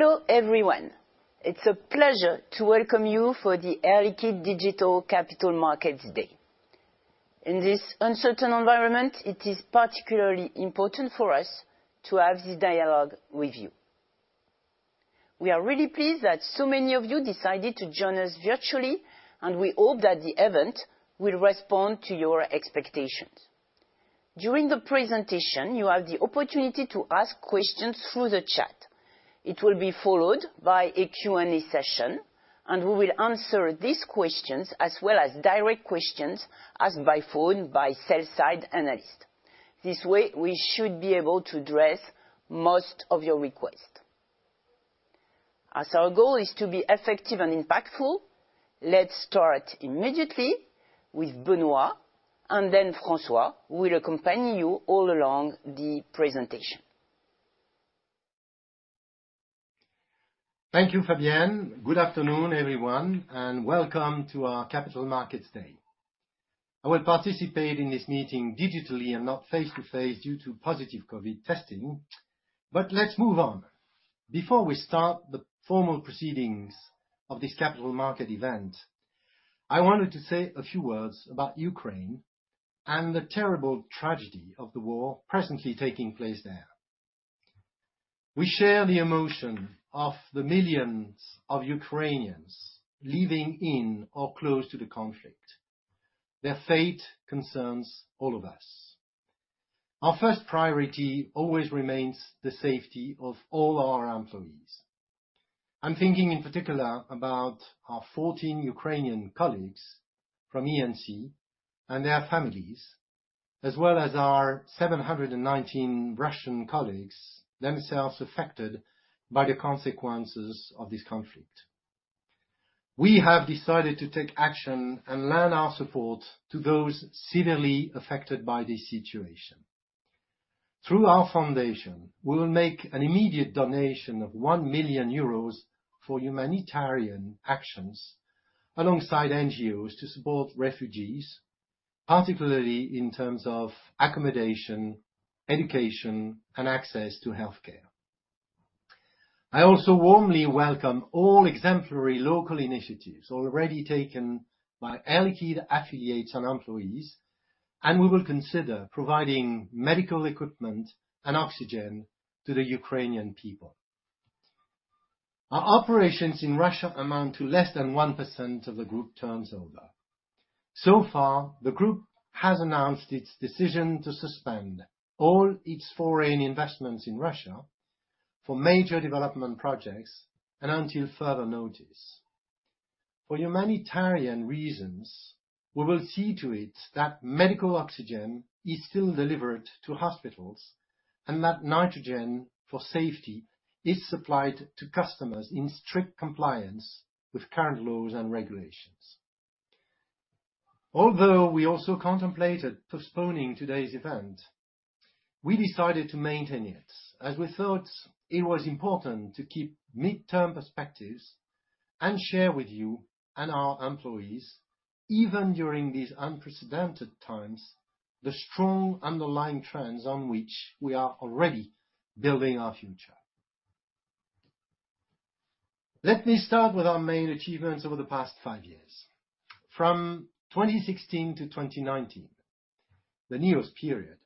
Hello, everyone. It's a pleasure to welcome you for the Air Liquide Digital Capital Markets Day. In this uncertain environment, it is particularly important for us to have this dialogue with you. We are really pleased that so many of you decided to join us virtually, and we hope that the event will respond to your expectations. During the presentation, you have the opportunity to ask questions through the chat. It will be followed by a Q&A session, and we will answer these questions as well as direct questions asked by phone by sales side analysts. This way, we should be able to address most of your requests. As our goal is to be effective and impactful, let's start immediately with Benoît, and then François will accompany you all along the presentation. Thank you, Fabienne. Good afternoon, everyone, and welcome to our Capital Markets Day. I will participate in this meeting digitally and not face-to-face due to positive COVID testing. Let's move on. Before we start the formal proceedings of this capital market event, I wanted to say a few words about Ukraine and the terrible tragedy of the war presently taking place there. We share the emotion of the millions of Ukrainians living in or close to the conflict. Their fate concerns all of us. Our first priority always remains the safety of all our employees. I'm thinking in particular about our 14 Ukrainian colleagues from E&C and their families, as well as our 719 Russian colleagues, themselves affected by the consequences of this conflict. We have decided to take action and lend our support to those severely affected by this situation. Through our foundation, we will make an immediate donation of 1 million euros for humanitarian actions alongside NGOs to support refugees, particularly in terms of accommodation, education, and access to healthcare. I also warmly welcome all exemplary local initiatives already taken by Air Liquide affiliates and employees, and we will consider providing medical equipment and oxygen to the Ukrainian people. Our operations in Russia amount to less than 1% of the group turnover. So far, the group has announced its decision to suspend all its foreign investments in Russia for major development projects and until further notice. For humanitarian reasons, we will see to it that medical oxygen is still delivered to hospitals and that nitrogen for safety is supplied to customers in strict compliance with current laws and regulations. Although we also contemplated postponing today's event, we decided to maintain it, as we thought it was important to keep midterm perspectives and share with you and our employees, even during these unprecedented times, the strong underlying trends on which we are already building our future. Let me start with our main achievements over the past 5 years. From 2016 to 2019, the nearest period,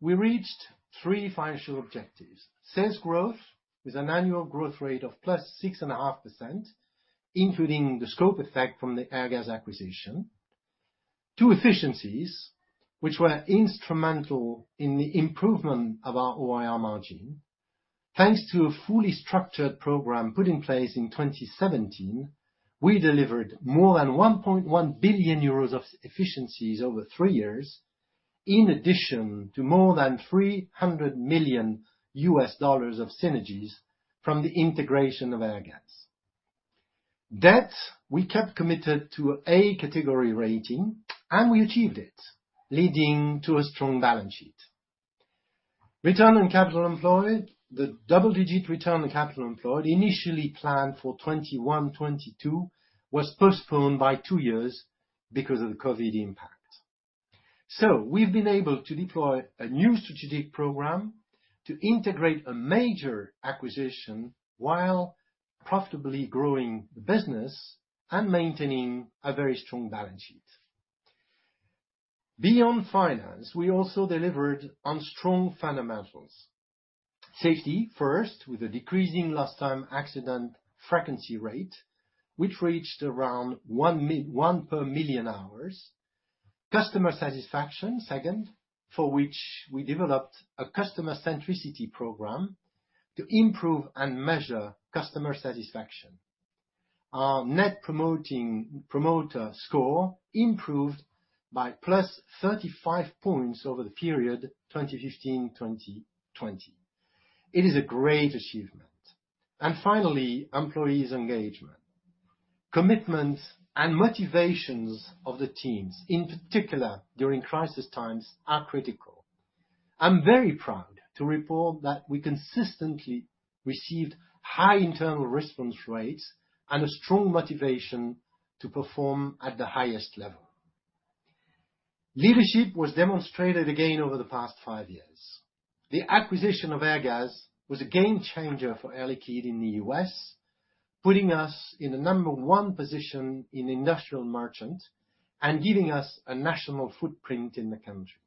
we reached 3 financial objectives. Sales growth with an annual growth rate of +6.5%, including the scope effect from the Airgas acquisition. Two efficiencies which were instrumental in the improvement of our OIR margin. Thanks to a fully structured program put in place in 2017, we delivered more than 1.1 billion euros of efficiencies over 3 years, in addition to more than $300 million of synergies from the integration of Airgas. Debt, we kept committed to A category rating, and we achieved it, leading to a strong balance sheet. Return on capital employed, the double-digit return on capital employed, initially planned for 2021, 2022, was postponed by 2 years because of the COVID impact. We've been able to deploy a new strategic program to integrate a major acquisition while profitably growing the business and maintaining a very strong balance sheet. Beyond finance, we also delivered on strong fundamentals. Safety first, with a decreasing lost time accident frequency rate, which reached around 1 per million hours. Customer satisfaction second, for which we developed a customer centricity program to improve and measure customer satisfaction. Our net promoter score improved by +35 points over the period 2015, 2020. It is a great achievement. Finally, employee engagement. Commitment and motivations of the teams, in particular during crisis times, are critical. I'm very proud to report that we consistently received high internal response rates and a strong motivation to perform at the highest level. Leadership was demonstrated again over the past five years. The acquisition of Airgas was a game changer for Air Liquide in the U.S., putting us in a number one position in industrial merchant and giving us a national footprint in the country.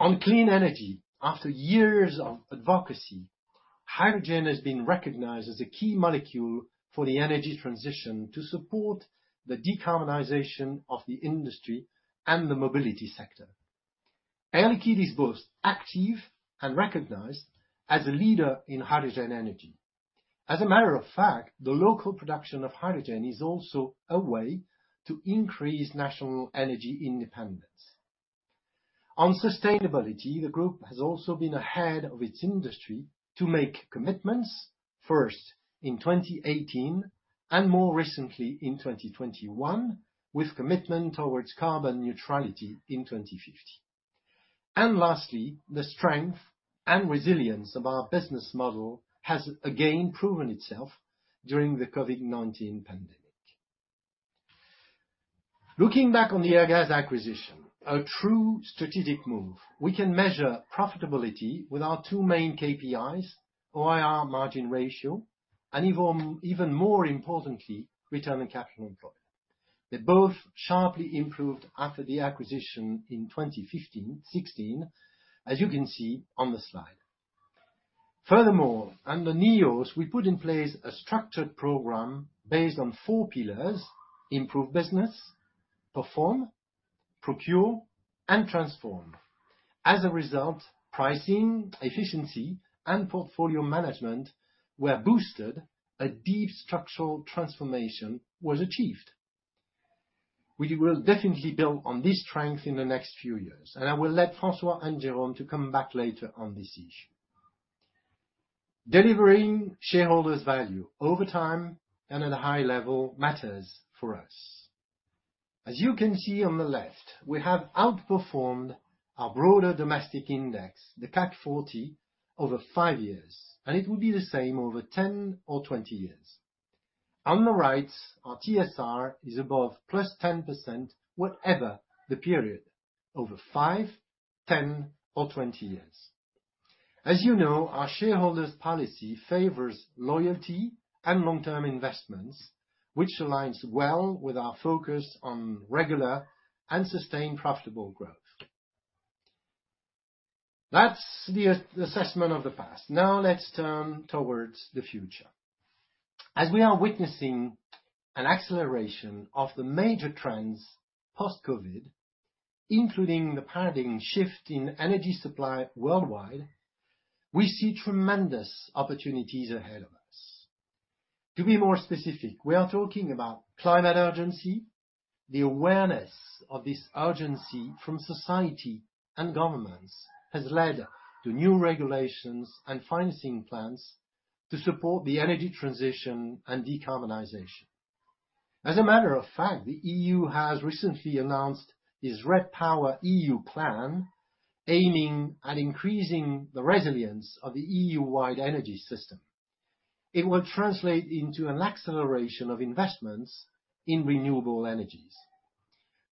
On clean energy, after years of advocacy, hydrogen has been recognized as a key molecule for the energy transition to support the decarbonization of the industry and the mobility sector. Air Liquide is both active and recognized as a leader in hydrogen energy. As a matter of fact, the local production of hydrogen is also a way to increase national energy independence. On sustainability, the group has also been ahead of its industry to make commitments, first in 2018 and more recently in 2021, with commitment towards carbon neutrality in 2050. Lastly, the strength and resilience of our business model has again proven itself during the COVID-19 pandemic. Looking back on the Airgas acquisition, a true strategic move, we can measure profitability with our two main KPIs, OIR margin ratio, and even more importantly, return on capital employed. They both sharply improved after the acquisition in 2015, 2016, as you can see on the slide. Furthermore, under NEOS, we put in place a structured program based on four pillars: improve business, perform, procure, and transform. As a result, pricing, efficiency, and portfolio management were boosted. A deep structural transformation was achieved. We will definitely build on this strength in the next few years, and I will let François and Jérôme to come back later on this issue. Delivering shareholder value over time and at a high level matters for us. As you can see on the left, we have outperformed our broader domestic index, the CAC 40, over five years, and it will be the same over 10 or 20 years. On the right, our TSR is above +10% whatever the period over five, 10 or 20 years. As you know, our shareholder policy favors loyalty and long-term investments, which aligns well with our focus on regular and sustained profitable growth. That's the assessment of the past. Now let's turn towards the future. As we are witnessing an acceleration of the major trends post-COVID, including the paradigm shift in energy supply worldwide, we see tremendous opportunities ahead of us. To be more specific, we are talking about climate urgency. The awareness of this urgency from society and governments has led to new regulations and financing plans to support the energy transition and decarbonization. As a matter of fact, the EU has recently announced its REPowerEU plan, aiming at increasing the resilience of the EU-wide energy system. It will translate into an acceleration of investments in renewable energies.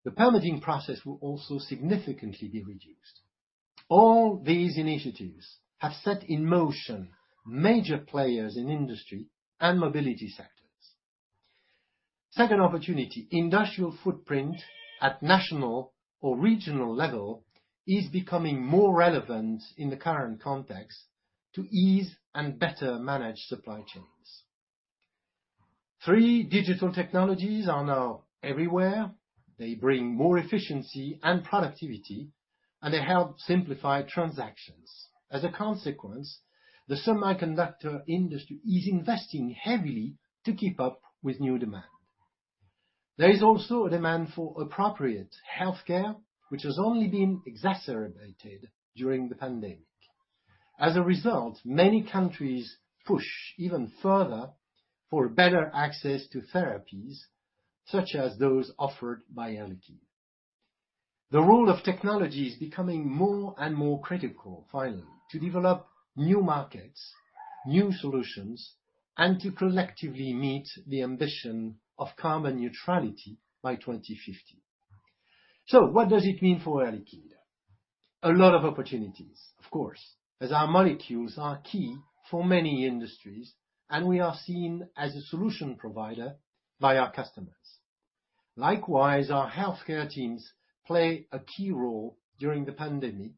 The permitting process will also significantly be reduced. All these initiatives have set in motion major players in industry and mobility sectors. Second opportunity, industrial footprint at national or regional level is becoming more relevant in the current context to ease and better manage supply chains. Three digital technologies are now everywhere. They bring more efficiency and productivity, and they help simplify transactions. As a consequence, the semiconductor industry is investing heavily to keep up with new demand. There is also a demand for appropriate healthcare, which has only been exacerbated during the pandemic. As a result, many countries push even further for better access to therapies such as those offered by Air Liquide. The role of technology is becoming more and more critical, finally, to develop new markets, new solutions, and to collectively meet the ambition of carbon neutrality by 2050. What does it mean for Air Liquide? A lot of opportunities, of course, as our molecules are key for many industries, and we are seen as a solution provider by our customers. Likewise, our healthcare teams play a key role during the pandemic,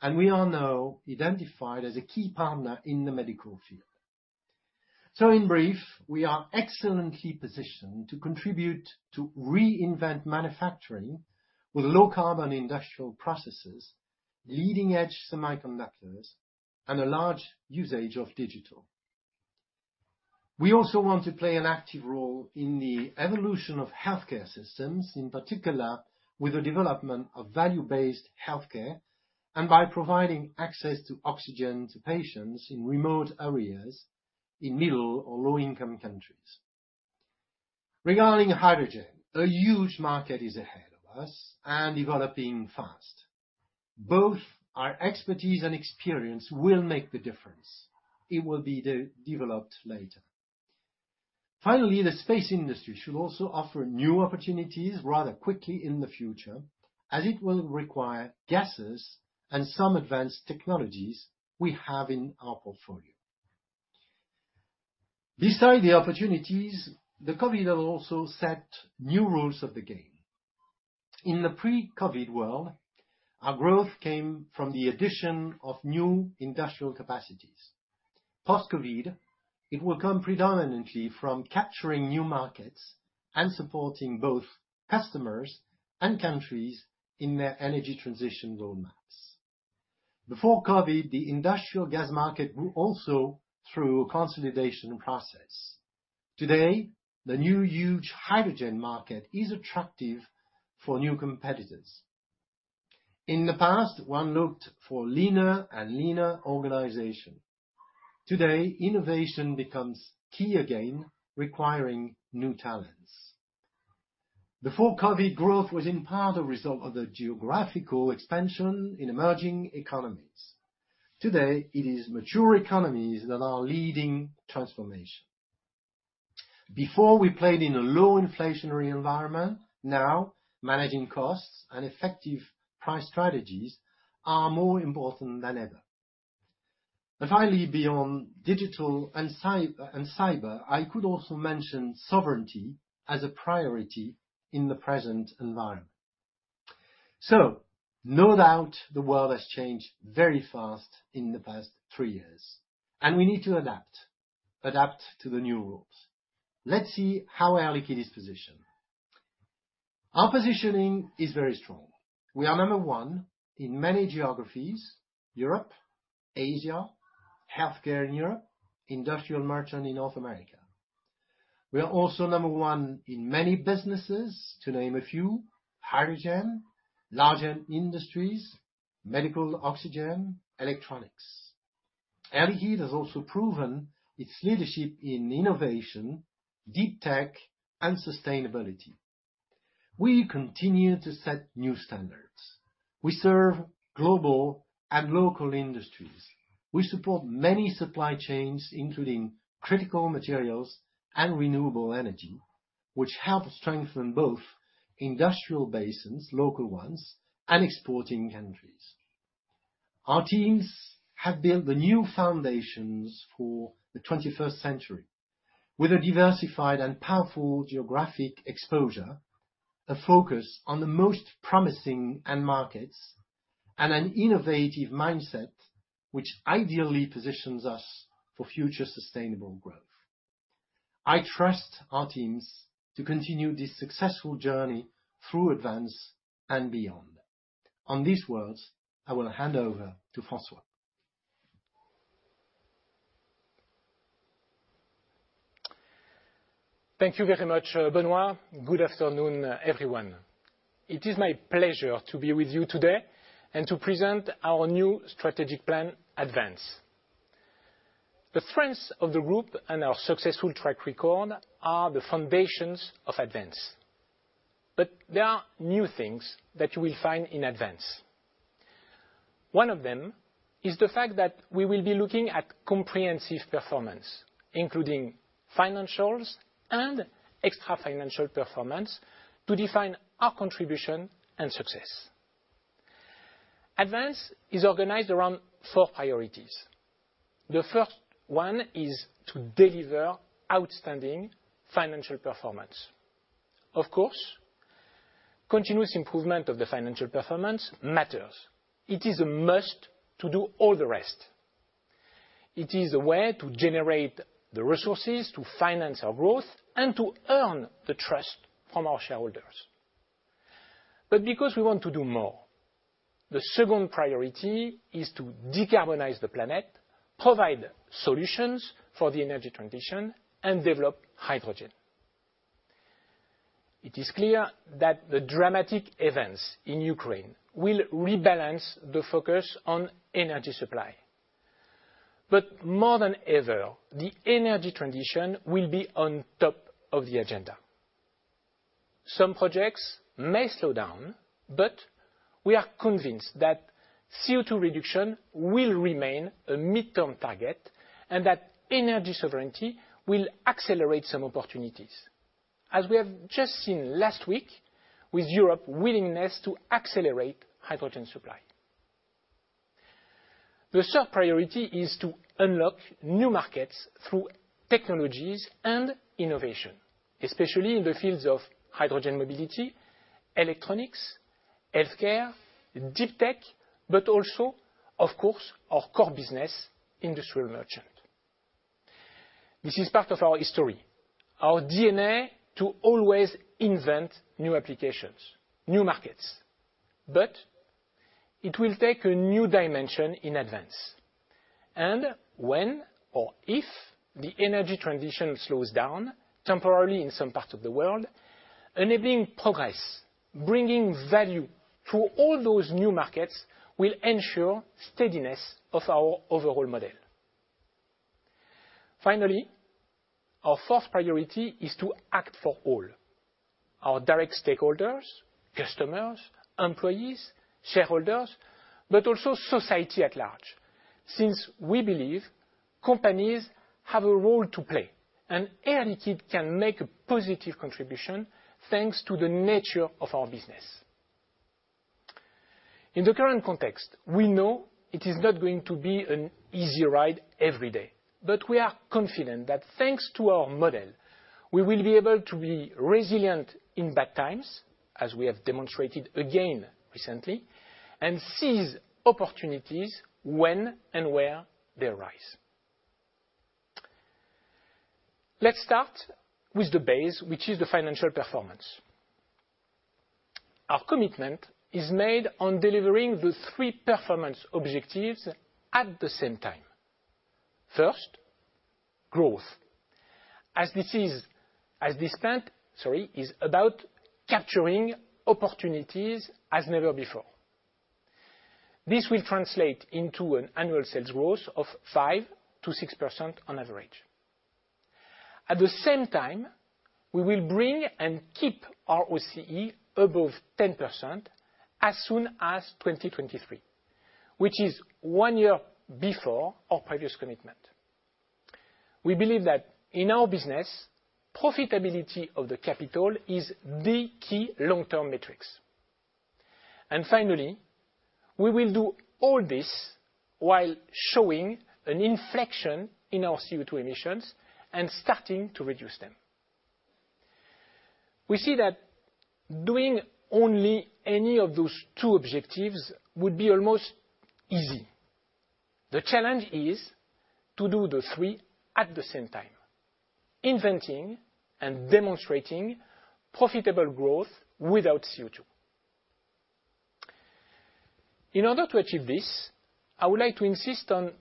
and we are now identified as a key partner in the medical field. In brief, we are excellently positioned to contribute to reinvent manufacturing with low carbon industrial processes, leading-edge semiconductors, and a large usage of digital. We also want to play an active role in the evolution of healthcare systems, in particular with the development of value-based healthcare. By providing access to oxygen to patients in remote areas in middle or low-income countries. Regarding hydrogen, a huge market is ahead of us and developing fast. Both our expertise and experience will make the difference. It will be developed later. Finally, the space industry should also offer new opportunities rather quickly in the future, as it will require gases and some advanced technologies we have in our portfolio. Besides the opportunities, the COVID has also set new rules of the game. In the pre-COVID world, our growth came from the addition of new industrial capacities. Post-COVID, it will come predominantly from capturing new markets and supporting both customers and countries in their energy transition roadmaps. Before COVID, the industrial gas market grew also through a consolidation process. Today, the new huge hydrogen market is attractive for new competitors. In the past, one looked for leaner and leaner organization. Today, innovation becomes key again, requiring new talents. Before COVID, growth was in part a result of the geographical expansion in emerging economies. Today, it is mature economies that are leading transformation. Before, we played in a low inflationary environment. Now, managing costs and effective price strategies are more important than ever. Finally, beyond digital and cyber, I could also mention sovereignty as a priority in the present environment. No doubt the world has changed very fast in the past three years, and we need to adapt to the new rules. Let's see how Air Liquide is positioned. Our positioning is very strong. We are number one in many geographies, Europe, Asia, healthcare in Europe, industrial merchant in North America. We are also number one in many businesses. To name a few, hydrogen, large industries, medical oxygen, electronics. Air Liquide has also proven its leadership in innovation, deep tech, and sustainability. We continue to set new standards. We serve global and local industries. We support many supply chains, including critical materials and renewable energy, which help strengthen both industrial basins, local ones, and exporting countries. Our teams have built the new foundations for the twenty-first century with a diversified and powerful geographic exposure, a focus on the most promising end markets, and an innovative mindset, which ideally positions us for future sustainable growth. I trust our teams to continue this successful journey through ADVANCE and beyond. On these words, I will hand over to François. Thank you very much, Benoît. Good afternoon, everyone. It is my pleasure to be with you today and to present our new strategic plan, ADVANCE. The strengths of the group and our successful track record are the foundations of ADVANCE. There are new things that you will find in ADVANCE. One of them is the fact that we will be looking at comprehensive performance, including financials and extra-financial performance to define our contribution and success. ADVANCE is organized around four priorities. The first one is to deliver outstanding financial performance. Of course, continuous improvement of the financial performance matters. It is a must to do all the rest. It is a way to generate the resources to finance our growth and to earn the trust from our shareholders. Because we want to do more, the second priority is to decarbonize the planet, provide solutions for the energy transition, and develop hydrogen. It is clear that the dramatic events in Ukraine will rebalance the focus on energy supply. More than ever, the energy transition will be on top of the agenda. Some projects may slow down, but we are convinced that CO2 reduction will remain a midterm target and that energy sovereignty will accelerate some opportunities. As we have just seen last week with Europe's willingness to accelerate hydrogen supply. The third priority is to unlock new markets through technologies and innovation, especially in the fields of hydrogen mobility, electronics, healthcare, deep tech, but also, of course, our core business, Industrial Merchant. This is part of our history, our DNA to always invent new applications, new markets. It will take a new dimension in ADVANCE. When or if the energy transition slows down temporarily in some parts of the world, enabling progress, bringing value to all those new markets will ensure steadiness of our overall model. Finally, our fourth priority is to act for all our direct stakeholders, customers, employees, shareholders, but also society at large. Since we believe companies have a role to play, and Air Liquide can make a positive contribution, thanks to the nature of our business. In the current context, we know it is not going to be an easy ride every day, but we are confident that thanks to our model, we will be able to be resilient in bad times, as we have demonstrated again recently, and seize opportunities when and where they arise. Let's start with the base, which is the financial performance. Our commitment is made on delivering the three performance objectives at the same time. First, growth. As this plan, sorry, is about capturing opportunities as never before. This will translate into an annual sales growth of 5%-6% on average. At the same time, we will bring and keep our ROCE above 10% as soon as 2023, which is one year before our previous commitment. We believe that in our business, profitability of the capital is the key long-term metrics. Finally, we will do all this while showing an inflection in our CO2 emissions and starting to reduce them. We see that doing only any of those two objectives would be almost easy. The challenge is to do the three at the same time, inventing and demonstrating profitable growth without CO2. In order to achieve this, I would like to insist on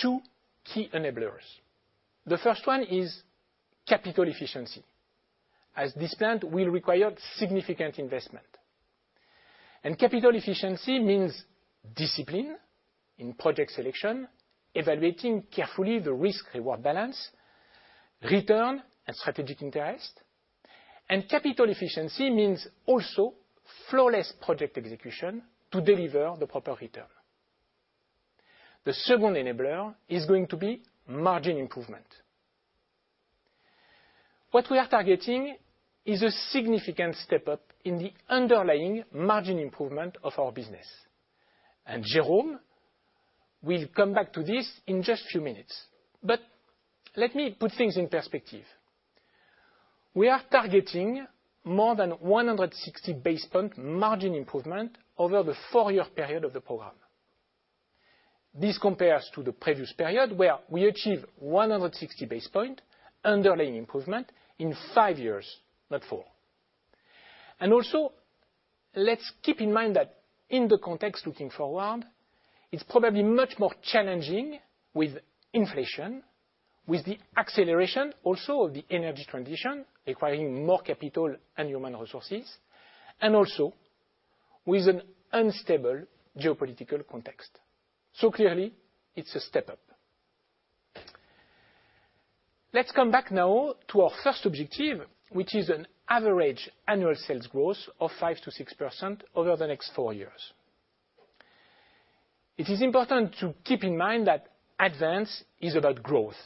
two key enablers. The first one is capital efficiency, as this plant will require significant investment. Capital efficiency means discipline in project selection, evaluating carefully the risk-reward balance, return and strategic interest. Capital efficiency means also flawless project execution to deliver the proper return. The second enabler is going to be margin improvement. What we are targeting is a significant step up in the underlying margin improvement of our business. Jérôme will come back to this in just a few minutes, but let me put things in perspective. We are targeting more than 160 basis point margin improvement over the 4-year period of the program. This compares to the previous period where we achieved 160 basis point underlying improvement in 5 years, not 4. Let's keep in mind that in the context looking forward, it's probably much more challenging with inflation, with the acceleration also of the energy transition, requiring more capital and human resources, and also with an unstable geopolitical context. Clearly, it's a step up. Let's come back now to our first objective, which is an average annual sales growth of 5%-6% over the next four years. It is important to keep in mind that ADVANCE is about growth,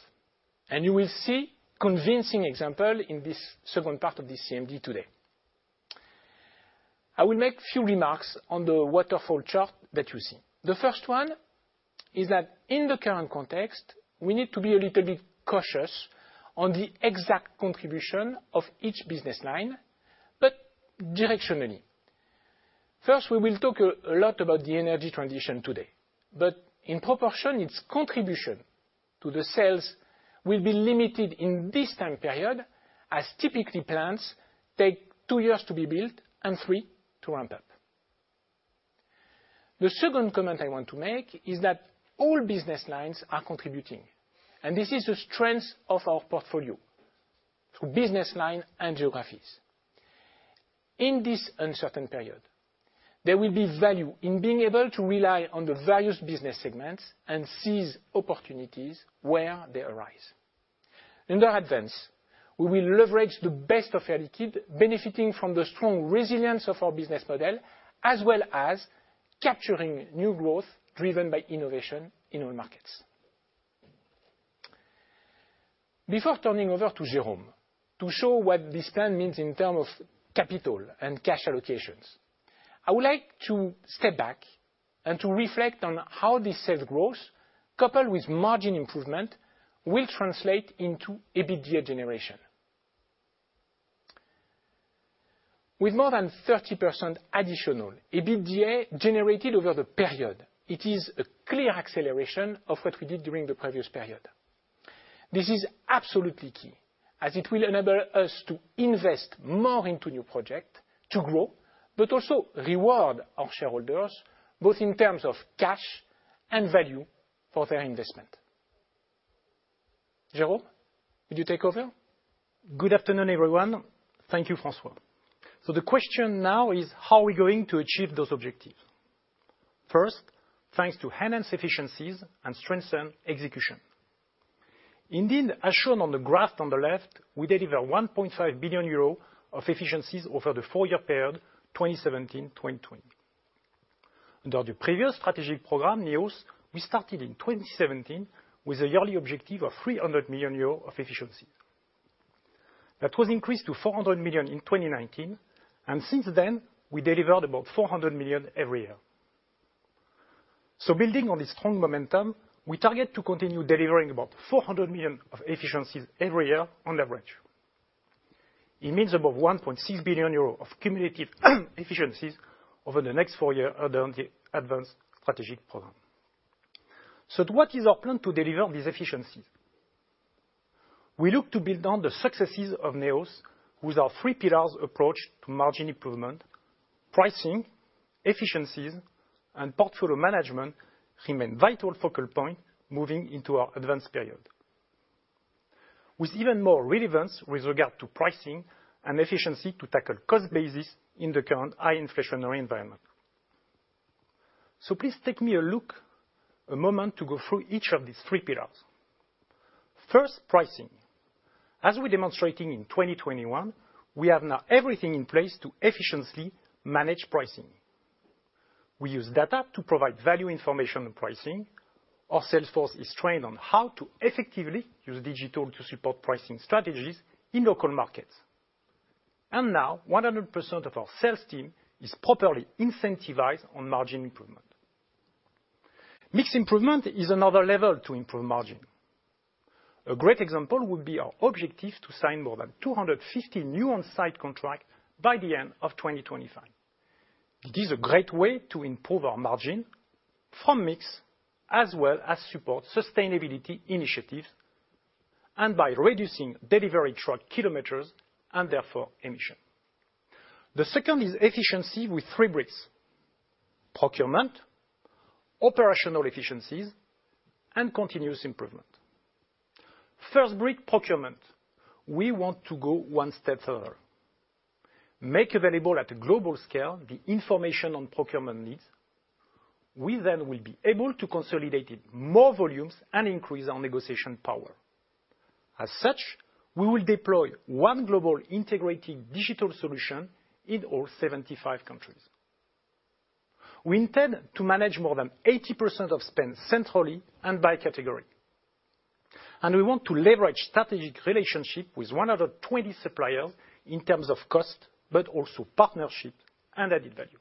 and you will see convincing example in this second part of this CMD today. I will make few remarks on the waterfall chart that you see. The first one is that in the current context, we need to be a little bit cautious on the exact contribution of each business line, but directionally. First, we will talk a lot about the energy transition today, but in proportion, its contribution to the sales will be limited in this time period, as typically plants take two years to be built and three to ramp up. The second comment I want to make is that all business lines are contributing, and this is the strength of our portfolio through business lines and geographies. In this uncertain period, there will be value in being able to rely on the various business segments and seize opportunities where they arise. Under ADVANCE, we will leverage the best of Air Liquide, benefiting from the strong resilience of our business model, as well as capturing new growth driven by innovation in all markets. Before turning over to Jérôme to show what this plan means in terms of capital and cash allocations, I would like to step back and to reflect on how this sales growth, coupled with margin improvement, will translate into EBITDA generation. With more than 30% additional EBITDA generated over the period, it is a clear acceleration of what we did during the previous period. This is absolutely key, as it will enable us to invest more into new project to grow, but also reward our shareholders, both in terms of cash and value for their investment. Jérôme, would you take over? Good afternoon, everyone. Thank you, François. The question now is: How are we going to achieve those objectives? First, thanks to enhanced efficiencies and strengthened execution. Indeed, as shown on the graph on the left, we deliver 1.5 billion euro of efficiencies over the 4-year period 2017-2020. Under the previous strategic program, NEOS, we started in 2017 with a yearly objective of 300 million euros of efficiency. That was increased to 400 million in 2019, and since then, we delivered about 400 million every year. Building on this strong momentum, we target to continue delivering about 400 million of efficiencies every year on leverage. It means above 1.6 billion euros of cumulative efficiencies over the next four-year under the ADVANCE strategic program. What is our plan to deliver these efficiencies? We look to build on the successes of NEOS with our three pillars approach to margin improvement. Pricing, efficiencies, and portfolio management remain vital focal point moving into our ADVANCE period. With even more relevance with regard to pricing and efficiency to tackle cost basis in the current high inflationary environment. Please take a moment to go through each of these three pillars. First, pricing. As we're demonstrating in 2021, we have now everything in place to efficiently manage pricing. We use data to provide value information and pricing. Our sales force is trained on how to effectively use digital to support pricing strategies in local markets. Now, 100% of our sales team is properly incentivized on margin improvement. Mix improvement is another level to improve margin. A great example would be our objective to sign more than 250 new on-site contracts by the end of 2025. It is a great way to improve our margin from mix, as well as support sustainability initiatives, by reducing delivery truck kilometers, and therefore emissions. The second is efficiency with three bricks: procurement, operational efficiencies, and continuous improvement. First brick, procurement. We want to go one step further, make available at a global scale the information on procurement needs. We then will be able to consolidate even more volumes and increase our negotiation power. As such, we will deploy one global integrated digital solution in all 75 countries. We intend to manage more than 80% of spend centrally and by category. We want to leverage strategic relationships with top 20 suppliers in terms of cost, but also partnership and added value.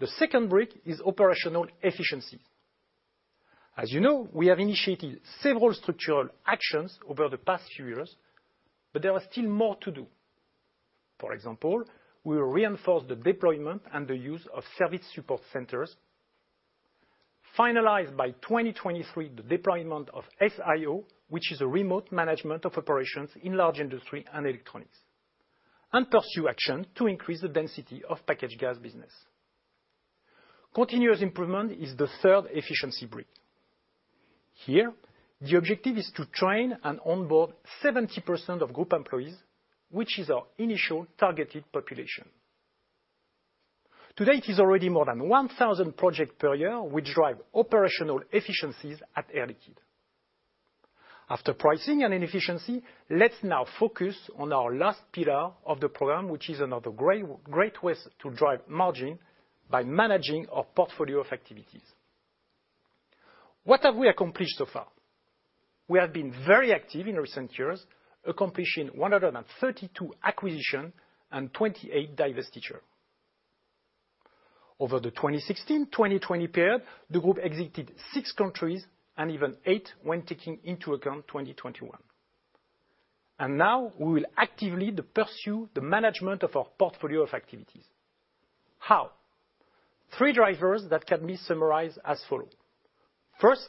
The second brick is operational efficiency. As you know, we have initiated several structural actions over the past few years, but there are still more to do. For example, we will reinforce the deployment and the use of service support centers, finalize by 2023 the deployment of SIO, which is a remote management of operations in large industry and electronics, and pursue action to increase the density of packaged gas business. Continuous improvement is the third efficiency brick. Here, the objective is to train and onboard 70% of group employees, which is our initial targeted population. Today, it is already more than 1,000 projects per year, which drive operational efficiencies at Air Liquide. After pricing and efficiency, let's now focus on our last pillar of the program, which is another great ways to drive margin by managing our portfolio of activities. What have we accomplished so far? We have been very active in recent years, accomplishing 132 acquisitions and 28 divestitures. Over the 2016-2020 period, the group exited 6 countries, and even 8 when taking into account 2021. Now, we will actively pursue the management of our portfolio of activities. How? 3 drivers that can be summarized as follows. First,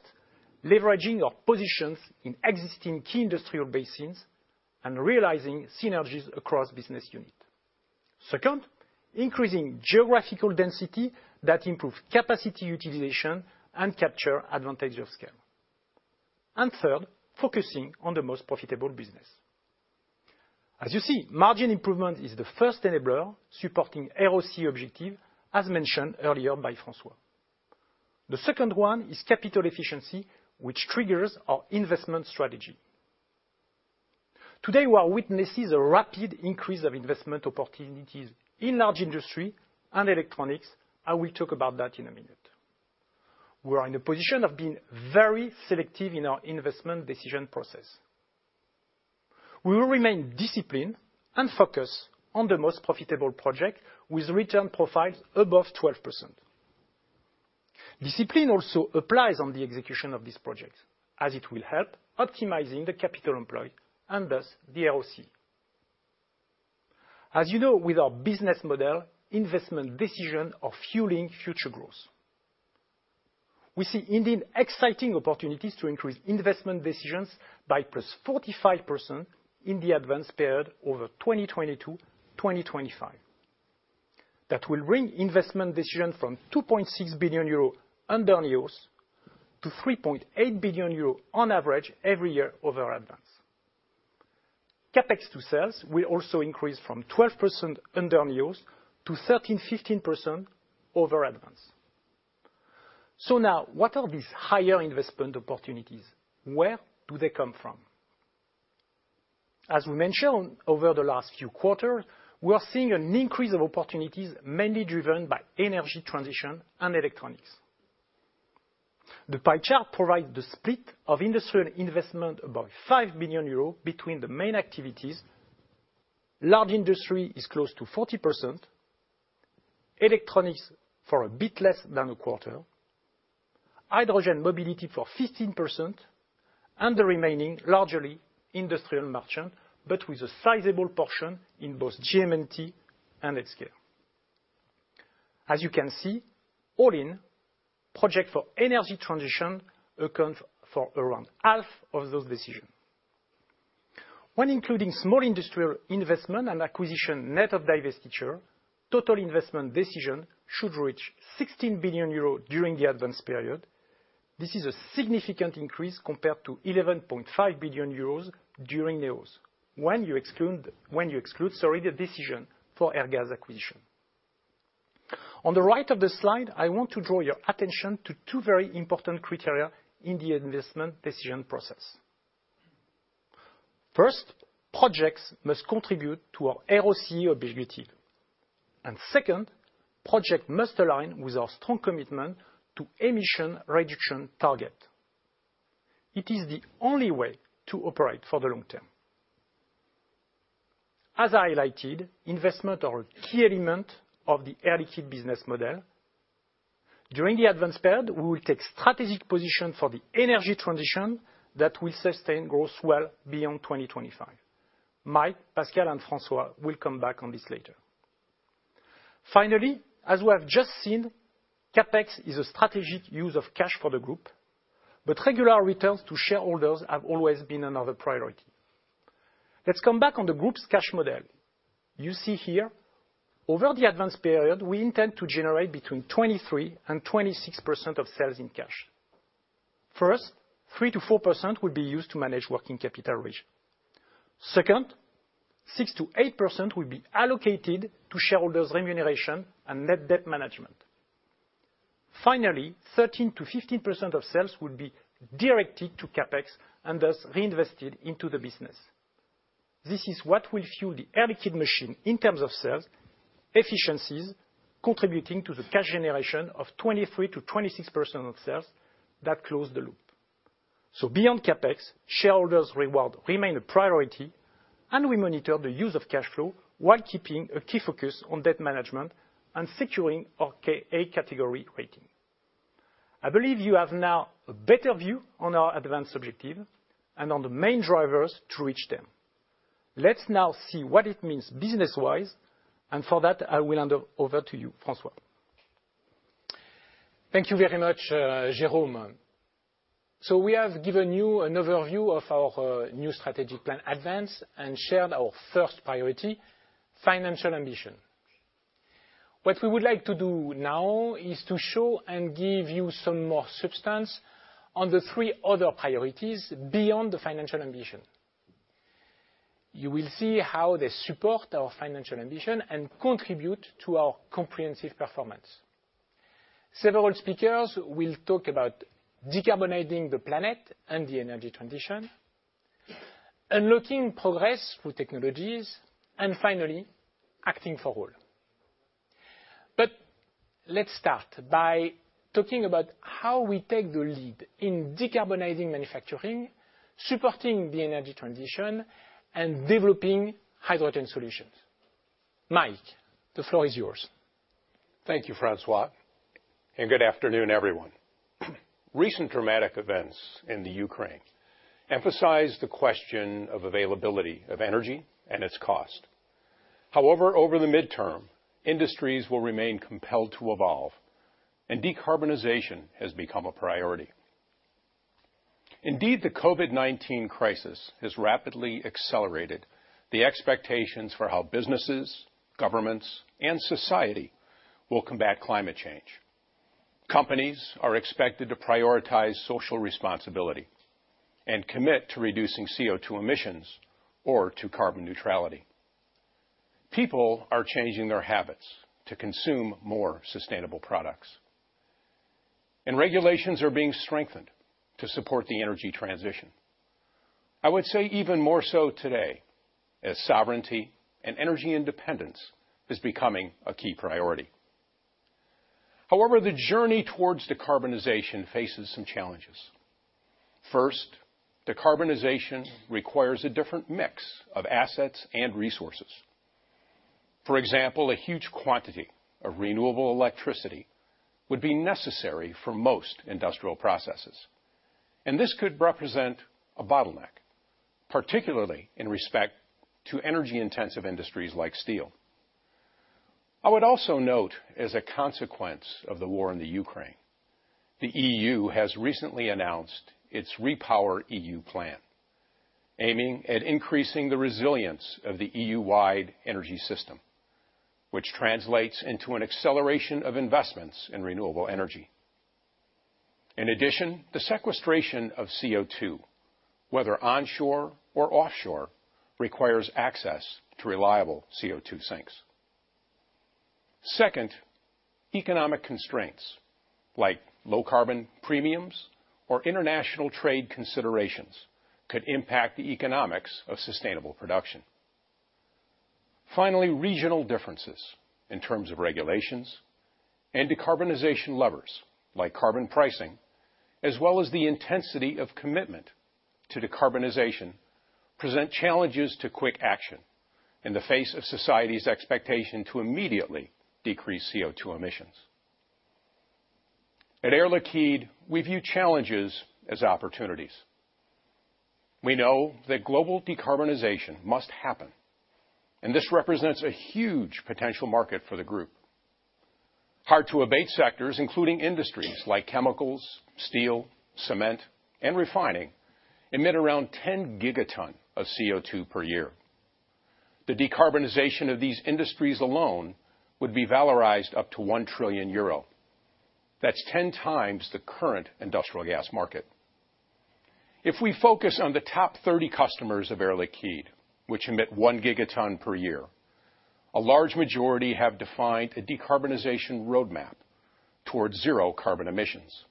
leveraging our positions in existing key industrial basins and realizing synergies across business units. Second, increasing geographical density that improves capacity utilization and captures advantage of scale. Third, focusing on the most profitable business. As you see, margin improvement is the first enabler supporting ROCE objective, as mentioned earlier by François. The second one is capital efficiency, which triggers our investment strategy. Today, we are witnessing a rapid increase of investment opportunities in Large Industries and Electronics. I will talk about that in a minute. We are in a position of being very selective in our investment decision process. We will remain disciplined and focused on the most profitable project with return profiles above 12%. Discipline also applies on the execution of this project, as it will help optimizing the capital employed, and thus the ROCE. As you know, with our business model, investment decision are fueling future growth. We see indeed exciting opportunities to increase investment decisions by +45% in the ADVANCE period over 2022-2025. That will bring investment decision from 2.6 billion euro under NEOS to 3.8 billion euro on average every year over ADVANCE. CapEx to sales will also increase from 12% under NEOS to 13%-15% over ADVANCE. Now what are these higher investment opportunities? Where do they come from? As we mentioned over the last few quarters, we are seeing an increase of opportunities mainly driven by energy transition and electronics. The pie chart provides the split of industrial investment about 5 billion euros between the main activities. Large industry is close to 40%, electronics for a bit less than 25%, hydrogen mobility for 15%, and the remaining largely industrial merchant, but with a sizable portion in both GM&T and at scale. As you can see, all in, project for energy transition accounts for around half of those decisions. When including small industrial investment and acquisition net of divestiture, total investment decision should reach 16 billion euros during the ADVANCE period. This is a significant increase compared to 11.5 billion euros during the years when you exclude, sorry, the decision for Airgas acquisition. On the right of the slide, I want to draw your attention to two very important criteria in the investment decision process. First, projects must contribute to our ROCE objective. Second, project must align with our strong commitment to emission reduction target. It is the only way to operate for the long term. As I highlighted, investments are a key element of the Air Liquide business model. During the ADVANCE period, we will take strategic position for the energy transition that will sustain growth well beyond 2025. Mike, Pascal, and Francois will come back on this later. Finally, as we have just seen, CapEx is a strategic use of cash for the group, but regular returns to shareholders have always been another priority. Let's come back on the group's cash model. You see here over the ADVANCE period, we intend to generate between 23%-26% of sales in cash. First, 3%-4% will be used to manage working capital risk. Second, 6%-8% will be allocated to shareholders' remuneration and net debt management. Finally, 13%-15% of sales will be directed to CapEx and thus reinvested into the business. This is what will fuel the Air Liquide machine in terms of sales, efficiencies, contributing to the cash generation of 23%-26% of sales that close the loop. Beyond CapEx, shareholders' reward remain a priority, and we monitor the use of cash flow while keeping a key focus on debt management and securing our A category rating. I believe you have now a better view on our ADVANCE objective and on the main drivers to reach them. Let's now see what it means business-wise, and for that, I will hand over to you, François. Thank you very much, Jérôme. We have given you an overview of our new strategic plan ADVANCE and shared our first priority, financial ambition. What we would like to do now is to show and give you some more substance on the three other priorities beyond the financial ambition. You will see how they support our financial ambition and contribute to our comprehensive performance. Several speakers will talk about decarbonizing the planet and the energy transition, unlocking progress through technologies, and finally, acting for all. Let's start by talking about how we take the lead in decarbonizing manufacturing, supporting the energy transition, and developing hydrogen solutions. Mike, the floor is yours. Thank you, François, and good afternoon, everyone. Recent dramatic events in the Ukraine emphasize the question of availability of energy and its cost. However, over the midterm, industries will remain compelled to evolve, and decarbonization has become a priority. Indeed, the COVID-19 crisis has rapidly accelerated the expectations for how businesses, governments, and society will combat climate change. Companies are expected to prioritize social responsibility and commit to reducing CO2 emissions or to carbon neutrality. People are changing their habits to consume more sustainable products. Regulations are being strengthened to support the energy transition. I would say even more so today as sovereignty and energy independence is becoming a key priority. However, the journey towards decarbonization faces some challenges. First, decarbonization requires a different mix of assets and resources. For example, a huge quantity of renewable electricity would be necessary for most industrial processes. This could represent a bottleneck, particularly with respect to energy-intensive industries like steel. I would also note, as a consequence of the war in the Ukraine, the EU has recently announced its REPowerEU plan, aiming at increasing the resilience of the EU-wide energy system, which translates into an acceleration of investments in renewable energy. In addition, the sequestration of CO2, whether onshore or offshore, requires access to reliable CO2 sinks. Second, economic constraints like low carbon premiums or international trade considerations could impact the economics of sustainable production. Finally, regional differences in terms of regulations and decarbonization levers like carbon pricing, as well as the intensity of commitment to decarbonization, present challenges to quick action in the face of society's expectation to immediately decrease CO2 emissions. At Air Liquide, we view challenges as opportunities. We know that global decarbonization must happen, and this represents a huge potential market for the group. Hard to abate sectors, including industries like chemicals, steel, cement, and refining emit around 10 gigaton of CO2 per year. The decarbonization of these industries alone would be valorized up to 1 trillion euro. That's ten times the current industrial gas market. If we focus on the top 30 customers of Air Liquide, which emit 1 gigaton per year, a large majority have defined a decarbonization roadmap towards zero carbon emissions.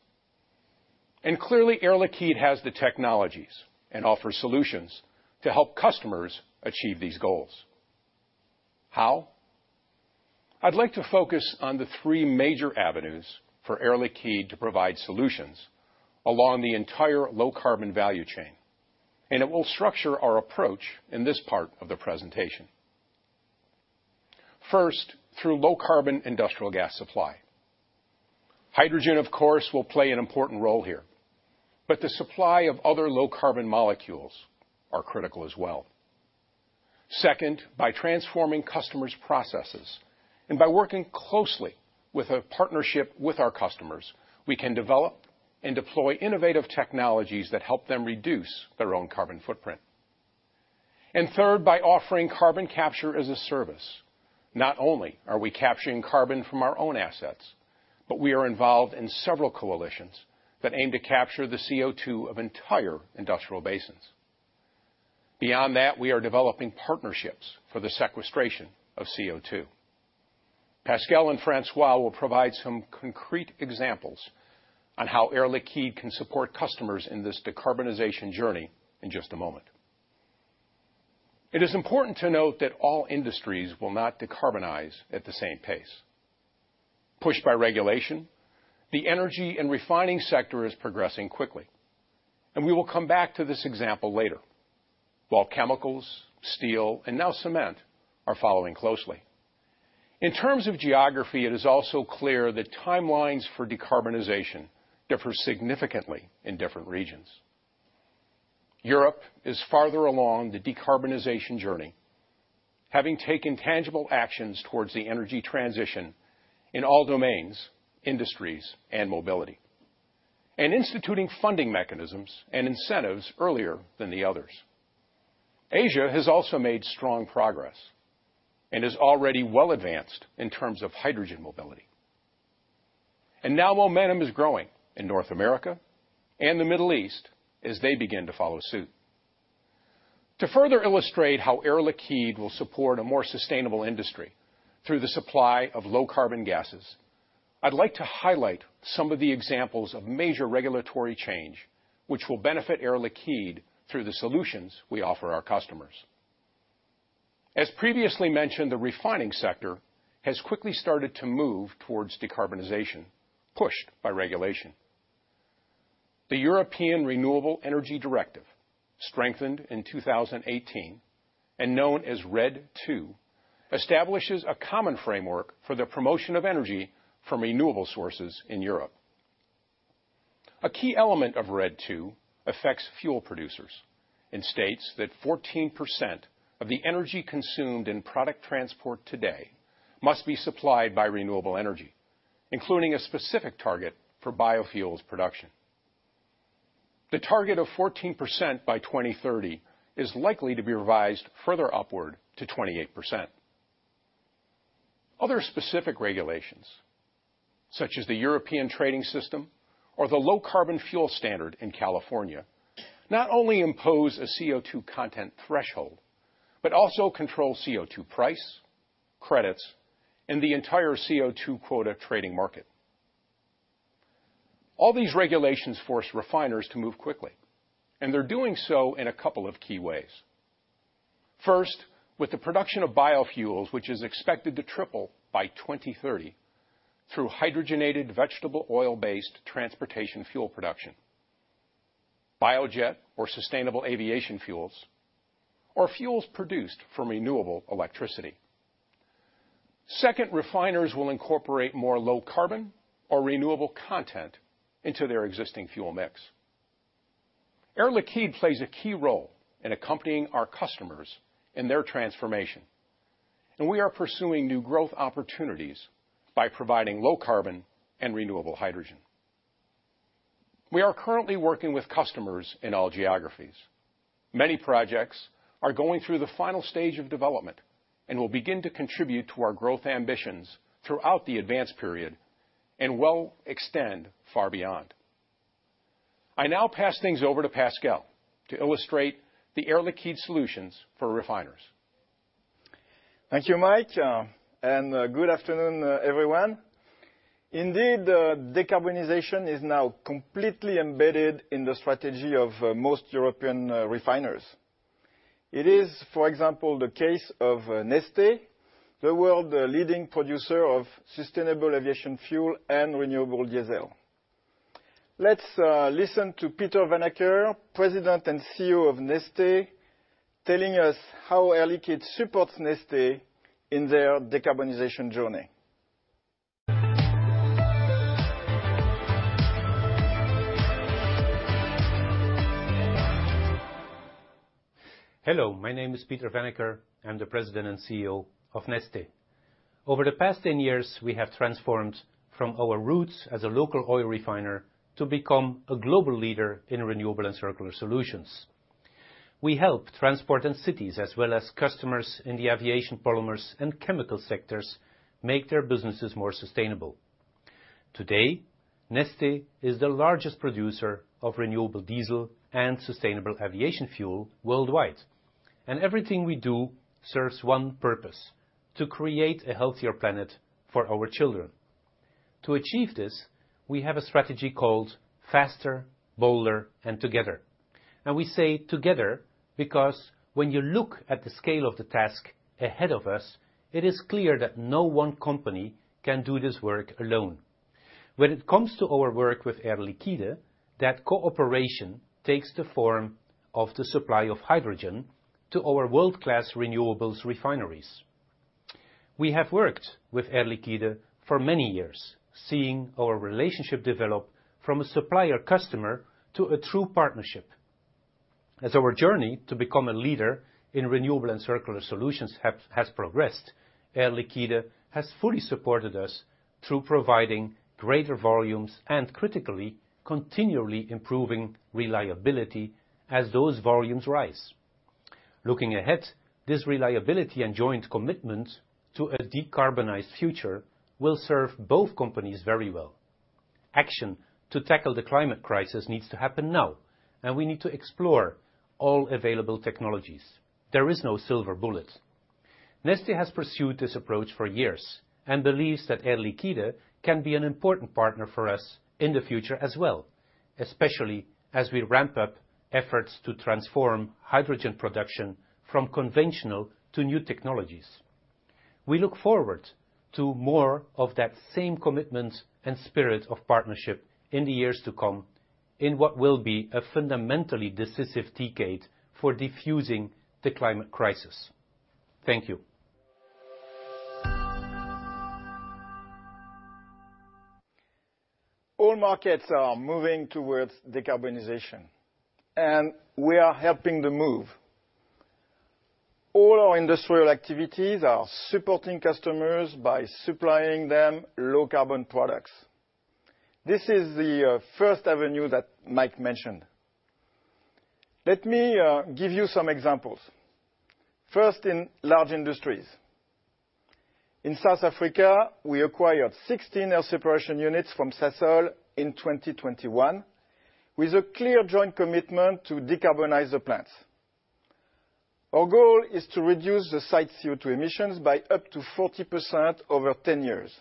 Clearly, Air Liquide has the technologies and offers solutions to help customers achieve these goals. How? I'd like to focus on the 3 major avenues for Air Liquide to provide solutions along the entire low carbon value chain, and it will structure our approach in this part of the presentation. First, through low carbon industrial gas supply. Hydrogen, of course, will play an important role here, but the supply of other low carbon molecules are critical as well. Second, by transforming customers' processes and by working closely with a partnership with our customers, we can develop and deploy innovative technologies that help them reduce their own carbon footprint. Third, by offering carbon capture as a service. Not only are we capturing carbon from our own assets, but we are involved in several coalitions that aim to capture the CO2 of entire industrial basins. Beyond that, we are developing partnerships for the sequestration of CO2. Pascal and François will provide some concrete examples on how Air Liquide can support customers in this decarbonization journey in just a moment. It is important to note that all industries will not decarbonize at the same pace. Pushed by regulation, the energy and refining sector is progressing quickly, and we will come back to this example later. While chemicals, steel, and now cement are following closely. In terms of geography, it is also clear that timelines for decarbonization differ significantly in different regions. Europe is farther along the decarbonization journey, having taken tangible actions towards the energy transition in all domains, industries, and mobility, and instituting funding mechanisms and incentives earlier than the others. Asia has also made strong progress and is already well advanced in terms of hydrogen mobility. Now momentum is growing in North America and the Middle East as they begin to follow suit. To further illustrate how Air Liquide will support a more sustainable industry through the supply of low carbon gases, I'd like to highlight some of the examples of major regulatory change which will benefit Air Liquide through the solutions we offer our customers. As previously mentioned, the refining sector has quickly started to move towards decarbonization, pushed by regulation. The European Renewable Energy Directive, strengthened in 2018, and known as RED II, establishes a common framework for the promotion of energy from renewable sources in Europe. A key element of RED II affects fuel producers and states that 14% of the energy consumed in product transport today must be supplied by renewable energy, including a specific target for biofuels production. The target of 14% by 2030 is likely to be revised further upward to 28%. Other specific regulations, such as the EU Emissions Trading System or the Low Carbon Fuel Standard in California, not only impose a CO2 content threshold, but also control CO2 price, credits, and the entire CO2 quota trading market. All these regulations force refiners to move quickly, and they're doing so in a couple of key ways. First, with the production of biofuels, which is expected to triple by 2030 through hydrogenated vegetable oil-based transportation fuel production, biojet or sustainable aviation fuels or fuels produced from renewable electricity. Second, refiners will incorporate more low carbon or renewable content into their existing fuel mix. Air Liquide plays a key role in accompanying our customers in their transformation, and we are pursuing new growth opportunities by providing low carbon and renewable hydrogen. We are currently working with customers in all geographies. Many projects are going through the final stage of development and will begin to contribute to our growth ambitions throughout the ADVANCE period and will extend far beyond. I now pass things over to Pascal to illustrate the Air Liquide solutions for refiners. Thank you, Mike, and good afternoon, everyone. Indeed, decarbonization is now completely embedded in the strategy of most European refiners. It is, for example, the case of Neste, the world's leading producer of sustainable aviation fuel and renewable diesel. Let's listen to Peter Vanacker, President and CEO of Neste, telling us how Air Liquide supports Neste in their decarbonization journey. Hello, my name is Peter Vanacker. I'm the President and CEO of Neste. Over the past 10 years, we have transformed from our roots as a local oil refiner to become a global leader in renewable and circular solutions. We help transport in cities as well as customers in the aviation, polymers, and chemical sectors make their businesses more sustainable. Today, Neste is the largest producer of renewable diesel and sustainable aviation fuel worldwide. Everything we do serves one purpose: to create a healthier planet for our children. To achieve this, we have a strategy called Faster, Bolder, and Together. We say together because when you look at the scale of the task ahead of us, it is clear that no one company can do this work alone. When it comes to our work with Air Liquide, that cooperation takes the form of the supply of hydrogen to our world-class renewables refineries. We have worked with Air Liquide for many years, seeing our relationship develop from a supplier-customer to a true partnership. As our journey to become a leader in renewable and circular solutions has progressed, Air Liquide has fully supported us through providing greater volumes and, critically, continually improving reliability as those volumes rise. Looking ahead, this reliability and joint commitment to a decarbonized future will serve both companies very well. Action to tackle the climate crisis needs to happen now, and we need to explore all available technologies. There is no silver bullet. Neste has pursued this approach for years and believes that Air Liquide can be an important partner for us in the future as well, especially as we ramp up efforts to transform hydrogen production from conventional to new technologies. We look forward to more of that same commitment and spirit of partnership in the years to come in what will be a fundamentally decisive decade for diffusing the climate crisis. Thank you. All markets are moving towards decarbonization, and we are helping the move. All our industrial activities are supporting customers by supplying them low-carbon products. This is the first avenue that Mike mentioned. Let me give you some examples. First, in Large Industries. In South Africa, we acquired 16 air separation units from Sasol in 2021, with a clear joint commitment to decarbonize the plants. Our goal is to reduce the site CO2 emissions by up to 40% over 10 years.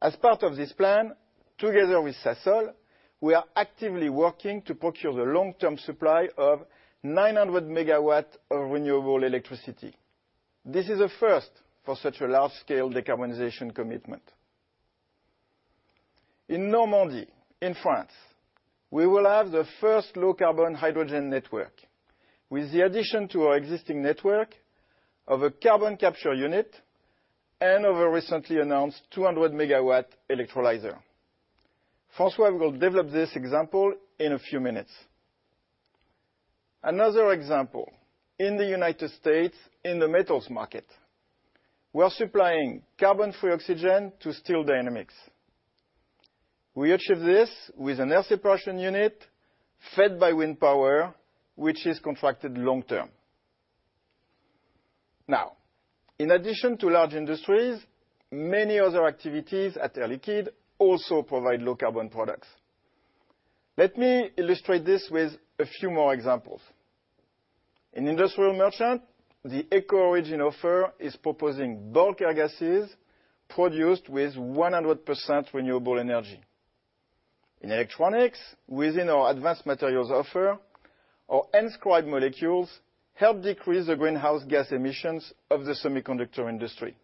As part of this plan, together with Sasol, we are actively working to procure the long-term supply of 900 MW of renewable electricity. This is a first for such a large-scale decarbonization commitment. In Normandy, in France, we will have the first low-carbon hydrogen network, with the addition to our existing network of a carbon capture unit and of a recently announced 200 MW electrolyzer. François will develop this example in a few minutes. Another example, in the United States, in the metals market, we are supplying carbon-free oxygen to Steel Dynamics. We achieve this with an air separation unit fed by wind power, which is contracted long-term. Now, in addition to large industries, many other activities at Air Liquide also provide low-carbon products. Let me illustrate this with a few more examples. In Industrial Merchant, the ECO ORIGIN offer is proposing bulk air gases produced with 100% renewable energy. In electronics, within our advanced materials offer, our enScribe molecules help decrease the greenhouse gas emissions of the semiconductor industry.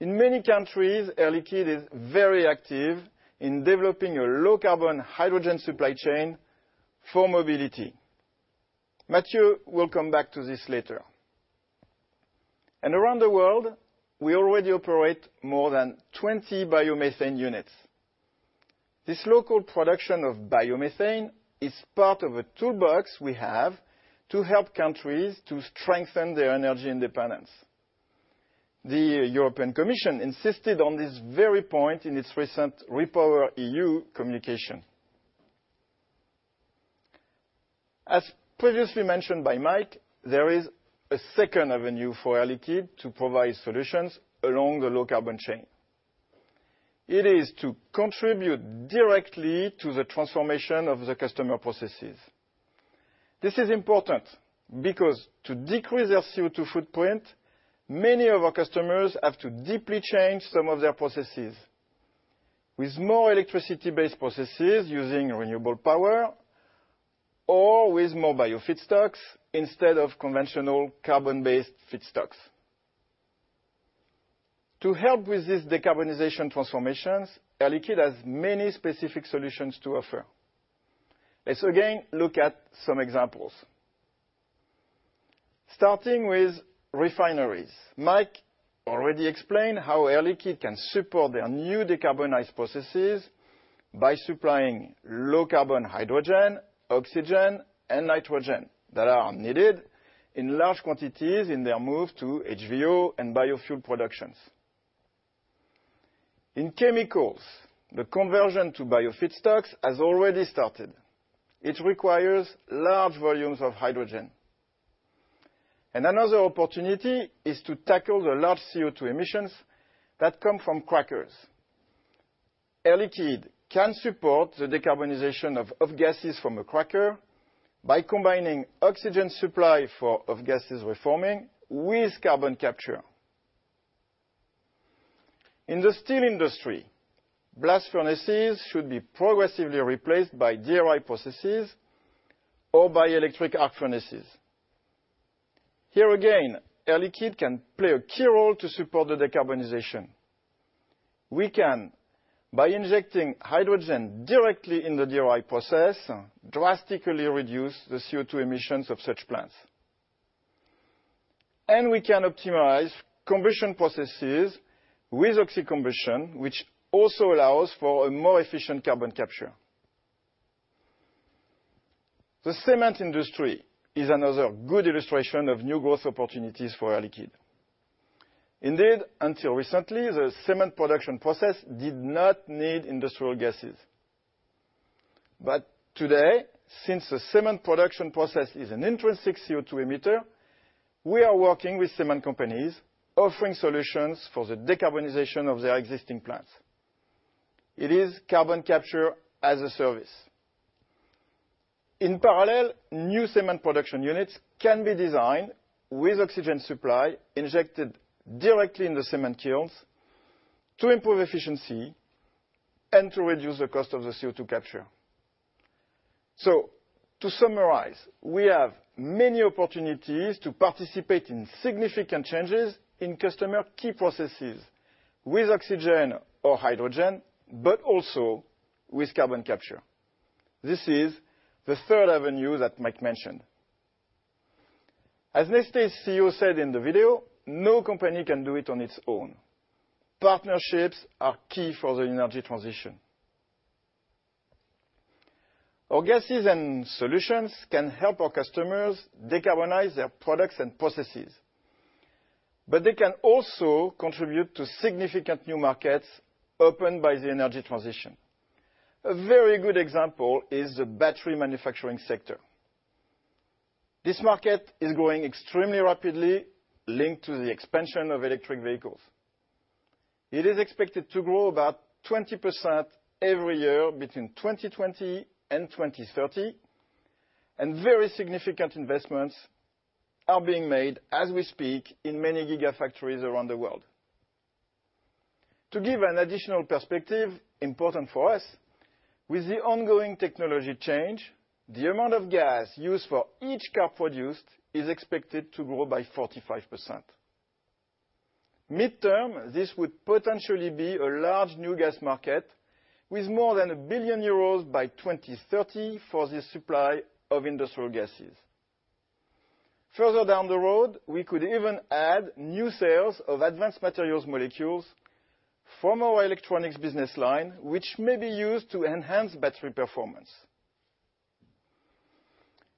In many countries, Air Liquide is very active in developing a low-carbon hydrogen supply chain for mobility. Matthew will come back to this later. Around the world, we already operate more than 20 biomethane units. This local production of biomethane is part of a toolbox we have to help countries to strengthen their energy independence. The European Commission insisted on this very point in its recent REPowerEU communication. As previously mentioned by Mike, there is a second avenue for Air Liquide to provide solutions along the low carbon chain. It is to contribute directly to the transformation of the customer processes. This is important because to decrease their CO2 footprint, many of our customers have to deeply change some of their processes. With more electricity-based processes using renewable power or with more bio-feedstocks instead of conventional carbon-based feedstocks. To help with this decarbonization transformations, Air Liquide has many specific solutions to offer. Let's again look at some examples. Starting with refineries. Mike already explained how Air Liquide can support their new decarbonized processes by supplying low carbon hydrogen, oxygen, and nitrogen that are needed in large quantities in their move to HVO and biofuel productions. In chemicals, the conversion to bio-feedstocks has already started. It requires large volumes of hydrogen. Another opportunity is to tackle the large CO2 emissions that come from crackers. Air Liquide can support the decarbonization of gases from a cracker by combining oxygen supply for gas reforming with carbon capture. In the steel industry, blast furnaces should be progressively replaced by DRI processes or by electric arc furnaces. Here again, Air Liquide can play a key role to support the decarbonization. We can, by injecting hydrogen directly in the DRI process, drastically reduce the CO2 emissions of such plants. We can optimize combustion processes with oxycombustion, which also allows for a more efficient carbon capture. The cement industry is another good illustration of new growth opportunities for Air Liquide. Indeed, until recently, the cement production process did not need industrial gases. Today, since the cement production process is an intrinsic CO2 emitter, we are working with cement companies offering solutions for the decarbonization of their existing plants. It is carbon capture as a service. In parallel, new cement production units can be designed with oxygen supply injected directly in the cement kilns to improve efficiency and to reduce the cost of the CO2 capture. To summarize, we have many opportunities to participate in significant changes in customer key processes with oxygen or hydrogen, but also with carbon capture. This is the third avenue that Mike mentioned. As Neste's CEO said in the video, no company can do it on its own. Partnerships are key for the energy transition. Our gases and solutions can help our customers decarbonize their products and processes, but they can also contribute to significant new markets opened by the energy transition. A very good example is the battery manufacturing sector. This market is growing extremely rapidly, linked to the expansion of electric vehicles. It is expected to grow about 20% every year between 2020 and 2030, and very significant investments are being made as we speak in many gigafactories around the world. To give an additional perspective important for us, with the ongoing technology change, the amount of gas used for each car produced is expected to grow by 45%. Midterm, this would potentially be a large new gas market with more than 1 billion euros by 2030 for the supply of industrial gases. Further down the road, we could even add new sales of advanced materials molecules from our electronics business line, which may be used to enhance battery performance.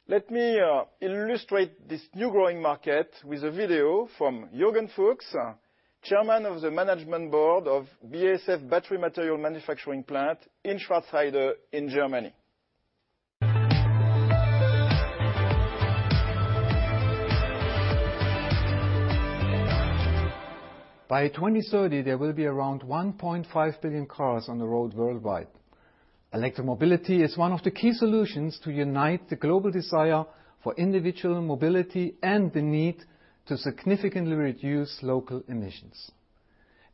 Let me illustrate this new growing market with a video from Jürgen Fuchs, Chairman of the Management Board of BASF Battery Material Manufacturing Plant in Schwarzheide in Germany. By 2030, there will be around 1.5 billion cars on the road worldwide. Electromobility is one of the key solutions to unite the global desire for individual mobility and the need to significantly reduce local emissions.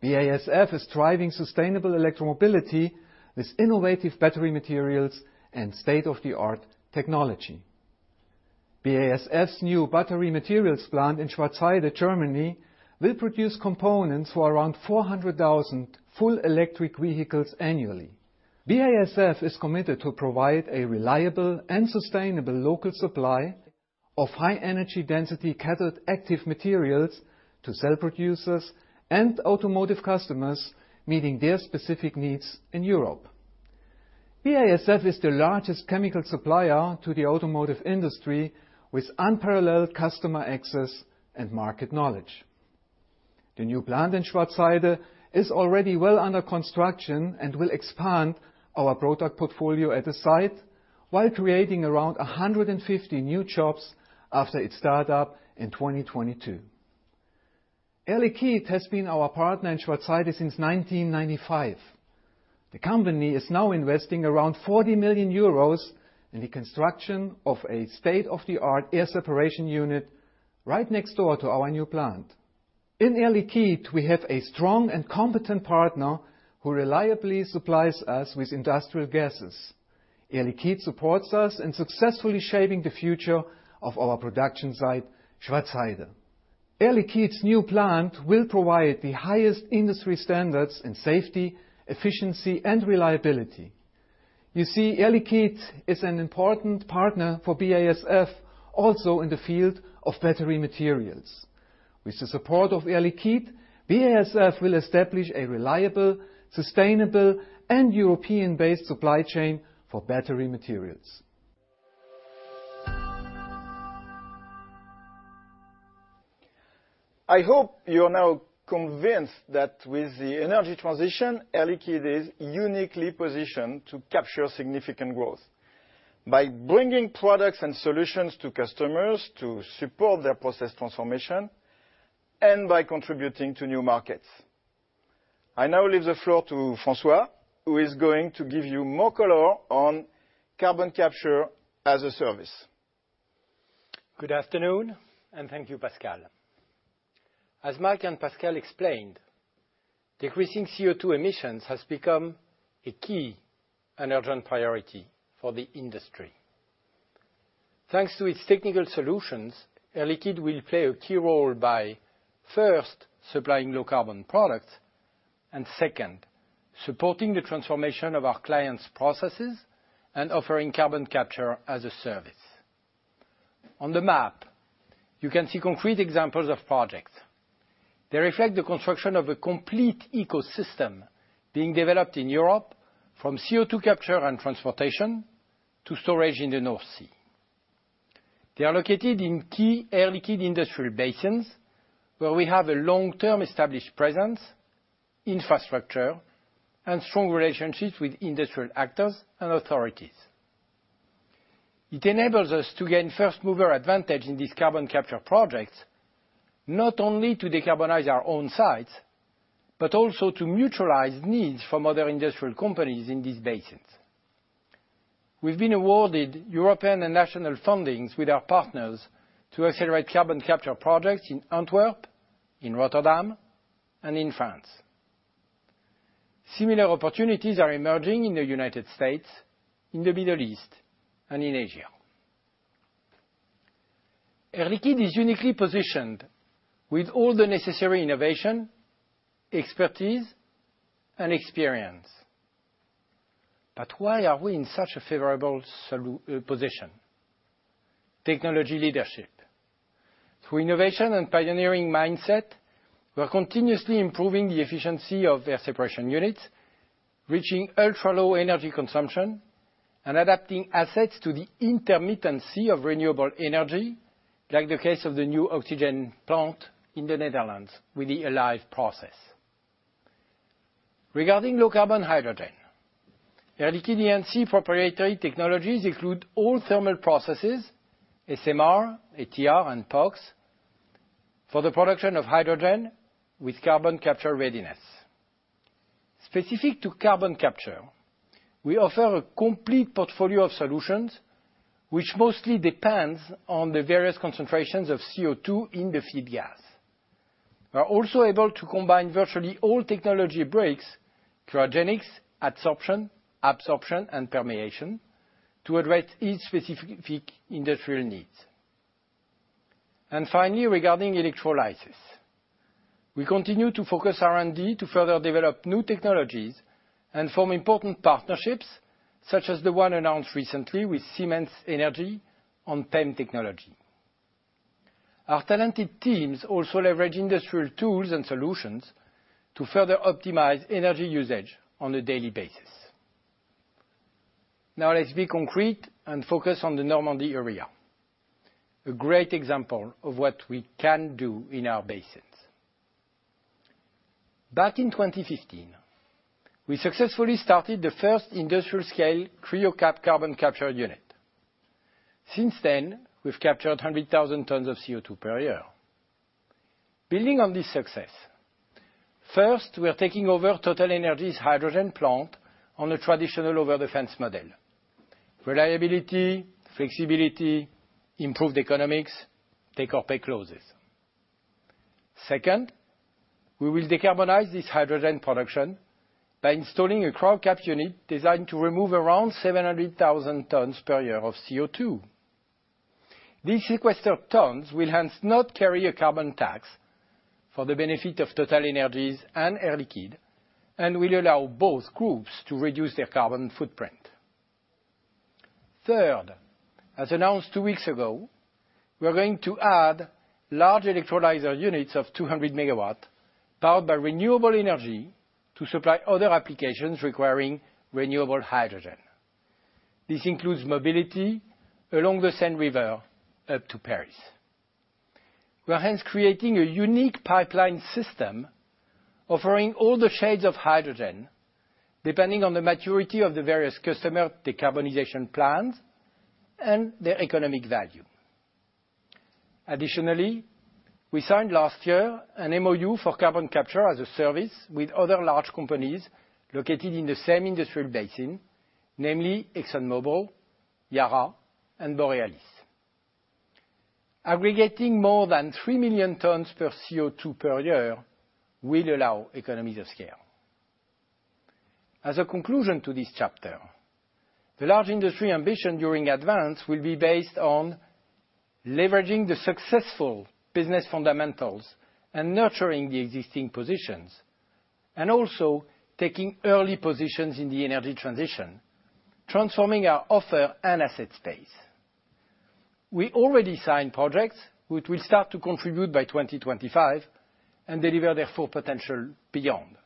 BASF is driving sustainable electromobility with innovative battery materials and state-of-the-art technology. BASF's new battery materials plant in Schwarzheide, Germany, will produce components for around 400,000 full electric vehicles annually. BASF is committed to provide a reliable and sustainable local supply of high-energy density cathode active materials to cell producers and automotive customers, meeting their specific needs in Europe. BASF is the largest chemical supplier to the automotive industry, with unparalleled customer access and market knowledge. The new plant in Schwarzheide is already well under construction and will expand our product portfolio at the site while creating around 150 new jobs after its startup in 2022. Air Liquide has been our partner in Schwarzheide since 1995. The company is now investing around 40 million euros in the construction of a state-of-the-art air separation unit right next door to our new plant. In Air Liquide, we have a strong and competent partner who reliably supplies us with industrial gases. Air Liquide supports us in successfully shaping the future of our production site, Schwarzheide. Air Liquide's new plant will provide the highest industry standards in safety, efficiency, and reliability. You see, Air Liquide is an important partner for BASF also in the field of battery materials. With the support of Air Liquide, BASF will establish a reliable, sustainable, and European-based supply chain for battery materials. I hope you are now convinced that with the energy transition, Air Liquide is uniquely positioned to capture significant growth by bringing products and solutions to customers to support their process transformation and by contributing to new markets. I now leave the floor to François, who is going to give you more color on Carbon Capture as a Service. Good afternoon, and thank you, Pascal. As Mike and Pascal explained, decreasing CO2 emissions has become a key and urgent priority for the industry. Thanks to its technical solutions, Air Liquide will play a key role by, first, supplying low-carbon products, and second, supporting the transformation of our clients' processes and offering carbon capture as a service. On the map, you can see concrete examples of projects. They reflect the construction of a complete ecosystem being developed in Europe from CO2 capture and transportation to storage in the North Sea. They are located in key Air Liquide industrial basins, where we have a long-term established presence, infrastructure, and strong relationships with industrial actors and authorities. It enables us to gain first-mover advantage in these carbon capture projects, not only to decarbonize our own sites, but also to mutualize needs from other industrial companies in these basins. We've been awarded European and national fundings with our partners to accelerate carbon capture projects in Antwerp, in Rotterdam, and in France. Similar opportunities are emerging in the United States, in the Middle East, and in Asia. Air Liquide is uniquely positioned with all the necessary innovation, expertise, and experience. Why are we in such a favorable position? Technology leadership. Through innovation and pioneering mindset, we are continuously improving the efficiency of air separation units, reaching ultra-low energy consumption and adapting assets to the intermittency of renewable energy, like the case of the new oxygen plant in the Netherlands with the ALIVE process. Regarding low-carbon hydrogen, Air Liquide E&C proprietary technologies include all thermal processes, SMR, ATR, and POX, for the production of hydrogen with carbon capture readiness. Specific to carbon capture, we offer a complete portfolio of solutions which mostly depends on the various concentrations of CO2 in the feed gas. We are also able to combine virtually all technology breaks, cryogenics, adsorption, absorption, and permeation, to address each specific industrial needs. Finally, regarding electrolysis, we continue to focus R&D to further develop new technologies and form important partnerships, such as the one announced recently with Siemens Energy on PEM technology. Our talented teams also leverage industrial tools and solutions to further optimize energy usage on a daily basis. Now, let's be concrete and focus on the Normandy area, a great example of what we can do in our basins. Back in 2015, we successfully started the first industrial-scale CryoCap carbon capture unit. Since then, we've captured 100,000 tons of CO2 per year. Building on this success, first, we are taking over TotalEnergies' hydrogen plant on a traditional over-the-fence model. Reliability, flexibility, improved economics, take-or-pay clauses. Second, we will decarbonize this hydrogen production by installing a CryoCap unit designed to remove around 700,000 tons per year of CO2. These sequestered tons will hence not carry a carbon tax for the benefit of TotalEnergies and Air Liquide, and will allow both groups to reduce their carbon footprint. Third, as announced two weeks ago, we are going to add large electrolyzer units of 200 MW, powered by renewable energy to supply other applications requiring renewable hydrogen. This includes mobility along the Seine River up to Paris. We are hence creating a unique pipeline system offering all the shades of hydrogen, depending on the maturity of the various customer decarbonization plans and their economic value. Additionally, we signed last year an MoU for carbon capture as a service with other large companies located in the same industrial basin, namely ExxonMobil, Yara, and Borealis. Aggregating more than 3 million tons of CO2 per year will allow economies of scale. As a conclusion to this chapter, the Large Industries ambition during ADVANCE will be based on leveraging the successful business fundamentals and nurturing the existing positions, and also taking early positions in the energy transition, transforming our offer and asset space. We already signed projects which will start to contribute by 2025 and deliver their full potential beyond.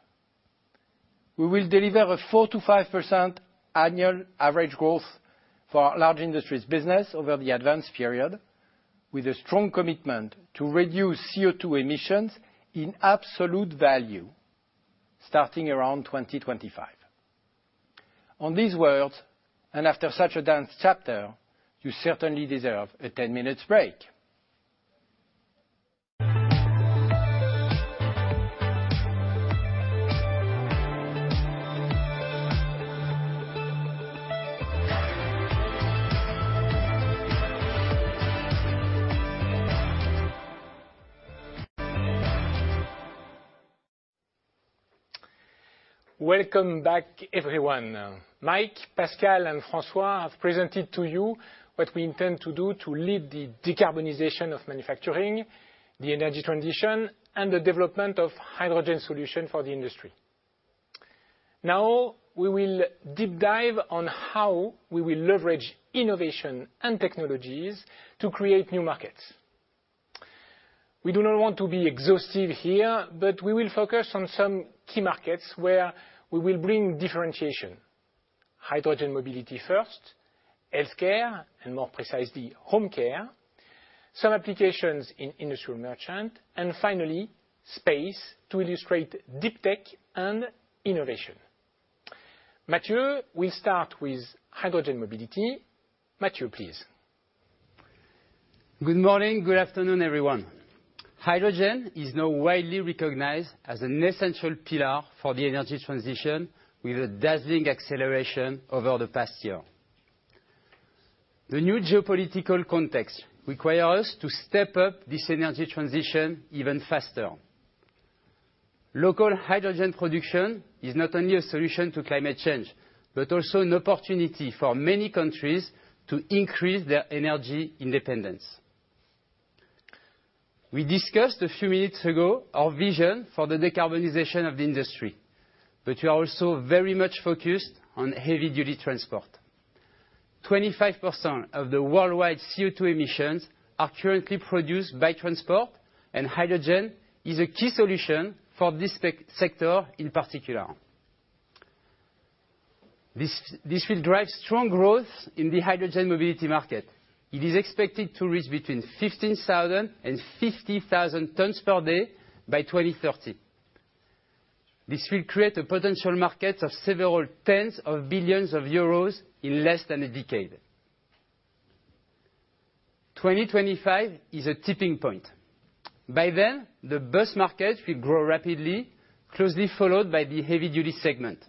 We will deliver a 4%-5% annual average growth for our Large Industries business over the ADVANCE period, with a strong commitment to reduce CO2 emissions in absolute value starting around 2025. On these words, and after such a dense chapter, you certainly deserve a 10-minute break. Welcome back, everyone. Mike, Pascal, and François have presented to you what we intend to do to lead the decarbonization of manufacturing, the energy transition, and the development of hydrogen solution for the industry. Now we will deep dive on how we will leverage innovation and technologies to create new markets. We do not want to be exhaustive here, but we will focus on some key markets where we will bring differentiation. Hydrogen mobility first, healthcare, and more precisely home care, some applications in Industrial Merchant, and finally, space to illustrate deep tech and innovation. Mathieu will start with hydrogen mobility. Mathieu, please. Good morning. Good afternoon, everyone. Hydrogen is now widely recognized as an essential pillar for the energy transition with a dazzling acceleration over the past year. The new geopolitical context require us to step up this energy transition even faster. Local hydrogen production is not only a solution to climate change, but also an opportunity for many countries to increase their energy independence. We discussed a few minutes ago our vision for the decarbonization of the industry, but we are also very much focused on heavy-duty transport. 25% of the worldwide CO2 emissions are currently produced by transport, and hydrogen is a key solution for this sector in particular. This will drive strong growth in the hydrogen mobility market. It is expected to reach between 15,000 and 50,000 tons per day by 2030. This will create a potential market of EUR several tens of billions in less than a decade. 2025 is a tipping point. By then, the bus market will grow rapidly, closely followed by the heavy duty segment.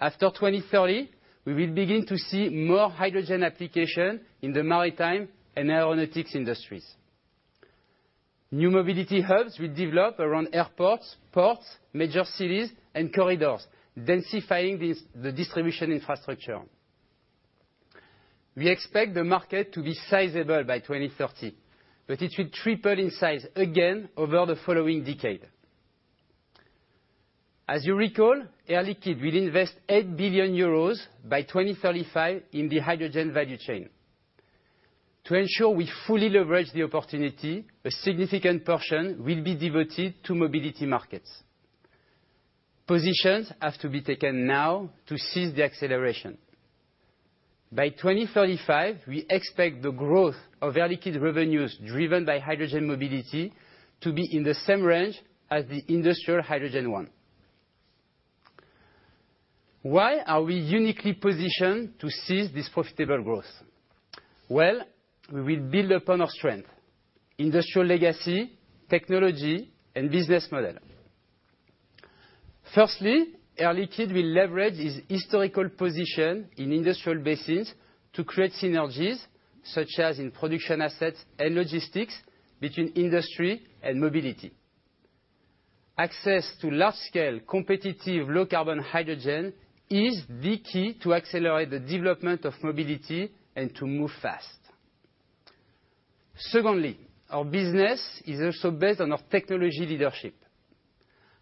After 2030, we will begin to see more hydrogen application in the maritime and aeronautics industries. New mobility hubs will develop around airports, ports, major cities and corridors, densifying these, the distribution infrastructure. We expect the market to be sizable by 2030, but it will triple in size again over the following decade. As you recall, Air Liquide will invest 8 billion euros by 2035 in the hydrogen value chain. To ensure we fully leverage the opportunity, a significant portion will be devoted to mobility markets. Positions have to be taken now to seize the acceleration. By 2035, we expect the growth of Air Liquide revenues driven by hydrogen mobility to be in the same range as the industrial hydrogen one. Why are we uniquely positioned to seize this profitable growth? Well, we will build upon our strength, industrial legacy, technology, and business model. Firstly, Air Liquide will leverage its historical position in industrial basins to create synergies, such as in production assets and logistics between industry and mobility. Access to large scale, competitive, low carbon hydrogen is the key to accelerate the development of mobility and to move fast. Secondly, our business is also based on our technology leadership.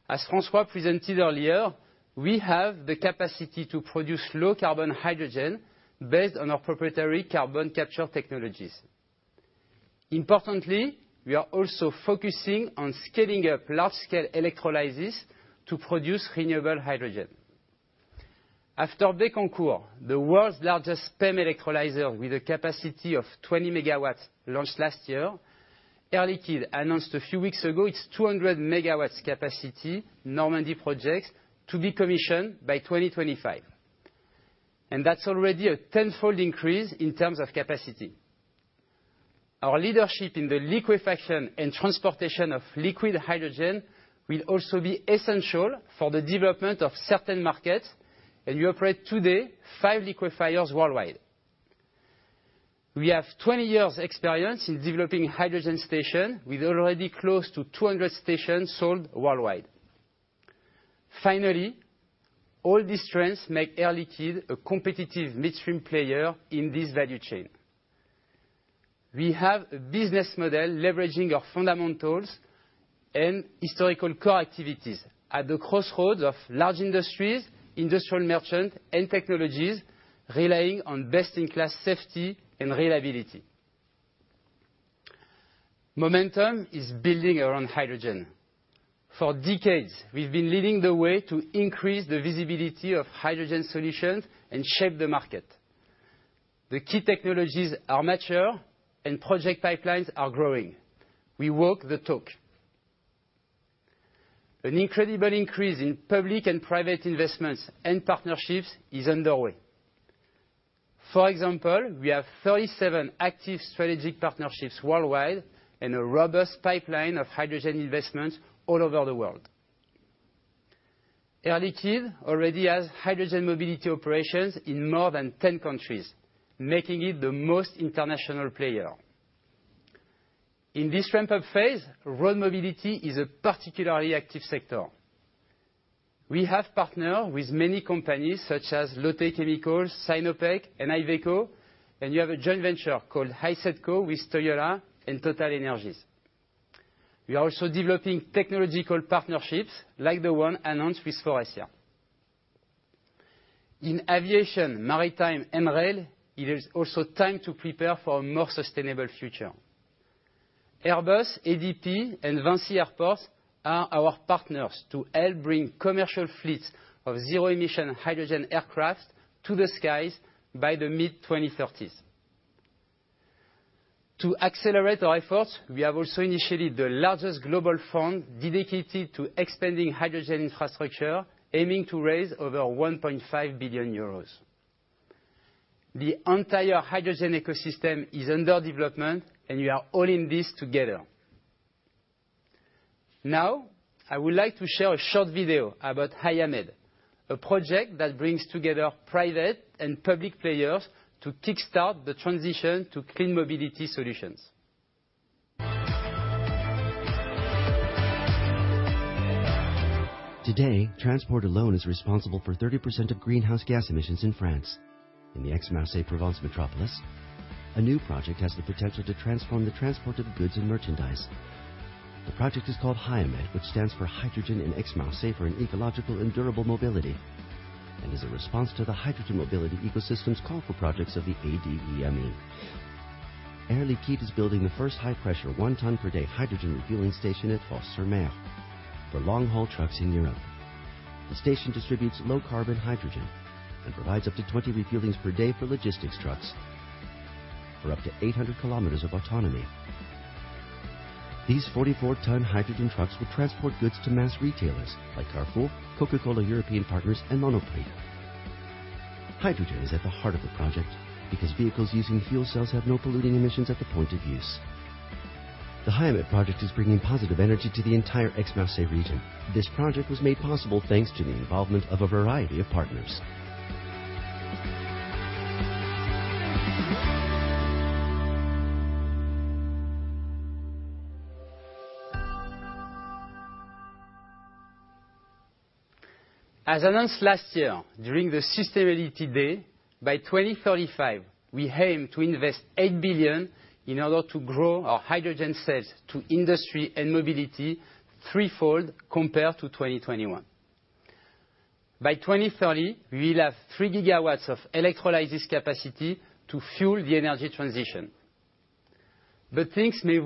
As François presented earlier, we have the capacity to produce low carbon hydrogen based on our proprietary carbon capture technologies. Importantly, we are also focusing on scaling up large-scale electrolysis to produce renewable hydrogen. After Bécancour, the world's largest PEM electrolyzer with a capacity of 20 MW launched last year, Air Liquide announced a few weeks ago its 200 MW capacity Normandy projects to be commissioned by 2025. That's already a tenfold increase in terms of capacity. Our leadership in the liquefaction and transportation of liquid hydrogen will also be essential for the development of certain markets, and we operate today 5 liquefiers worldwide. We have 20 years experience in developing hydrogen stations with already close to 200 stations sold worldwide. Finally, all these trends make Air Liquide a competitive midstream player in this value chain. We have a business model leveraging our fundamentals and historical core activities at the crossroads of large industries, industrial merchant and technologies relying on best-in-class safety and reliability. Momentum is building around hydrogen. For decades, we've been leading the way to increase the visibility of hydrogen solutions and shape the market. The key technologies are mature and project pipelines are growing. We walk the talk. An incredible increase in public and private investments and partnerships is underway. For example, we have 37 active strategic partnerships worldwide and a robust pipeline of hydrogen investments all over the world. Air Liquide already has hydrogen mobility operations in more than 10 countries, making it the most international player. In this ramp-up phase, road mobility is a particularly active sector. We have partnered with many companies such as Lotte Chemical, Sinopec, and Iveco, and we have a joint venture called HysetCo with Toyota and TotalEnergies. We are also developing technological partnerships like the one announced with Faurecia. In aviation, maritime and rail, it is also time to prepare for a more sustainable future. Airbus, ADP and VINCI Airports are our partners to help bring commercial fleets of zero-emission hydrogen aircraft to the skies by the mid-2030s. To accelerate our efforts, we have also initiated the largest global fund dedicated to expanding hydrogen infrastructure, aiming to raise over 1.5 billion euros. The entire hydrogen ecosystem is under development, and we are all in this together. Now, I would like to share a short video about HyAMMED, a project that brings together private and public players to kickstart the transition to clean mobility solutions. Today, transport alone is responsible for 30% of greenhouse gas emissions in France. In the Aix-Marseille-Provence metropolis, a new project has the potential to transform the transport of goods and merchandise. The project is called HyAMMED, which stands for Hydrogen in Aix Marseille for an Ecological and Durable Mobility, and is a response to the hydrogen mobility ecosystems call for projects of the ADEME. Air Liquide is building the first high-pressure 1 ton per day hydrogen refueling station at Fos-sur-Mer for long-haul trucks in Europe. The station distributes low-carbon hydrogen and provides up to 20 refillings per day for logistics trucks for up to 800 km of autonomy. These 44-ton hydrogen trucks will transport goods to mass retailers like Carrefour, Coca-Cola Europacific Partners and Monoprix. Hydrogen is at the heart of the project because vehicles using fuel cells have no polluting emissions at the point of use. The HyAMMED project is bringing positive energy to the entire Aix-Marseille region. This project was made possible thanks to the involvement of a variety of partners. As announced last year during the Sustainability Day, by 2035, we aim to invest 8 billion in order to grow our hydrogen sales to industry and mobility threefold compared to 2021. By 2030, we will have 3 GW of electrolysis capacity to fuel the energy transition. Things may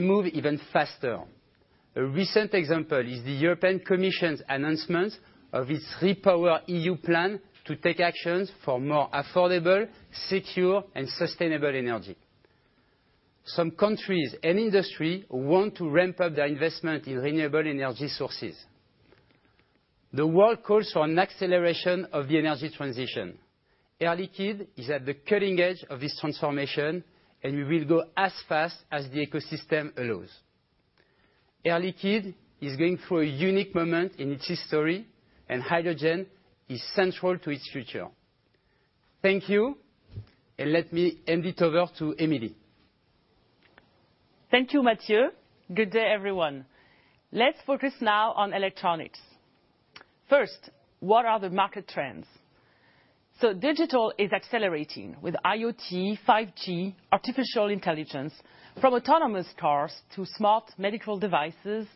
move even faster. A recent example is the European Commission's announcement of its REPowerEU plan to take actions for more affordable, secure and sustainable energy. Some countries and industry want to ramp up their investment in renewable energy sources. The world calls for an acceleration of the energy transition. Air Liquide is at the cutting edge of this transformation, and we will go as fast as the ecosystem allows. Air Liquide is going through a unique moment in its history, and hydrogen is central to its future. Thank you, and let me hand it over to Émilie. Thank you, Mathieu. Good day, everyone. Let's focus now on electronics. First, what are the market trends? Digital is accelerating with IoT, 5G, artificial intelligence, from autonomous cars to smart medical devices,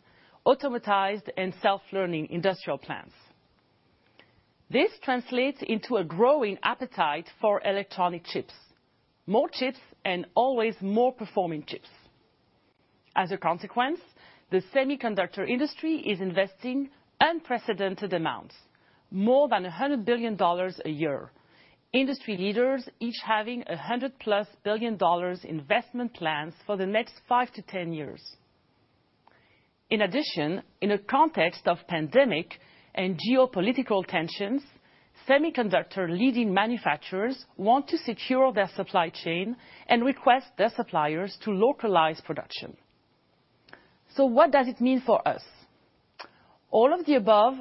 automated and self-learning industrial plants. This translates into a growing appetite for electronic chips, more chips and always more performing chips. As a consequence, the semiconductor industry is investing unprecedented amounts, more than $100 billion a year. Industry leaders each having a $100+ billion investment plans for the next 5 to 10 years. In addition, in a context of pandemic and geopolitical tensions, semiconductor leading manufacturers want to secure their supply chain and request their suppliers to localize production. What does it mean for us? All of the above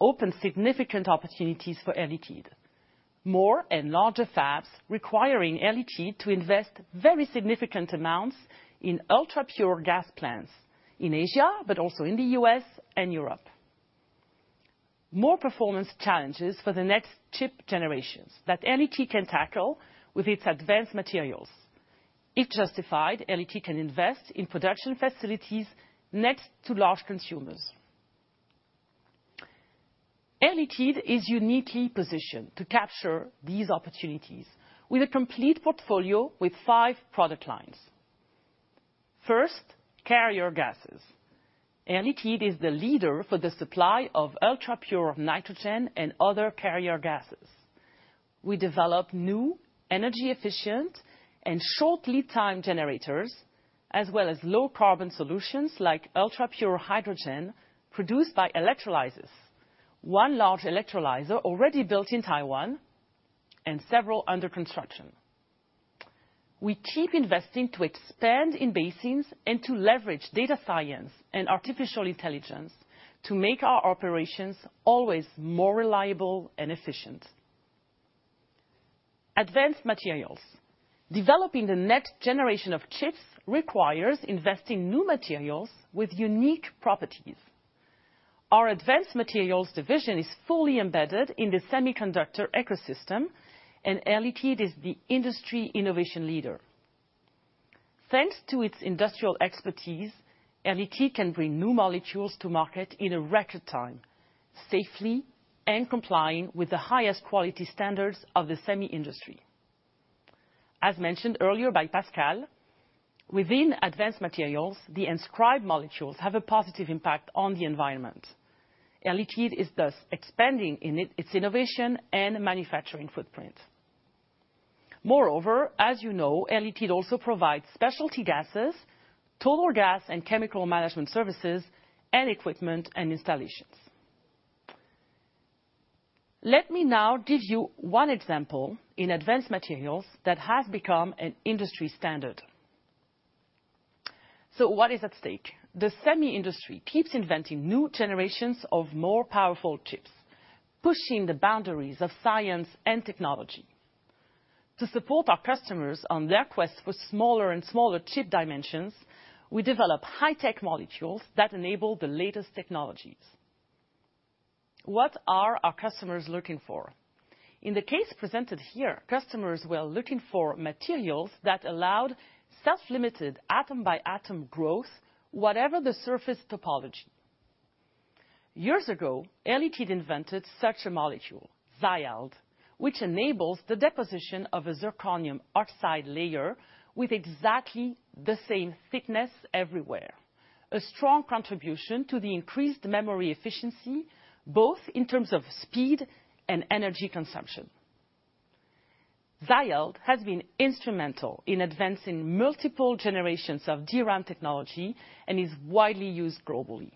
open significant opportunities for Air Liquide. More and larger fabs requiring Air Liquide to invest very significant amounts in ultra-pure gas plants in Asia, but also in the U.S. and Europe. More performance challenges for the next chip generations that Air Liquide can tackle with its advanced materials. If justified, Air Liquide can invest in production facilities next to large consumers. Air Liquide is uniquely positioned to capture these opportunities with a complete portfolio with five product lines. First, carrier gases. Air Liquide is the leader for the supply of ultra-pure nitrogen and other carrier gases. We develop new energy efficient and short lead time generators, as well as low carbon solutions like ultra-pure hydrogen produced by electrolysis. One large electrolyzer already built in Taiwan and several under construction. We keep investing to expand in basins and to leverage data science and artificial intelligence to make our operations always more reliable and efficient. Advanced materials. Developing the next generation of chips requires investing new materials with unique properties. Our advanced materials division is fully embedded in the semiconductor ecosystem, and Air Liquide is the industry innovation leader. Thanks to its industrial expertise, Air Liquide can bring new molecules to market in a record time, safely and complying with the highest quality standards of the semi industry. As mentioned earlier by Pascal, within advanced materials, the enScribe molecules have a positive impact on the environment. Air Liquide is thus expanding its innovation and manufacturing footprint. Moreover, as you know, Air Liquide also provides specialty gases, total gas and chemical management services and equipment and installations. Let me now give you one example in advanced materials that has become an industry standard. What is at stake? The semi industry keeps inventing new generations of more powerful chips, pushing the boundaries of science and technology. To support our customers on their quest for smaller and smaller chip dimensions, we develop high-tech molecules that enable the latest technologies. What are our customers looking for? In the case presented here, customers were looking for materials that allowed self-limited atom by atom growth, whatever the surface topology. Years ago, Air Liquide invented such a molecule, ZyALD, which enables the deposition of a zirconium oxide layer with exactly the same thickness everywhere, a strong contribution to the increased memory efficiency, both in terms of speed and energy consumption. ZyALD has been instrumental in advancing multiple generations of DRAM technology and is widely used globally.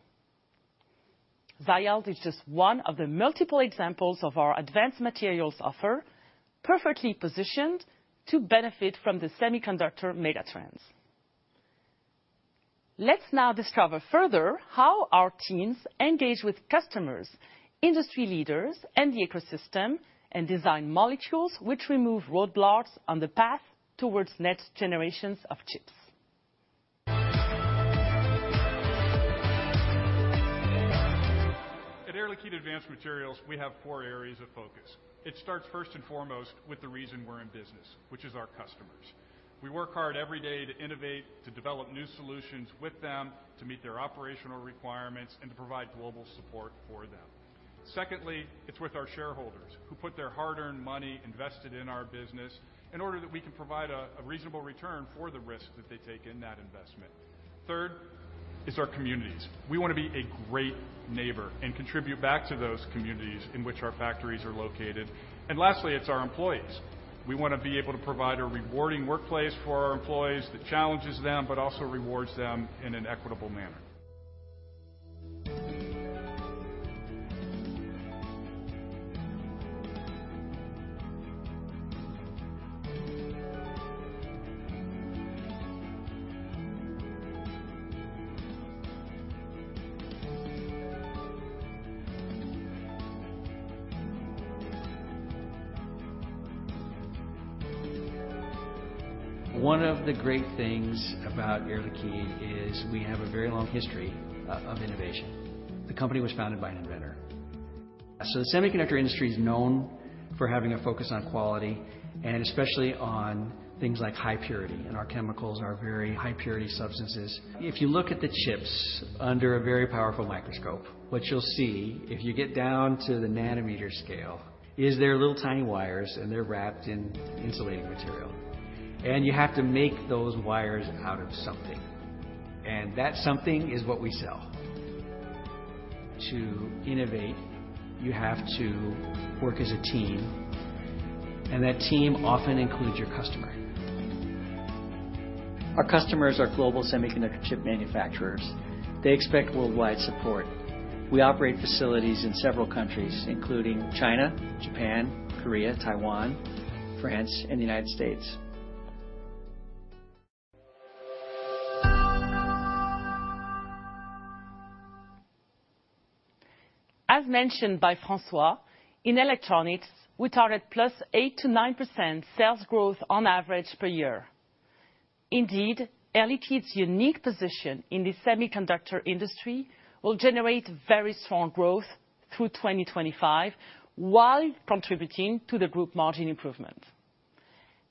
ZyALD is just one of the multiple examples of our advanced materials offer, perfectly positioned to benefit from the semiconductor megatrends. Let's now discover further how our teams engage with customers, industry leaders, and the ecosystem and design molecules which remove roadblocks on the path towards next generations of chips. At Air Liquide Advanced Materials, we have four areas of focus. It starts first and foremost with the reason we're in business, which is our customers. We work hard every day to innovate, to develop new solutions with them, to meet their operational requirements, and to provide global support for them. Secondly, it's with our shareholders, who put their hard-earned money invested in our business in order that we can provide a reasonable return for the risk that they take in that investment. Third is our communities. We want to be a great neighbor and contribute back to those communities in which our factories are located. Lastly, it's our employees. We want to be able to provide a rewarding workplace for our employees that challenges them, but also rewards them in an equitable manner. One of the great things about Air Liquide is we have a very long history of innovation. The company was founded by an inventor. The semiconductor industry is known for having a focus on quality, and especially on things like high purity, and our chemicals are very high purity substances. If you look at the chips under a very powerful microscope, what you'll see, if you get down to the nanometer scale, is there are little tiny wires, and they're wrapped in insulating material. You have to make those wires out of something, and that something is what we sell. To innovate, you have to work as a team, and that team often includes your customer. Our customers are global semiconductor chip manufacturers. They expect worldwide support. We operate facilities in several countries, including China, Japan, Korea, Taiwan, France, and the United States. As mentioned by François, in electronics, we targeted +8%-9% sales growth on average per year. Indeed, Air Liquide's unique position in the semiconductor industry will generate very strong growth through 2025 while contributing to the group margin improvement.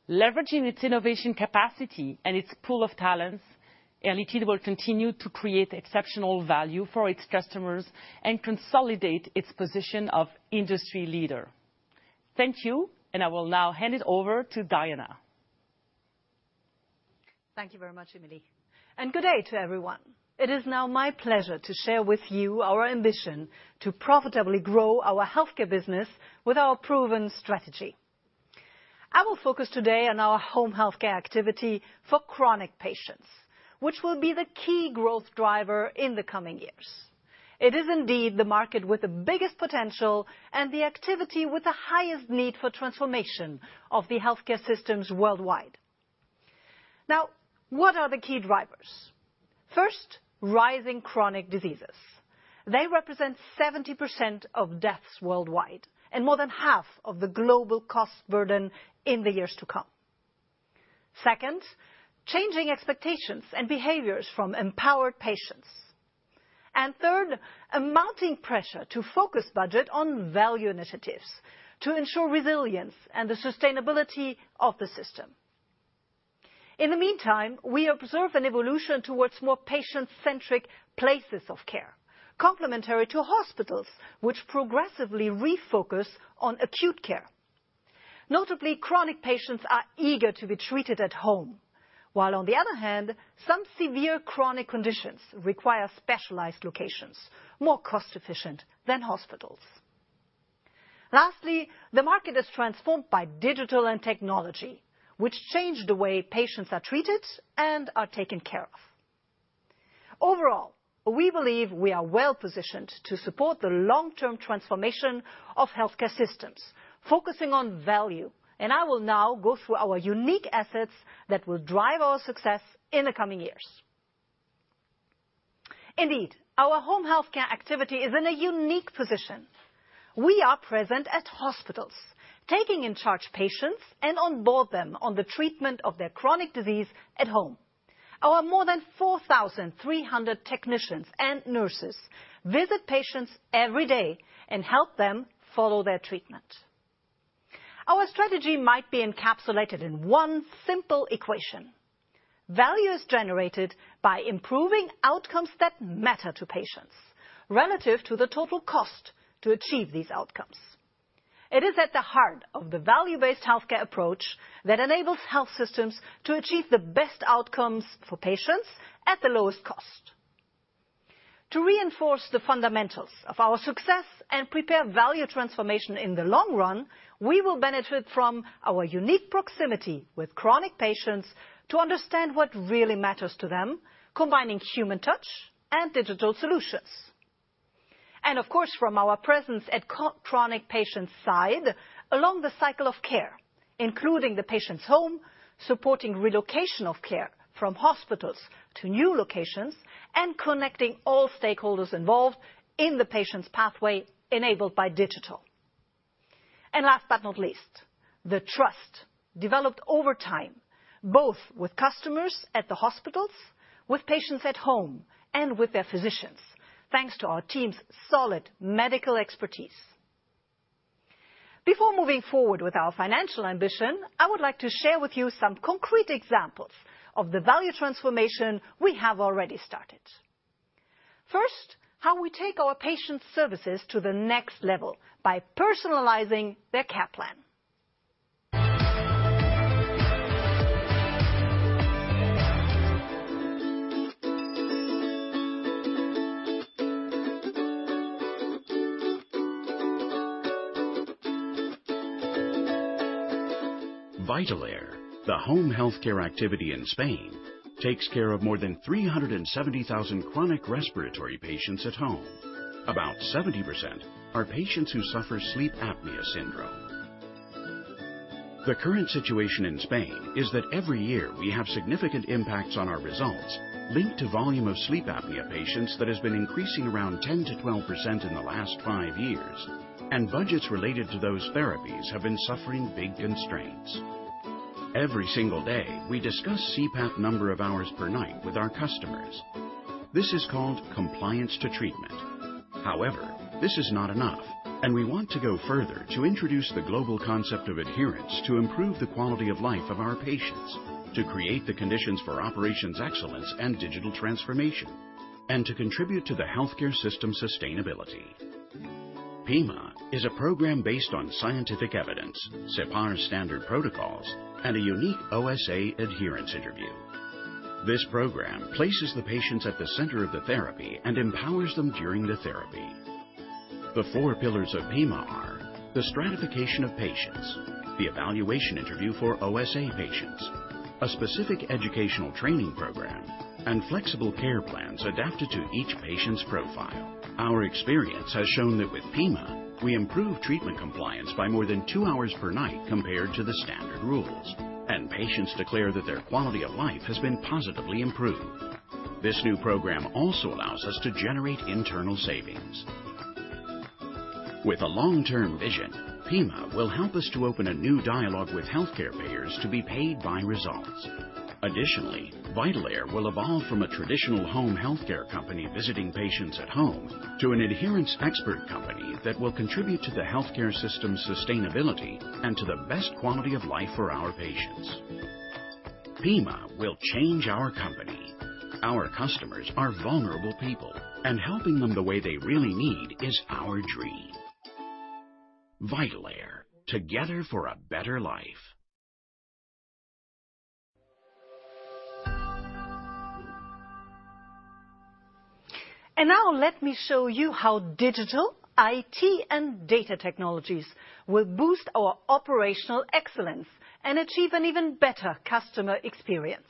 Leveraging its innovation capacity and its pool of talents, Air Liquide will continue to create exceptional value for its customers and consolidate its position of industry leader. Thank you, and I will now hand it over to Diana. Thank you very much, Émilie, and good day to everyone. It is now my pleasure to share with you our ambition to profitably grow our healthcare business with our proven strategy. I will focus today on our home healthcare activity for chronic patients, which will be the key growth driver in the coming years. It is indeed the market with the biggest potential and the activity with the highest need for transformation of the healthcare systems worldwide. Now, what are the key drivers? First, rising chronic diseases. They represent 70% of deaths worldwide and more than half of the global cost burden in the years to come. Second, changing expectations and behaviors from empowered patients. Third, a mounting pressure to focus budget on value initiatives to ensure resilience and the sustainability of the system. In the meantime, we observe an evolution towards more patient-centric places of care, complementary to hospitals which progressively refocus on acute care. Notably, chronic patients are eager to be treated at home, while on the other hand, some severe chronic conditions require specialized locations, more cost efficient than hospitals. Lastly, the market is transformed by digital and technology, which change the way patients are treated and are taken care of. Overall, we believe we are well-positioned to support the long-term transformation of healthcare systems focusing on value. I will now go through our unique assets that will drive our success in the coming years. Indeed, our home healthcare activity is in a unique position. We are present at hospitals, taking in charge patients and onboard them on the treatment of their chronic disease at home. Our more than 4,300 technicians and nurses visit patients every day and help them follow their treatment. Our strategy might be encapsulated in one simple equation. Value is generated by improving outcomes that matter to patients relative to the total cost to achieve these outcomes. It is at the heart of the value-based healthcare approach that enables health systems to achieve the best outcomes for patients at the lowest cost. To reinforce the fundamentals of our success and prepare value transformation in the long run, we will benefit from our unique proximity with chronic patients to understand what really matters to them, combining human touch and digital solutions. Of course, from our presence at chronic patients' side, along the cycle of care, including the patient's home, supporting relocation of care from hospitals to new locations, and connecting all stakeholders involved in the patient's pathway enabled by digital. Last but not least, the trust developed over time, both with customers at the hospitals, with patients at home, and with their physicians, thanks to our team's solid medical expertise. Before moving forward with our financial ambition, I would like to share with you some concrete examples of the value transformation we have already started. First, how we take our patient services to the next level by personalizing their care plan. Vitalaire, the home healthcare activity in Spain, takes care of more than 370,000 chronic respiratory patients at home. About 70% are patients who suffer sleep apnea syndrome. The current situation in Spain is that every year we have significant impacts on our results linked to volume of sleep apnea patients that has been increasing around 10%-12% in the last 5 years, and budgets related to those therapies have been suffering big constraints. Every single day, we discuss CPAP number of hours per night with our customers. This is called compliance to treatment. However, this is not enough, and we want to go further to introduce the global concept of adherence to improve the quality of life of our patients, to create the conditions for operations excellence and digital transformation, and to contribute to the healthcare system sustainability. PIMA is a program based on scientific evidence, CPAP standard protocols, and a unique OSA adherence interview. This program places the patients at the center of the therapy and empowers them during the therapy. The four pillars of PIMA are the stratification of patients, the evaluation interview for OSA patients, a specific educational training program, and flexible care plans adapted to each patient's profile. Our experience has shown that with PIMA, we improve treatment compliance by more than two hours per night compared to the standard rules. Patients declare that their quality of life has been positively improved. This new program also allows us to generate internal savings. With a long-term vision, PIMA will help us to open a new dialogue with healthcare payers to be paid by results. Additionally, Vitalaire will evolve from a traditional home healthcare company visiting patients at home to an adherence expert company that will contribute to the healthcare system sustainability and to the best quality of life for our patients. PIMA will change our company. Our customers are vulnerable people, and helping them the way they really need is our dream. Vitalaire, together for a better life. Now let me show you how digital, IT, and data technologies will boost our operational excellence and achieve an even better customer experience.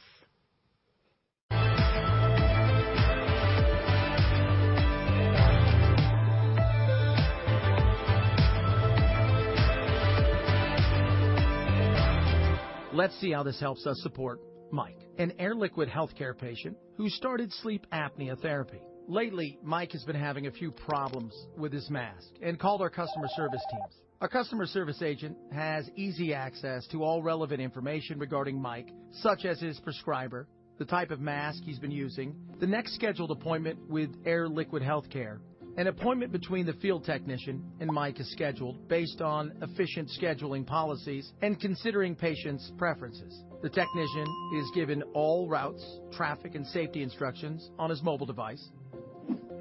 Let's see how this helps us support Mike, an Air Liquide healthcare patient who started sleep apnea therapy. Lately, Mike has been having a few problems with his mask and called our customer service teams. A customer service agent has easy access to all relevant information regarding Mike, such as his prescriber, the type of mask he's been using, the next scheduled appointment with Air Liquide Healthcare. An appointment between the field technician and Mike is scheduled based on efficient scheduling policies and considering the patient's preferences. The technician is given all routes, traffic, and safety instructions on his mobile device.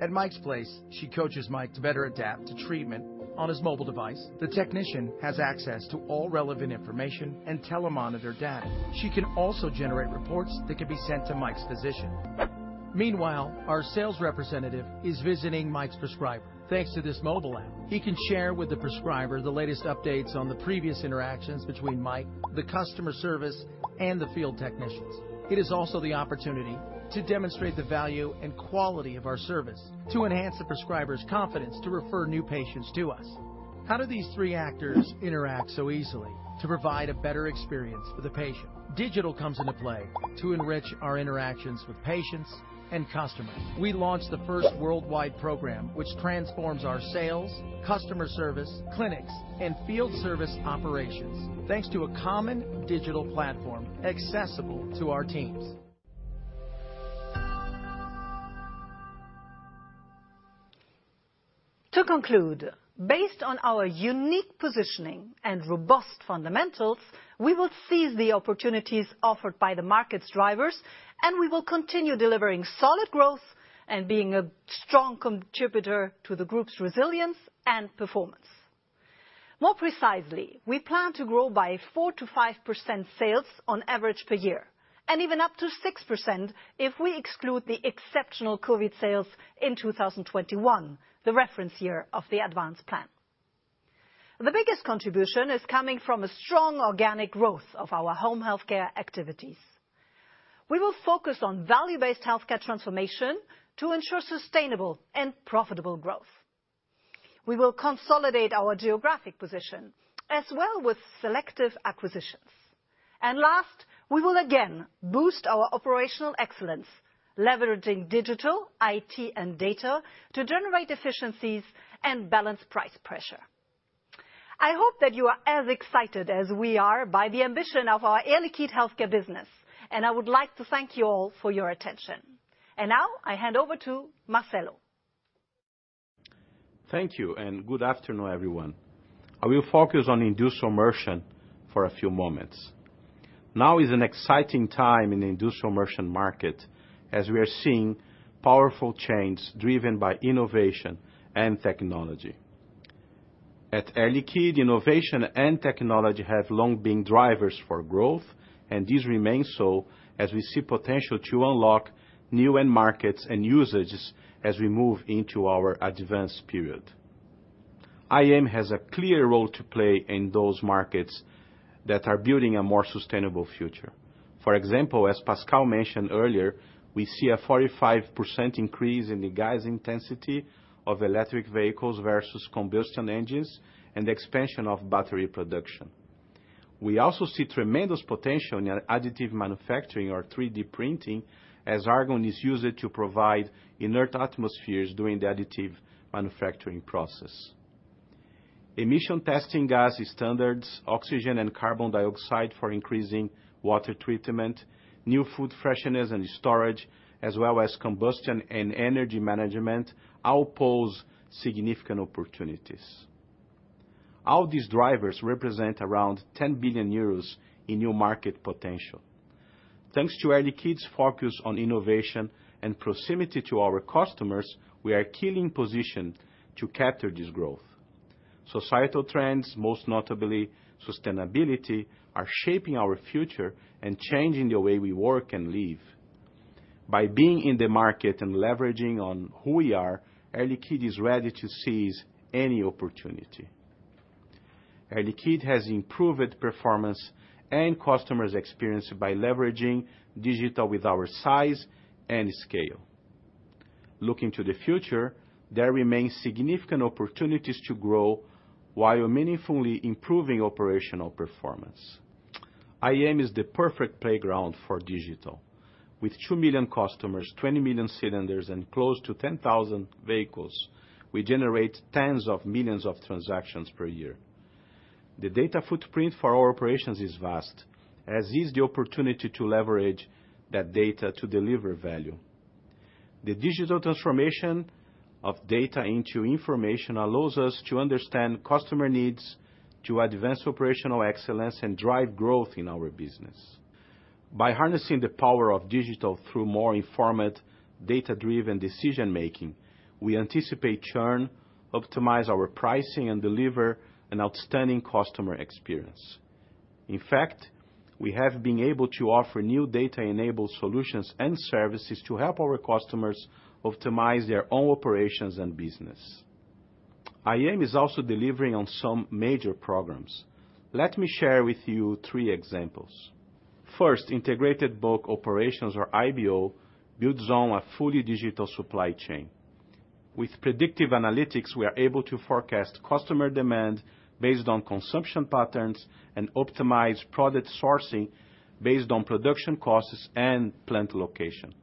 At Mike's place, she coaches Mike to better adapt to treatment. On his mobile device, the technician has access to all relevant information and telemonitor data. She can also generate reports that can be sent to Mike's physician. Meanwhile, our sales representative is visiting Mike's prescriber. Thanks to this mobile app, he can share with the prescriber the latest updates on the previous interactions between Mike, the customer service, and the field technicians. It is also the opportunity to demonstrate the value and quality of our service to enhance the prescriber's confidence to refer new patients to us. How do these three actors interact so easily to provide a better experience for the patient? Digital comes into play to enrich our interactions with patients and customers. We launched the first worldwide program which transforms our sales, customer service, clinics, and field service operations, thanks to a common digital platform accessible to our teams. To conclude, based on our unique positioning and robust fundamentals, we will seize the opportunities offered by the market's drivers, and we will continue delivering solid growth and being a strong contributor to the group's resilience and performance. More precisely, we plan to grow by 4%-5% sales on average per year, and even up to 6% if we exclude the exceptional COVID sales in 2021, the reference year of the ADVANCE plan. The biggest contribution is coming from a strong organic growth of our home healthcare activities. We will focus on value-based healthcare transformation to ensure sustainable and profitable growth. We will consolidate our geographic position as well with selective acquisitions. Last, we will again boost our operational excellence, leveraging digital, IT, and data to generate efficiencies and balance price pressure. I hope that you are as excited as we are by the ambition of our Air Liquide healthcare business, and I would like to thank you all for your attention. Now, I hand over to Marcelo. Thank you, and good afternoon, everyone. I will focus on Industrial Merchant for a few moments. Now is an exciting time in the Industrial Merchant market as we are seeing powerful change driven by innovation and technology. At Air Liquide, innovation and technology have long been drivers for growth, and this remains so as we see potential to unlock new end markets and usages as we move into our ADVANCE period. IM has a clear role to play in those markets that are building a more sustainable future. For example, as Pascal mentioned earlier, we see a 45% increase in the gas intensity of electric vehicles versus combustion engines and the expansion of battery production. We also see tremendous potential in additive manufacturing or 3D printing, as argon is used to provide inert atmospheres during the additive manufacturing process. Emission testing gas standards, oxygen and carbon dioxide for increasing water treatment, new food freshness and storage, as well as combustion and energy management, all pose significant opportunities. All these drivers represent around 10 billion euros in new market potential. Thanks to Air Liquide's focus on innovation and proximity to our customers, we are keenly positioned to capture this growth. Societal trends, most notably sustainability, are shaping our future and changing the way we work and live. By being in the market and leveraging on who we are, Air Liquide is ready to seize any opportunity. Air Liquide has improved performance and customers' experience by leveraging digital with our size and scale. Looking to the future, there remains significant opportunities to grow while meaningfully improving operational performance. IM is the perfect playground for digital. With 2 million customers, 20 million cylinders, and close to 10,000 vehicles, we generate tens of millions of transactions per year. The data footprint for our operations is vast, as is the opportunity to leverage that data to deliver value. The digital transformation of data into information allows us to understand customer needs to advance operational excellence and drive growth in our business. By harnessing the power of digital through more informed data-driven decision-making, we anticipate churn, optimize our pricing, and deliver an outstanding customer experience. In fact, we have been able to offer new data-enabled solutions and services to help our customers optimize their own operations and business. IM is also delivering on some major programs. Let me share with you three examples. First, Integrated Bulk Operations, or IBO, builds on a fully digital supply chain. With predictive analytics, we are able to forecast customer demand based on consumption patterns and optimize product sourcing based on production costs and plant location.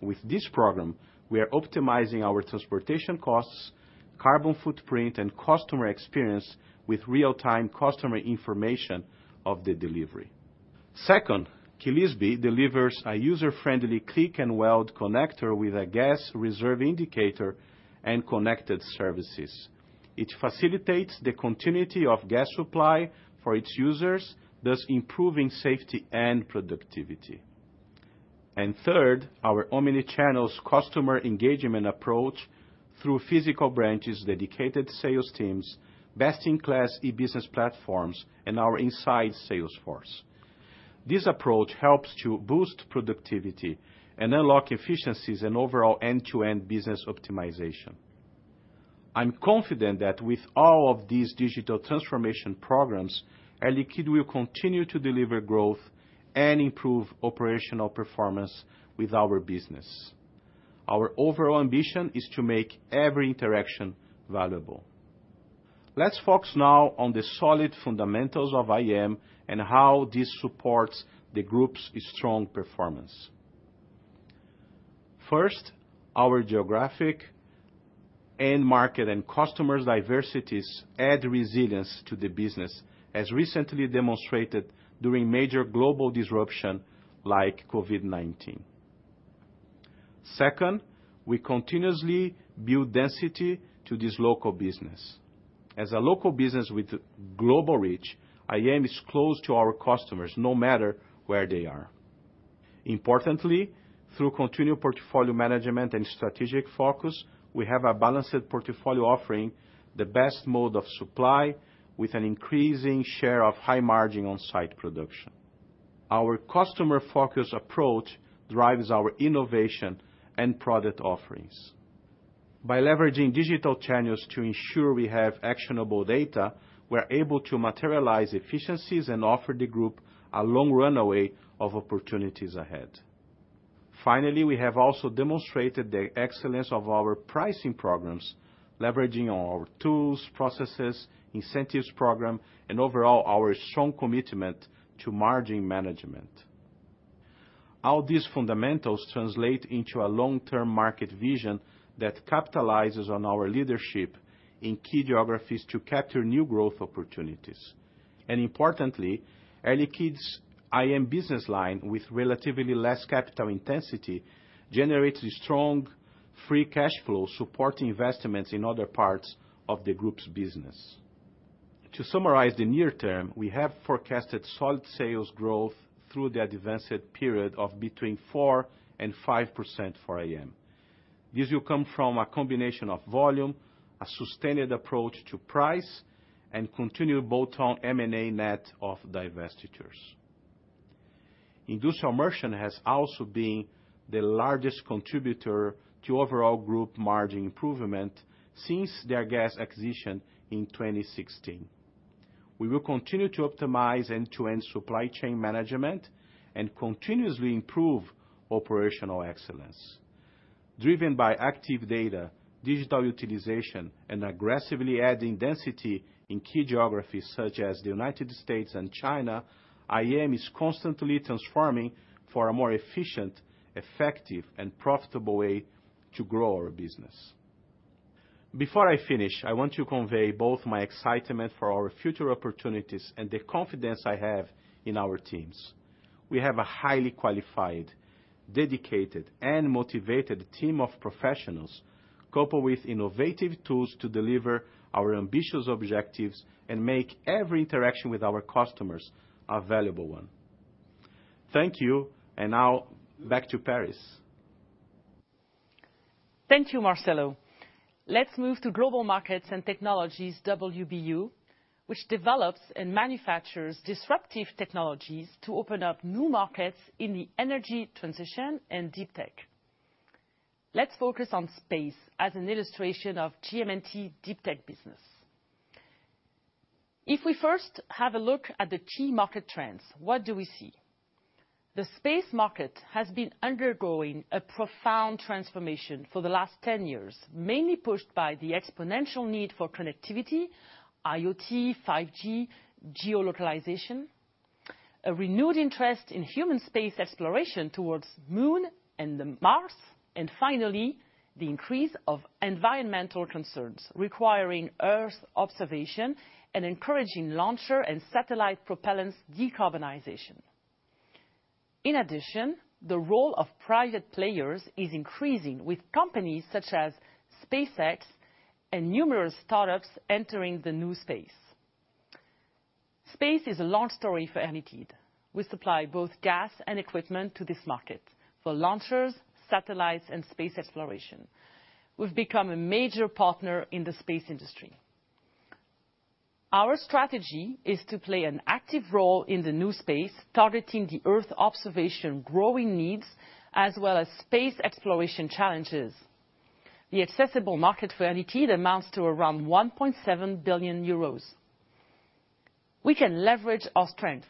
With this program, we are optimizing our transportation costs, carbon footprint, and customer experience with real-time customer information of the delivery. Second, Killisby delivers a user-friendly click and weld connector with a gas reserve indicator and connected services. It facilitates the continuity of gas supply for its users, thus improving safety and productivity. Third, our omnichannels customer engagement approach through physical branches, dedicated sales teams, best-in-class e-business platforms, and our inside sales force. This approach helps to boost productivity and unlock efficiencies and overall end-to-end business optimization. I'm confident that with all of these digital transformation programs, Air Liquide will continue to deliver growth and improve operational performance with our business. Our overall ambition is to make every interaction valuable. Let's focus now on the solid fundamentals of IM and how this supports the group's strong performance. First, our geographic end market and customers' diversities add resilience to the business, as recently demonstrated during major global disruption like COVID-19. Second, we continuously build density to this local business. As a local business with global reach, IM is close to our customers, no matter where they are. Importantly, through continued portfolio management and strategic focus, we have a balanced portfolio offering the best mode of supply with an increasing share of high margin on-site production. Our customer focus approach drives our innovation and product offerings. By leveraging digital channels to ensure we have actionable data, we're able to materialize efficiencies and offer the group a long runway of opportunities ahead. Finally, we have also demonstrated the excellence of our pricing programs, leveraging our tools, processes, incentives program, and overall our strong commitment to margin management. All these fundamentals translate into a long-term market vision that capitalizes on our leadership in key geographies to capture new growth opportunities. Importantly, Air Liquide's IM business line with relatively less capital intensity generates a strong free cash flow supporting investments in other parts of the group's business. To summarize the near term, we have forecasted solid sales growth through the ADVANCE period of between 4% and 5% for IM. This will come from a combination of volume, a sustained approach to price, and continued bolt-on M&A net of divestitures. Industrial Merchant has also been the largest contributor to overall group margin improvement since the Airgas acquisition in 2016. We will continue to optimize end-to-end supply chain management and continuously improve operational excellence. Driven by active data, digital utilization, and aggressively adding density in key geographies such as the United States and China, IM is constantly transforming for a more efficient, effective, and profitable way to grow our business. Before I finish, I want to convey both my excitement for our future opportunities and the confidence I have in our teams. We have a highly qualified, dedicated, and motivated team of professionals, coupled with innovative tools to deliver our ambitious objectives and make every interaction with our customers a valuable one. Thank you. Now back to Paris. Thank you, Marcelo. Let's move to Global Markets & Technologies WBU, which develops and manufactures disruptive technologies to open up new markets in the energy transition and deep tech. Let's focus on space as an illustration of GM&T deep tech business. If we first have a look at the key market trends, what do we see? The space market has been undergoing a profound transformation for the last 10 years, mainly pushed by the exponential need for connectivity, IoT, 5G, geo-localization, a renewed interest in human space exploration towards Moon and the Mars, and finally, the increase of environmental concerns requiring Earth observation and encouraging launcher and satellite propellants decarbonization. In addition, the role of private players is increasing, with companies such as SpaceX and numerous startups entering the new space. Space is a long story for Air Liquide. We supply both gas and equipment to this market for launchers, satellites, and space exploration. We've become a major partner in the space industry. Our strategy is to play an active role in the new space, targeting the Earth observation growing needs, as well as space exploration challenges. The accessible market for Air Liquide amounts to around 1.7 billion euros. We can leverage our strength,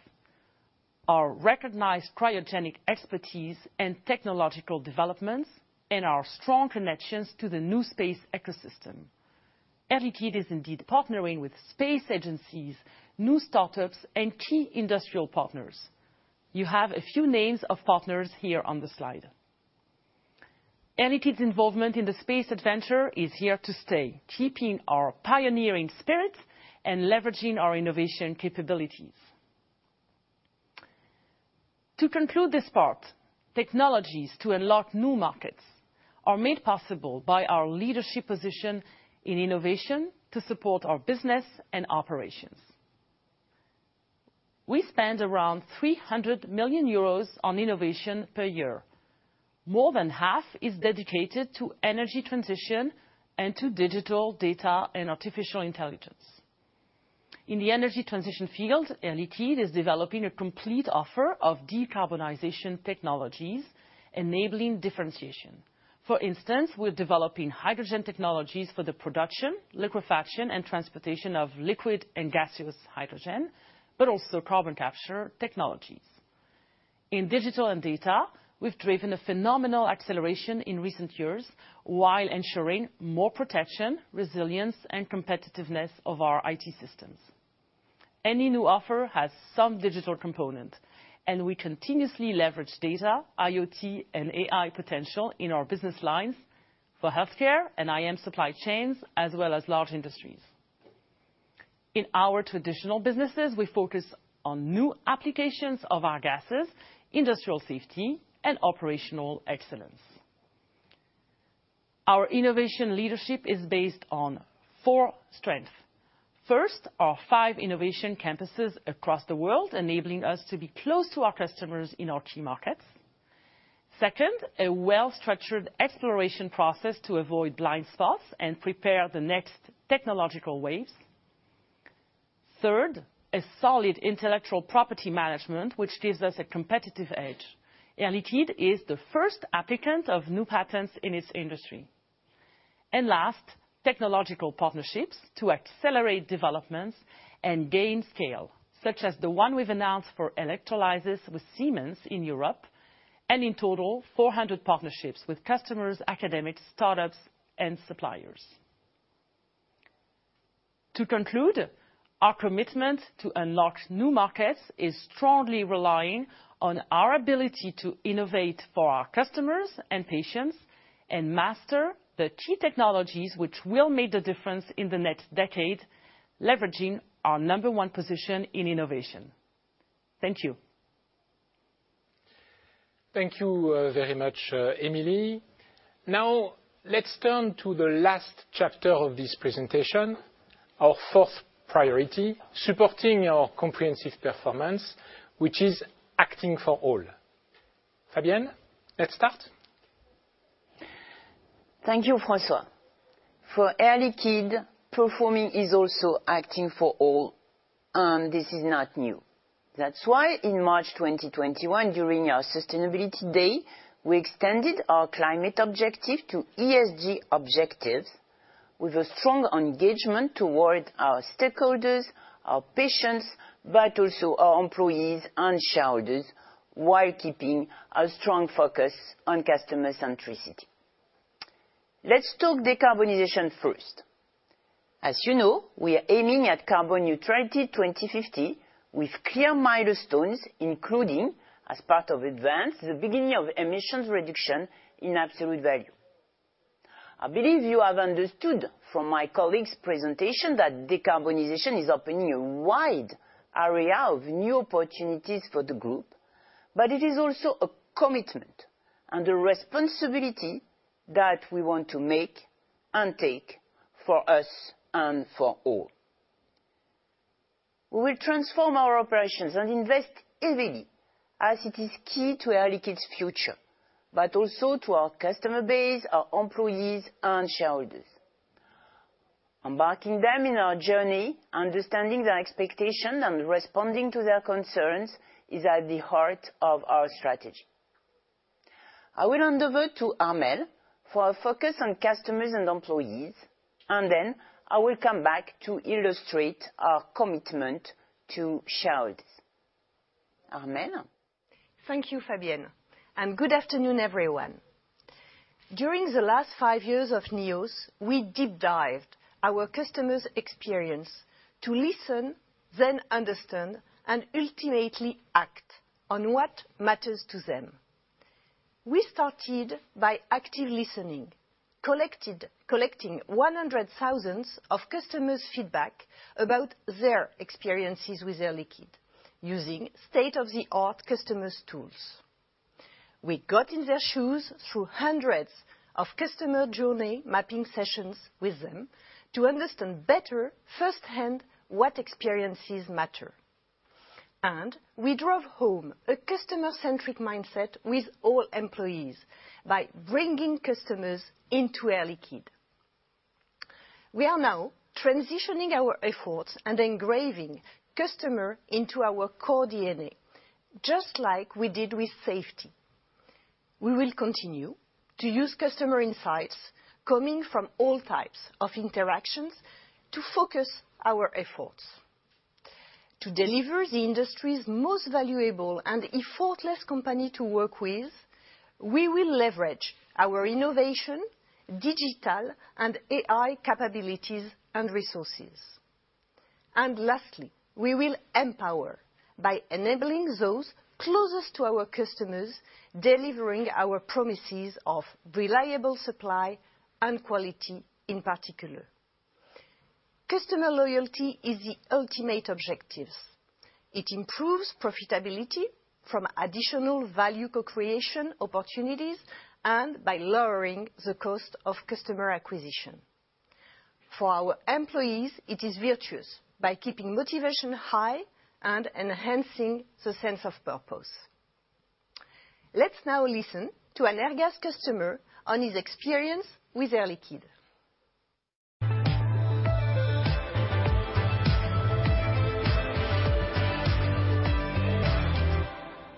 our recognized cryogenic expertise and technological developments, and our strong connections to the new space ecosystem. Air Liquide is indeed partnering with space agencies, new startups, and key industrial partners. You have a few names of partners here on the slide. Air Liquide's involvement in the space adventure is here to stay, keeping our pioneering spirit and leveraging our innovation capabilities. To conclude this part, technologies to unlock new markets are made possible by our leadership position in innovation to support our business and operations. We spend around 300 million euros on innovation per year. More than half is dedicated to energy transition and to digital data and artificial intelligence. In the energy transition field, Air Liquide is developing a complete offer of decarbonization technologies, enabling differentiation. For instance, we're developing hydrogen technologies for the production, liquefaction, and transportation of liquid and gaseous hydrogen, but also carbon capture technologies. In digital and data, we've driven a phenomenal acceleration in recent years while ensuring more protection, resilience, and competitiveness of our IT systems. Any new offer has some digital component, and we continuously leverage data, IoT, and AI potential in our business lines for healthcare and IM supply chains, as well as large industries. In our traditional businesses, we focus on new applications of our gases, industrial safety, and operational excellence. Our innovation leadership is based on four strengths. First, our five innovation campuses across the world, enabling us to be close to our customers in our key markets. Second, a well-structured exploration process to avoid blind spots and prepare the next technological waves. Third, a solid intellectual property management, which gives us a competitive edge. Air Liquide is the first applicant of new patents in its industry. Last, technological partnerships to accelerate developments and gain scale, such as the one we've announced for electrolyzers with Siemens in Europe, and in total, 400 partnerships with customers, academics, startups, and suppliers. To conclude, our commitment to unlock new markets is strongly relying on our ability to innovate for our customers and patients and master the key technologies which will make the difference in the next decade, leveraging our number one position in innovation. Thank you. Thank you, very much, Émilie. Now, let's turn to the last chapter of this presentation, our fourth priority, supporting our comprehensive performance, which is acting for all. Fabienne, let's start. Thank you, François. For Air Liquide, performing is also acting for all, and this is not new. That's why in March 2021, during our sustainability day, we extended our climate objective to ESG objectives with a strong engagement towards our stakeholders, our patients, but also our employees and shareholders, while keeping a strong focus on customer centricity. Let's talk decarbonization first. As you know, we are aiming at carbon neutrality 2050 with clear milestones, including, as part of ADVANCE, the beginning of emissions reduction in absolute value. I believe you have understood from my colleague's presentation that decarbonization is opening a wide area of new opportunities for the group, but it is also a commitment and a responsibility that we want to make and take for us and for all. We will transform our operations and invest heavily, as it is key to Air Liquide's future, but also to our customer base, our employees, and shareholders. Embarking them in our journey, understanding their expectation, and responding to their concerns is at the heart of our strategy. I will hand over to Armelle for our focus on customers and employees, and then I will come back to illustrate our commitment to shareholders. Armelle? Thank you, Fabienne, and good afternoon, everyone. During the last five years of NEOS, we deep dived our customers' experience to listen, then understand, and ultimately act on what matters to them. We started by active listening, collecting 100,000 customers' feedback about their experiences with Air Liquide using state-of-the-art customers' tools. We got in their shoes through hundreds of customer journey mapping sessions with them to understand better firsthand what experiences matter. We drove home a customer-centric mindset with all employees by bringing customers into Air Liquide. We are now transitioning our efforts and engraving customer into our core DNA, just like we did with safety. We will continue to use customer insights coming from all types of interactions to focus our efforts. To deliver the industry's most valuable and effortless company to work with, we will leverage our innovation, digital, and AI capabilities and resources. Lastly, we will empower by enabling those closest to our customers, delivering our promises of reliable supply and quality in particular. Customer loyalty is the ultimate objectives. It improves profitability from additional value co-creation opportunities and by lowering the cost of customer acquisition. For our employees, it is virtuous by keeping motivation high and enhancing the sense of purpose. Let's now listen to an Airgas customer on his experience with Air Liquide.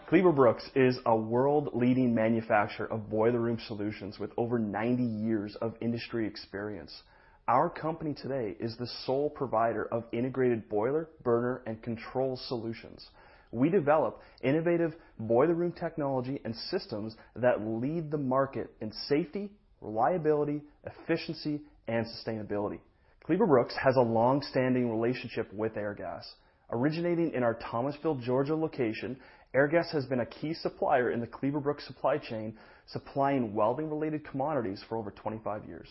Cleaver-Brooks is a world-leading manufacturer of boiler room solutions with over 90 years of industry experience. Our company today is the sole provider of integrated boiler, burner, and control solutions. We develop innovative boiler room technology and systems that lead the market in safety, reliability, efficiency, and sustainability. Cleaver-Brooks has a long-standing relationship with Airgas. Originating in our Thomasville, Georgia location, Airgas has been a key supplier in the Cleaver-Brooks supply chain, supplying welding related commodities for over 25 years.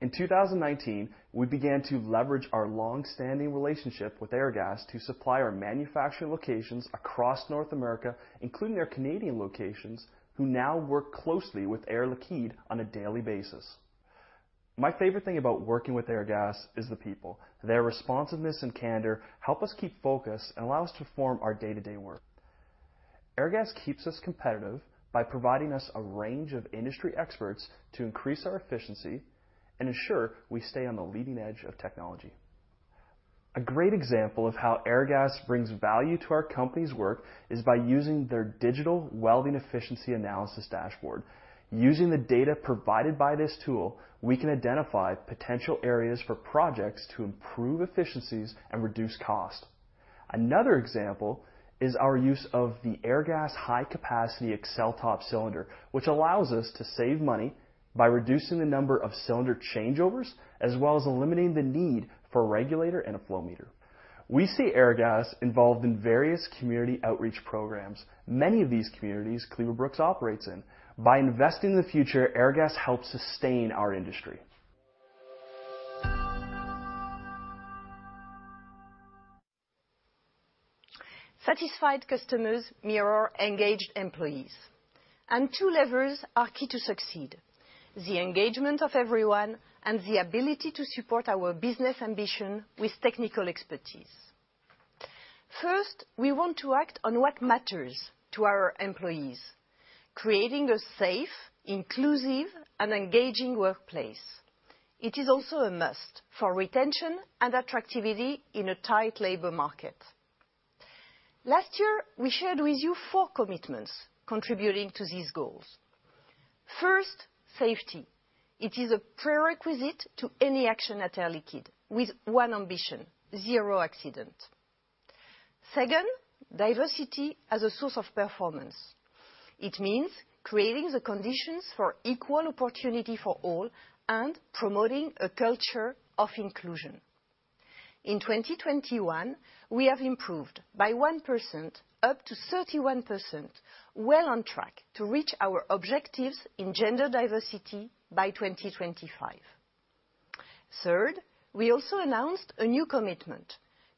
In 2019, we began to leverage our long-standing relationship with Airgas to supply our manufacturing locations across North America, including their Canadian locations, who now work closely with Air Liquide on a daily basis. My favorite thing about working with Airgas is the people. Their responsiveness and candor help us keep focused and allow us to perform our day-to-day work. Airgas keeps us competitive by providing us a range of industry experts to increase our efficiency and ensure we stay on the leading edge of technology. A great example of how Airgas brings value to our company's work is by using their digital welding efficiency analysis dashboard. Using the data provided by this tool, we can identify potential areas for projects to improve efficiencies and reduce cost. Another example is our use of the Airgas high capacity EXELTOP cylinder, which allows us to save money by reducing the number of cylinder changeovers, as well as eliminating the need for a regulator and a flow meter. We see Airgas involved in various community outreach programs, many of these communities Cleaver-Brooks operates in. By investing in the future, Airgas helps sustain our industry. Satisfied customers mirror engaged employees. Two levers are key to succeed, the engagement of everyone and the ability to support our business ambition with technical expertise. First, we want to act on what matters to our employees, creating a safe, inclusive, and engaging workplace. It is also a must for retention and attractivity in a tight labor market. Last year, we shared with you four commitments contributing to these goals. First, safety. It is a prerequisite to any action at Air Liquide with one ambition, zero accident. Second, diversity as a source of performance. It means creating the conditions for equal opportunity for all and promoting a culture of inclusion. In 2021, we have improved by 1% up to 31%, well on track to reach our objectives in gender diversity by 2025. Third, we also announced a new commitment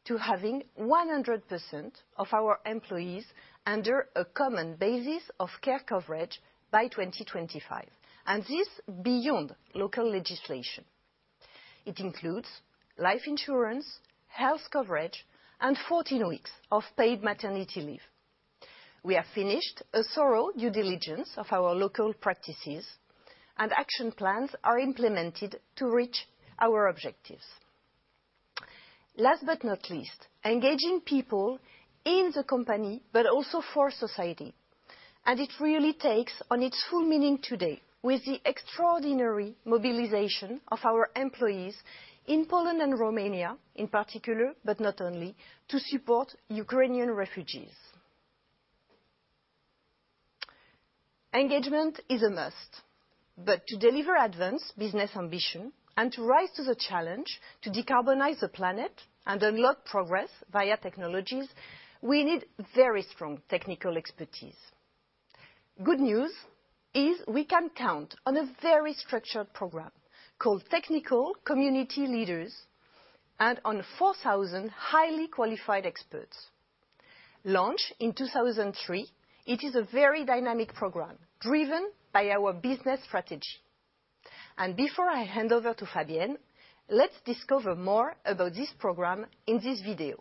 to having 100% of our employees under a common basis of care coverage by 2025, and this beyond local legislation. It includes life insurance, health coverage, and 14 weeks of paid maternity leave. We have finished a thorough due diligence of our local practices and action plans are implemented to reach our objectives. Last but not least, engaging people in the company, but also for society, and it really takes on its full meaning today with the extraordinary mobilization of our employees in Poland and Romania in particular, but not only, to support Ukrainian refugees. Engagement is a must, but to deliver ADVANCE business ambition and to rise to the challenge to decarbonize the planet and unlock progress via technologies, we need very strong technical expertise. Good news is we can count on a very structured program called Technical Community Leaders and on 4,000 highly qualified experts. Launched in 2003, it is a very dynamic program driven by our business strategy. Before I hand over to Fabienne, let's discover more about this program in this video.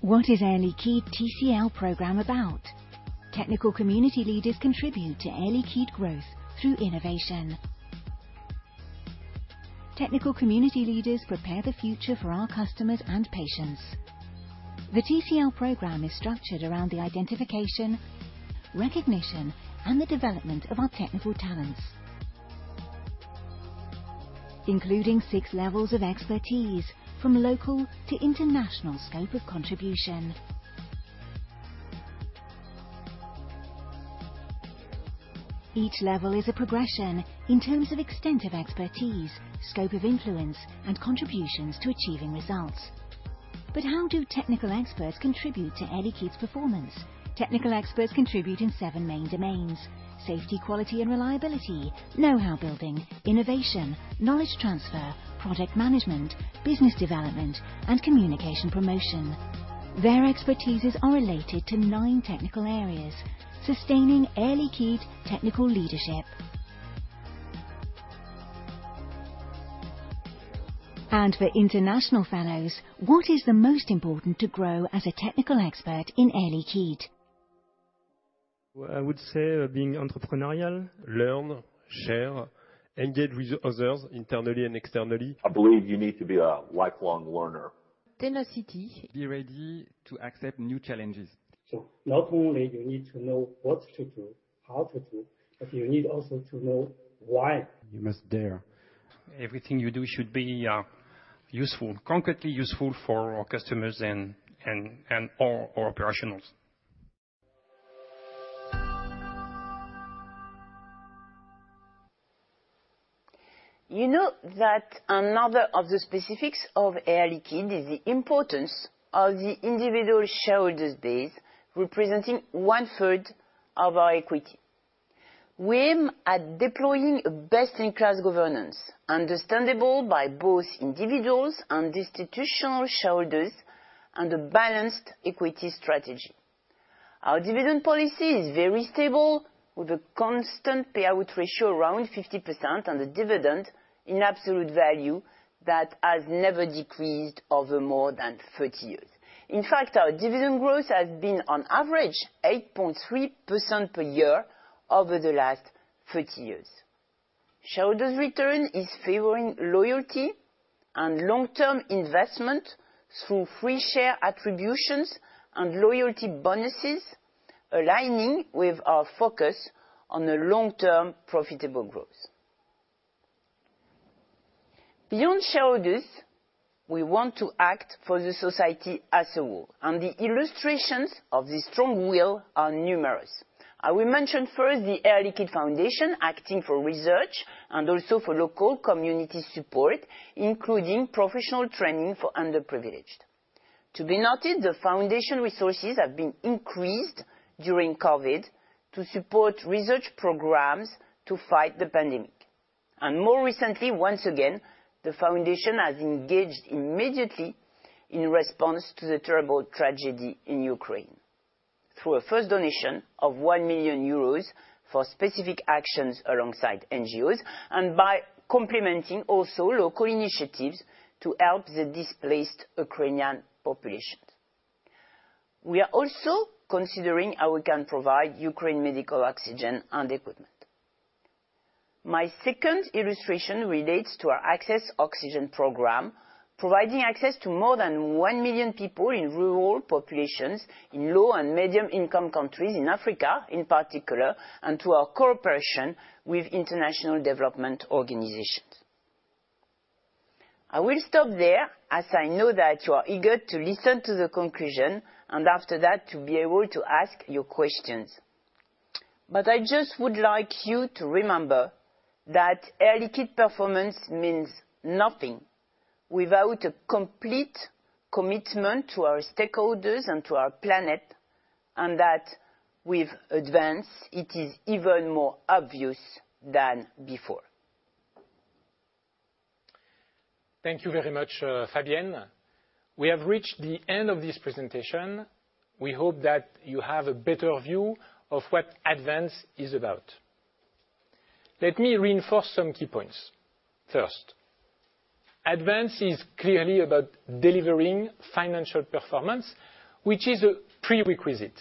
What is Air Liquide TCL program about? Technical Community Leaders contribute to Air Liquide growth through innovation. Technical Community Leaders prepare the future for our customers and patients. The TCL program is structured around the identification, recognition, and the development of our technical talents, including six levels of expertise from local to international scope of contribution. Each level is a progression in terms of extent of expertise, scope of influence, and contributions to achieving results. How do technical experts contribute to Air Liquide's performance? Technical experts contribute in seven main domains. Safety, quality, and reliability, know-how building, innovation, knowledge transfer, product management, business development, and communication promotion. Their expertises are related to nine technical areas, sustaining Air Liquide technical leadership. For international fellows, what is the most important to grow as a technical expert in Air Liquide? Well, I would say being entrepreneurial. Learn, share, engage with others internally and externally. I believe you need to be a lifelong learner. Tenacity. Be ready to accept new challenges. Not only you need to know what to do, how to do, but you need also to know why. You must dare. Everything you do should be useful, concretely useful for our customers and all our operationals. You know that another of the specifics of Air Liquide is the importance of the individual shareholders base, representing 1/3 of our equity. We aim at deploying a best-in-class governance, understandable by both individuals and institutional shareholders on the balanced equity strategy. Our dividend policy is very stable, with a constant payout ratio around 50% on the dividend in absolute value that has never decreased over more than 30 years. In fact, our dividend growth has been on average 8.3% per year over the last 30 years. Shareholders' return is favoring loyalty and long-term investment through free share attributions and loyalty bonuses, aligning with our focus on the long-term profitable growth. Beyond shareholders, we want to act for the society as a whole, and the illustrations of this strong will are numerous. I will mention first the Air Liquide Foundation acting for research and also for local community support, including professional training for underprivileged. To be noted, the foundation resources have been increased during COVID to support research programs to fight the pandemic. More recently, once again, the foundation has engaged immediately in response to the terrible tragedy in Ukraine through a first donation of 1 million euros for specific actions alongside NGOs and by complementing also local initiatives to help the displaced Ukrainian populations. We are also considering how we can provide Ukraine medical oxygen and equipment. My second illustration relates to our Access Oxygen program, providing access to more than 1 million people in rural populations in low and medium income countries in Africa in particular, and to our cooperation with international development organizations. I will stop there as I know that you are eager to listen to the conclusion and after that to be able to ask your questions. I just would like you to remember that Air Liquide performance means nothing without a complete commitment to our stakeholders and to our planet, and that with ADVANCE it is even more obvious than before. Thank you very much, Fabienne. We have reached the end of this presentation. We hope that you have a better view of what ADVANCE is about. Let me reinforce some key points. First, ADVANCE is clearly about delivering financial performance, which is a prerequisite.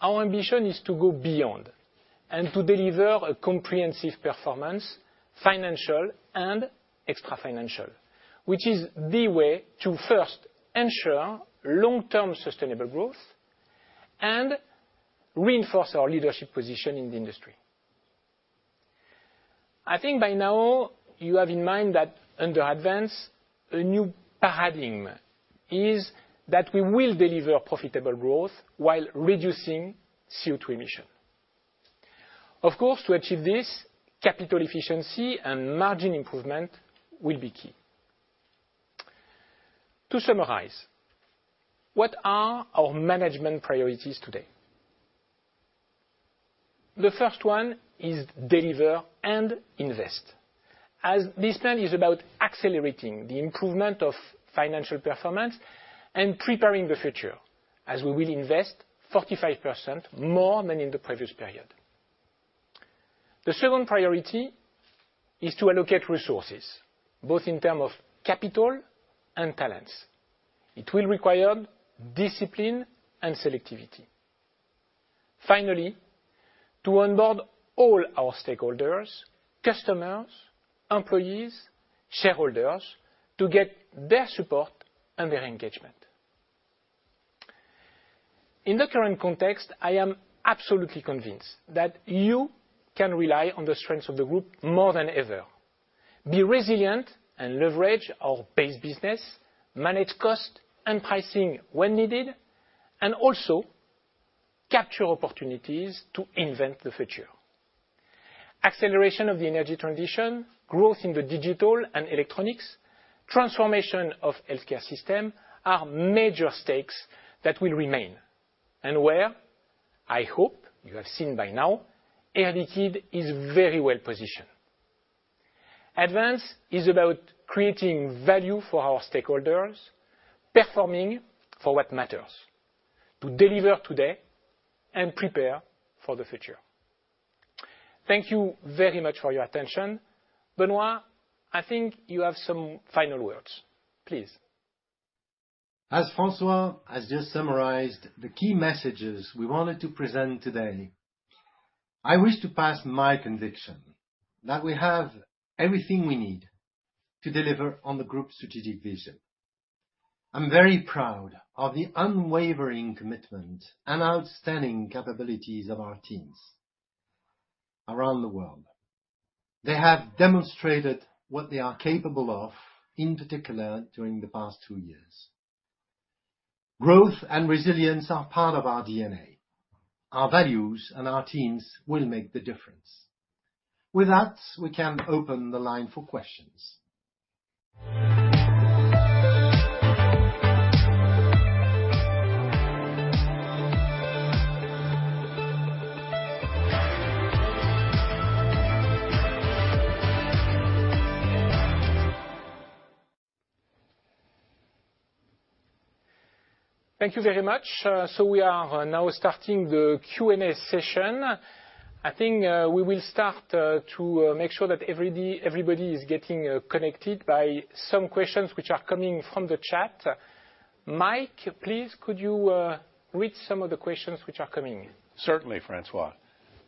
Our ambition is to go beyond and to deliver a comprehensive performance, financial and extra-financial, which is the way to first ensure long-term sustainable growth and reinforce our leadership position in the industry. I think by now you have in mind that under ADVANCE, a new paradigm is that we will deliver profitable growth while reducing CO₂ emission. Of course, to achieve this, capital efficiency and margin improvement will be key. To summarize, what are our management priorities today? The first one is deliver and invest, as this plan is about accelerating the improvement of financial performance and preparing the future as we will invest 45% more than in the previous period. The second priority is to allocate resources, both in terms of capital and talents. It will require discipline and selectivity. Finally, to onboard all our stakeholders, customers, employees, shareholders to get their support and their engagement. In the current context, I am absolutely convinced that you can rely on the strength of the group more than ever. Be resilient and leverage our base business, manage cost and pricing when needed, and also capture opportunities to invent the future. Acceleration of the energy transition, growth in the digital and electronics, transformation of healthcare system are major stakes that will remain, and where I hope you have seen by now Air Liquide is very well-positioned. ADVANCE is about creating value for our stakeholders, performing for what matters, to deliver today and prepare for the future. Thank you very much for your attention. Benoît, I think you have some final words. Please. As François has just summarized the key messages we wanted to present today, I wish to pass my conviction that we have everything we need to deliver on the group strategic vision. I'm very proud of the unwavering commitment and outstanding capabilities of our teams around the world. They have demonstrated what they are capable of, in particular during the past two years. Growth and resilience are part of our DNA. Our values and our teams will make the difference. With that, we can open the line for questions. Thank you very much. We are now starting the Q&A session. I think we will start to make sure that everybody is getting connected by some questions which are coming from the chat. Mike, please could you read some of the questions which are coming in? Certainly, François.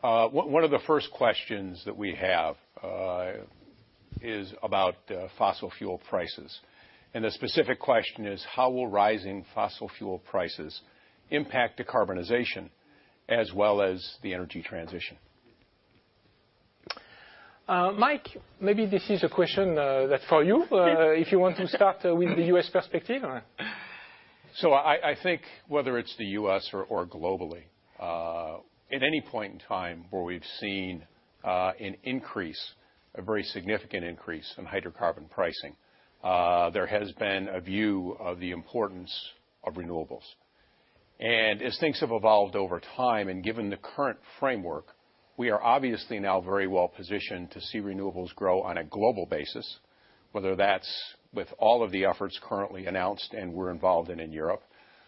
One of the first questions that we have is about fossil fuel prices, and the specific question is how will rising fossil fuel prices impact decarbonization as well as the energy transition? Mike, maybe this is a question that's for you if you want to start with the U.S. perspective. I think whether it's the U.S. or globally, at any point in time where we've seen an increase, a very significant increase in hydrocarbon pricing, there has been a view of the importance of renewables. As things have evolved over time and given the current framework, we are obviously now very well-positioned to see renewables grow on a global basis, whether that's with all of the efforts currently announced and we're involved in in Europe,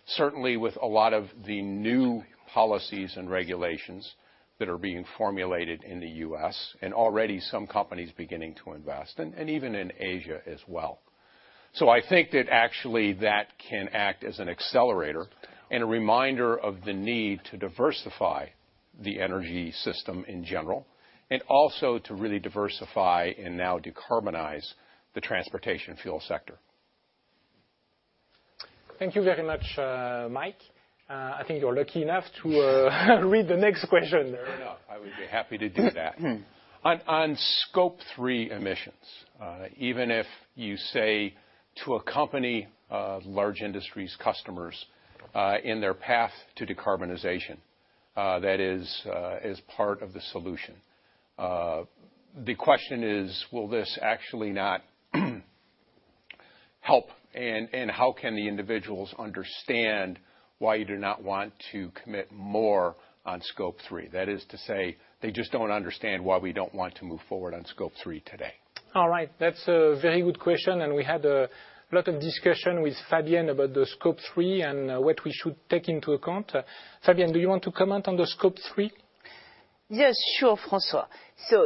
certainly with a lot of the new policies and regulations that are being formulated in the U.S. and already some companies beginning to invest, and even in Asia as well. I think that actually that can act as an accelerator and a reminder of the need to diversify the energy system in general and also to really diversify and now decarbonize the transportation fuel sector. Thank you very much, Mike. I think you're lucky enough to read the next question. Fair enough. I would be happy to do that. Mm. On Scope 3 emissions, even if you say to accompany large industrial customers in their path to decarbonization, that is part of the solution. The question is, will this actually not help? How can the individuals understand why you do not want to commit more on Scope 3? That is to say, they just don't understand why we don't want to move forward on Scope 3 today. All right. That's a very good question, and we had a lot of discussion with Fabienne about the Scope 3 and what we should take into account. Fabienne, do you want to comment on the Scope 3? Yes. Sure, François.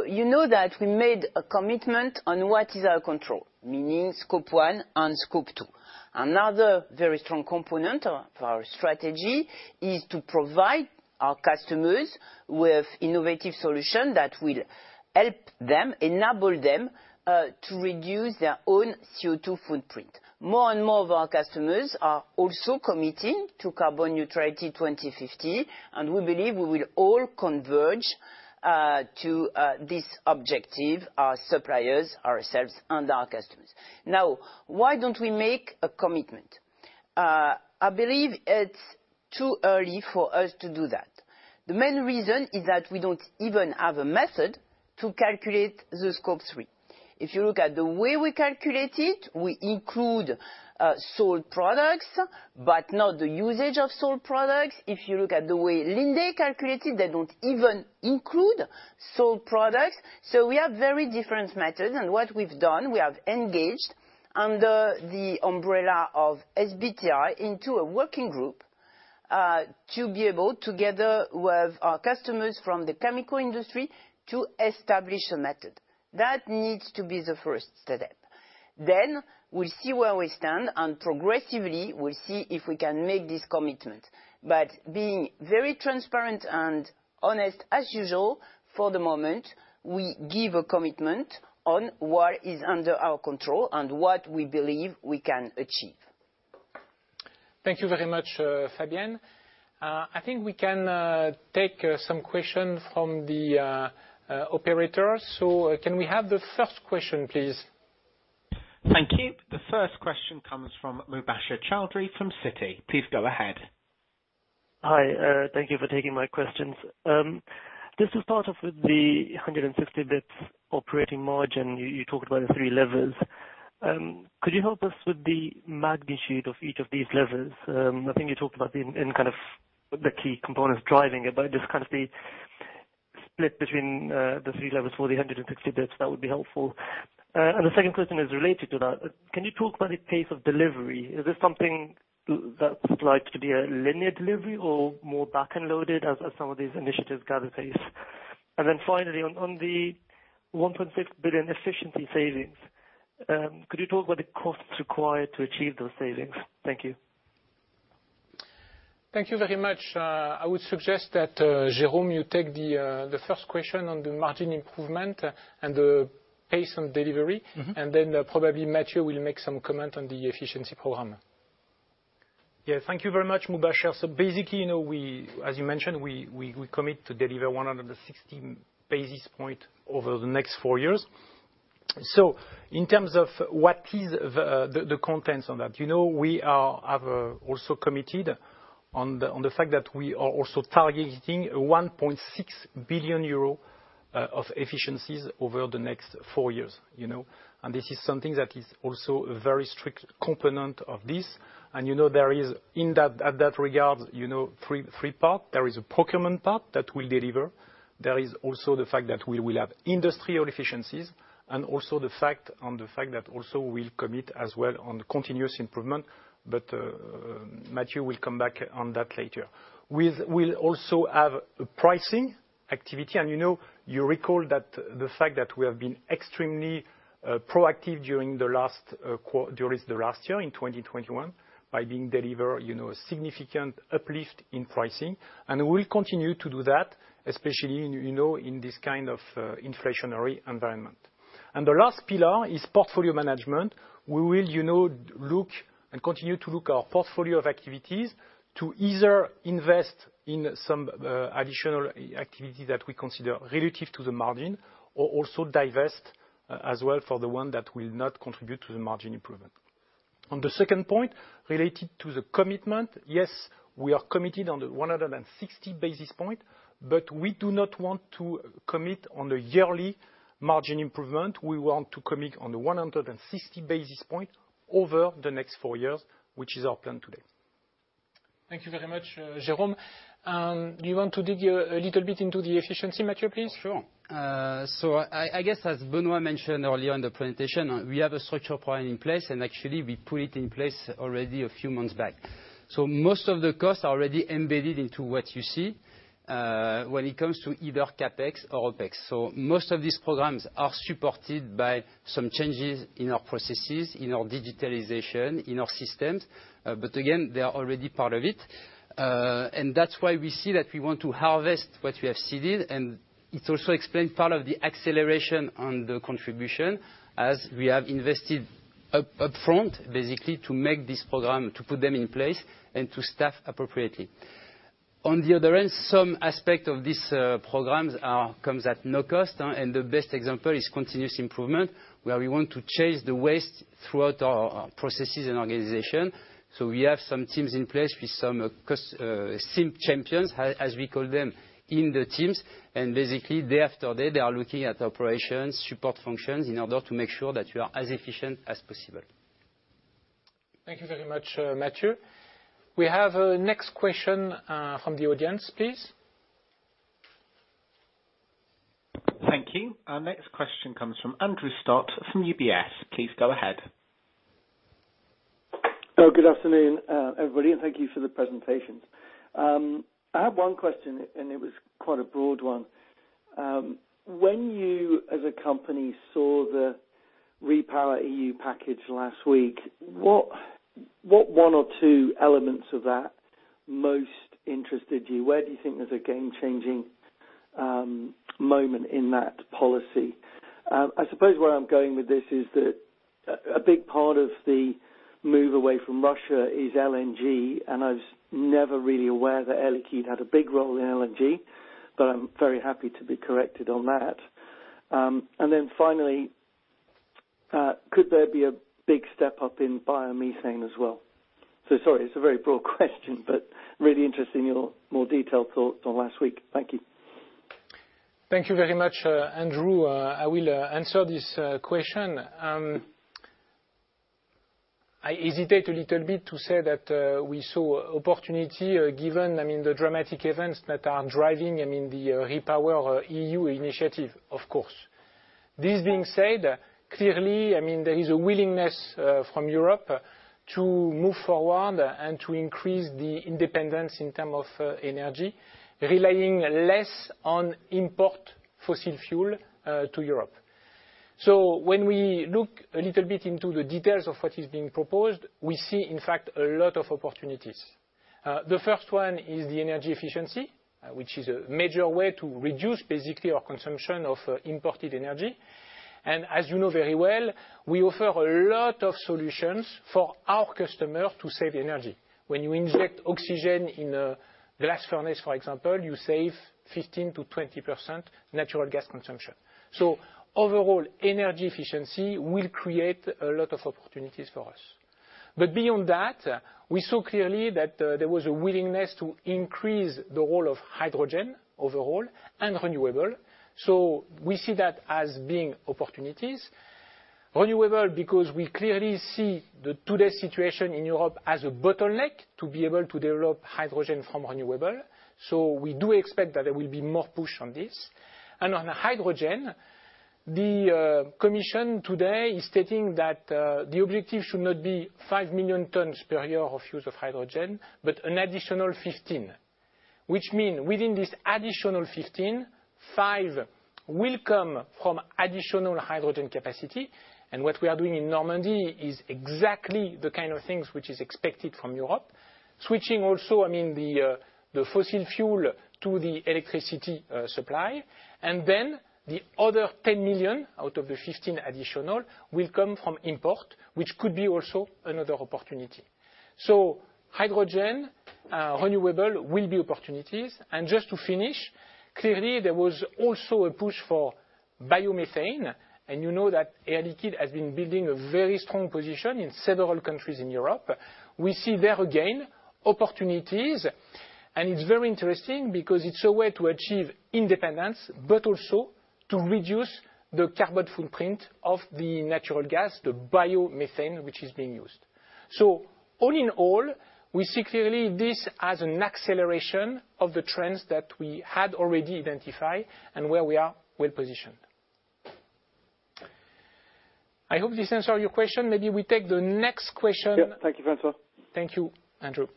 You know that we made a commitment on what is our control, meaning scope one and scope two. Another very strong component of our strategy is to provide our customers with innovative solution that will help them, enable them to reduce their own CO2 footprint. More and more of our customers are also committing to carbon neutrality 2050, and we believe we will all converge to this objective, our suppliers, ourselves and our customers. Now, why don't we make a commitment? I believe it's too early for us to do that. The main reason is that we don't even have a method to calculate the scope three. If you look at the way we calculate it, we include sold products, but not the usage of sold products. If you look at the way Linde calculated, they don't even include sold products. We have very different methods. What we've done, we have engaged under the umbrella of SBTi into a working group, to be able, together with our customers from the chemical industry, to establish a method. That needs to be the first step. Then we'll see where we stand, and progressively we'll see if we can make this commitment. Being very transparent and honest, as usual, for the moment, we give a commitment on what is under our control and what we believe we can achieve. Thank you very much, Fabienne. I think we can take some questions from the operator. Can we have the first question, please? Thank you. The first question comes from Mubasher Chaudhry from Citi. Please go ahead. Hi. Thank you for taking my questions. Just as part of the 160 basis points operating margin, you talked about the three levers. Could you help us with the magnitude of each of these levers? I think you talked about kind of the key components driving it, but just kind of the split between the three levers for the 160 basis points, that would be helpful. The second question is related to that. Can you talk about the pace of delivery? Is this something that's likely to be a linear delivery or more back-end loaded as some of these initiatives gather pace? Then finally, on the 1.6 billion efficiency savings, could you talk about the costs required to achieve those savings? Thank you. Thank you very much. I would suggest that, Jérôme, you take the first question on the margin improvement and the pace on delivery. Mm-hmm. Probably Mathieu will make some comment on the efficiency program. Yeah. Thank you very much, Mubasher. Basically, you know, as you mentioned, we commit to deliver 160 basis points over the next four years. In terms of what is the contents on that, you know, we have also committed on the fact that we are also targeting 1.6 billion euro of efficiencies over the next four years, you know. This is something that is also a very strict component of this. You know, there is in that, at that regard, you know, three parts. There is a procurement part that will deliver. There is also the fact that we will have industrial efficiencies, and also the fact that also we'll commit as well on continuous improvement. Mathieu will come back on that later. We'll also have a pricing activity. You know, you recall that the fact that we have been extremely proactive during the last year in 2021 by delivering, you know, a significant uplift in pricing. We'll continue to do that, especially in, you know, in this kind of inflationary environment. The last pillar is portfolio management. We will, you know, look and continue to look our portfolio of activities to either invest in some additional activity that we consider relevant to the margin or also divest as well for the one that will not contribute to the margin improvement. On the second point, related to the commitment, yes, we are committed on the 160 basis points, but we do not want to commit on a yearly margin improvement. We want to commit on the 160 basis points over the next 4 years, which is our plan today. Thank you very much, Jérôme. Do you want to dig a little bit into the efficiency, Mathieu, please? Sure. I guess, as Benoît mentioned earlier in the presentation, we have a structural plan in place, and actually we put it in place already a few months back. Most of the costs are already embedded into what you see, when it comes to either CapEx or OpEx. Most of these programs are supported by some changes in our processes, in our digitalization, in our systems. Again, they are already part of it. That's why we see that we want to harvest what we have seeded. It also explains part of the acceleration on the contribution as we have invested upfront, basically, to make this program, to put them in place and to staff appropriately. On the other end, some aspect of these programs comes at no cost, and the best example is continuous improvement, where we want to chase the waste throughout our processes and organization. We have some teams in place with some SIM champions, as we call them, in the teams, and basically day after day, they are looking at operations, support functions, in order to make sure that we are as efficient as possible. Thank you very much, Mathieu. We have the next question from the audience, please. Thank you. Our next question comes from Andrew Stott from UBS. Please go ahead. Oh, good afternoon, everybody, and thank you for the presentations. I have one question, and it was quite a broad one. When you as a company saw the REPowerEU package last week, what one or two elements of that most interested you? Where do you think there's a game-changing moment in that policy? I suppose where I'm going with this is that a big part of the move away from Russia is LNG, and I was never really aware that Air Liquide had a big role in LNG, but I'm very happy to be corrected on that. And then finally, could there be a big step up in biomethane as well? Sorry, it's a very broad question, but I'm really interested in your more detailed thoughts on last week. Thank you. Thank you very much, Andrew. I will answer this question. I hesitate a little bit to say that we saw opportunity given, I mean, the dramatic events that are driving, I mean, the REPowerEU initiative, of course. This being said, clearly, I mean, there is a willingness from Europe to move forward and to increase the independence in terms of energy, relying less on imported fossil fuel to Europe. When we look a little bit into the details of what is being proposed, we see in fact a lot of opportunities. The first one is the energy efficiency, which is a major way to reduce basically our consumption of imported energy. As you know very well, we offer a lot of solutions for our customer to save energy. When you inject oxygen in a glass furnace, for example, you save 15%-20% natural gas consumption. Overall, energy efficiency will create a lot of opportunities for us. Beyond that, we saw clearly that there was a willingness to increase the role of hydrogen overall and renewable. We see that as being opportunities. Renewable, because we clearly see the today situation in Europe as a bottleneck to be able to develop hydrogen from renewable. We do expect that there will be more push on this. On hydrogen, the commission today is stating that the objective should not be 5 million tons per year of use of hydrogen, but an additional 15, which mean within this additional 15, 5 will come from additional hydrogen capacity. What we are doing in Normandy is exactly the kind of things which is expected from Europe, switching also, I mean, the fossil fuel to the electricity supply. Then the other 10 million out of the 15 additional will come from import, which could be also another opportunity. Hydrogen, renewable will be opportunities. Just to finish, clearly, there was also a push for biomethane, and you know that Air Liquide has been building a very strong position in several countries in Europe. We see there again, opportunities, and it's very interesting because it's a way to achieve independence, but also to reduce the carbon footprint of the natural gas, the biomethane which is being used. All in all, we see clearly this as an acceleration of the trends that we had already identified and where we are well-positioned. I hope this answered your question. Maybe we take the next question. Yep. Thank you, François Jackow. Thank you, Andrew.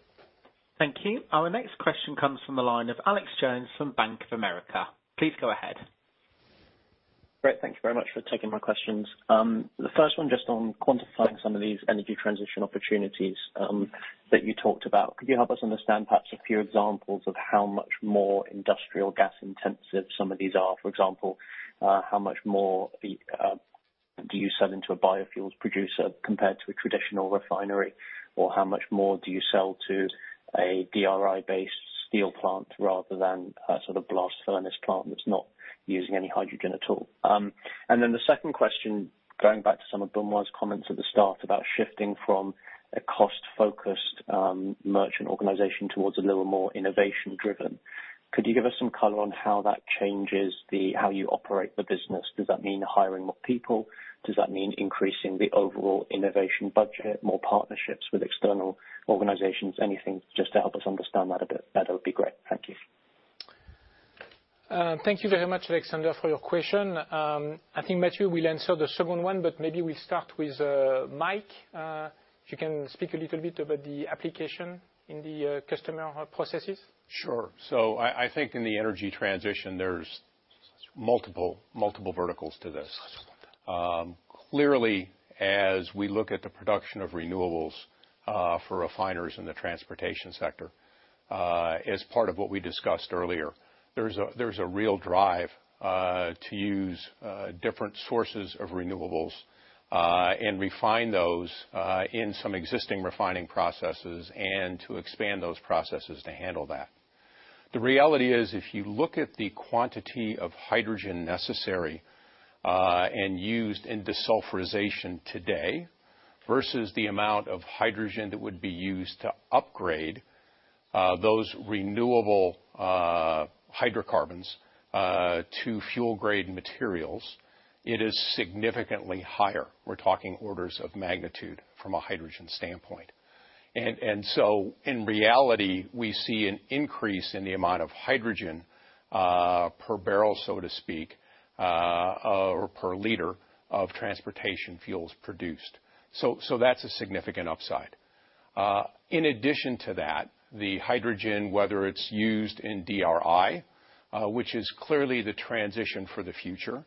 Thank you. Our next question comes from the line of Alex Jones from Bank of America. Please go ahead. Great. Thank you very much for taking my questions. The first one just on quantifying some of these energy transition opportunities that you talked about. Could you help us understand perhaps a few examples of how much more industrial gas intensive some of these are? For example, how much more do you sell into a biofuels producer compared to a traditional refinery? Or how much more do you sell to a DRI-based steel plant rather than a sort of blast furnace plant that's not using any hydrogen at all? The second question, going back to some of Benoît's comments at the start about shifting from a cost-focused merchant organization towards a little more innovation-driven. Could you give us some color on how that changes how you operate the business? Does that mean hiring more people? Does that mean increasing the overall innovation budget, more partnerships with external organizations? Anything just to help us understand that a bit, that'll be great. Thank you. Thank you very much, Alexander, for your question. I think Mathieu will answer the second one, but maybe we start with Mike. If you can speak a little bit about the application in the customer processes. Sure. I think in the energy transition, there's multiple verticals to this. Clearly, as we look at the production of renewables, for refiners in the transportation sector, as part of what we discussed earlier, there's a real drive to use different sources of renewables, and refine those in some existing refining processes and to expand those processes to handle that. The reality is, if you look at the quantity of hydrogen necessary and used in desulfurization today versus the amount of hydrogen that would be used to upgrade those renewable hydrocarbons to fuel-grade materials, it is significantly higher. We're talking orders of magnitude from a hydrogen standpoint. In reality, we see an increase in the amount of hydrogen per barrel, so to speak, or per liter of transportation fuels produced. That's a significant upside. In addition to that, the hydrogen, whether it's used in DRI, which is clearly the transition for the future,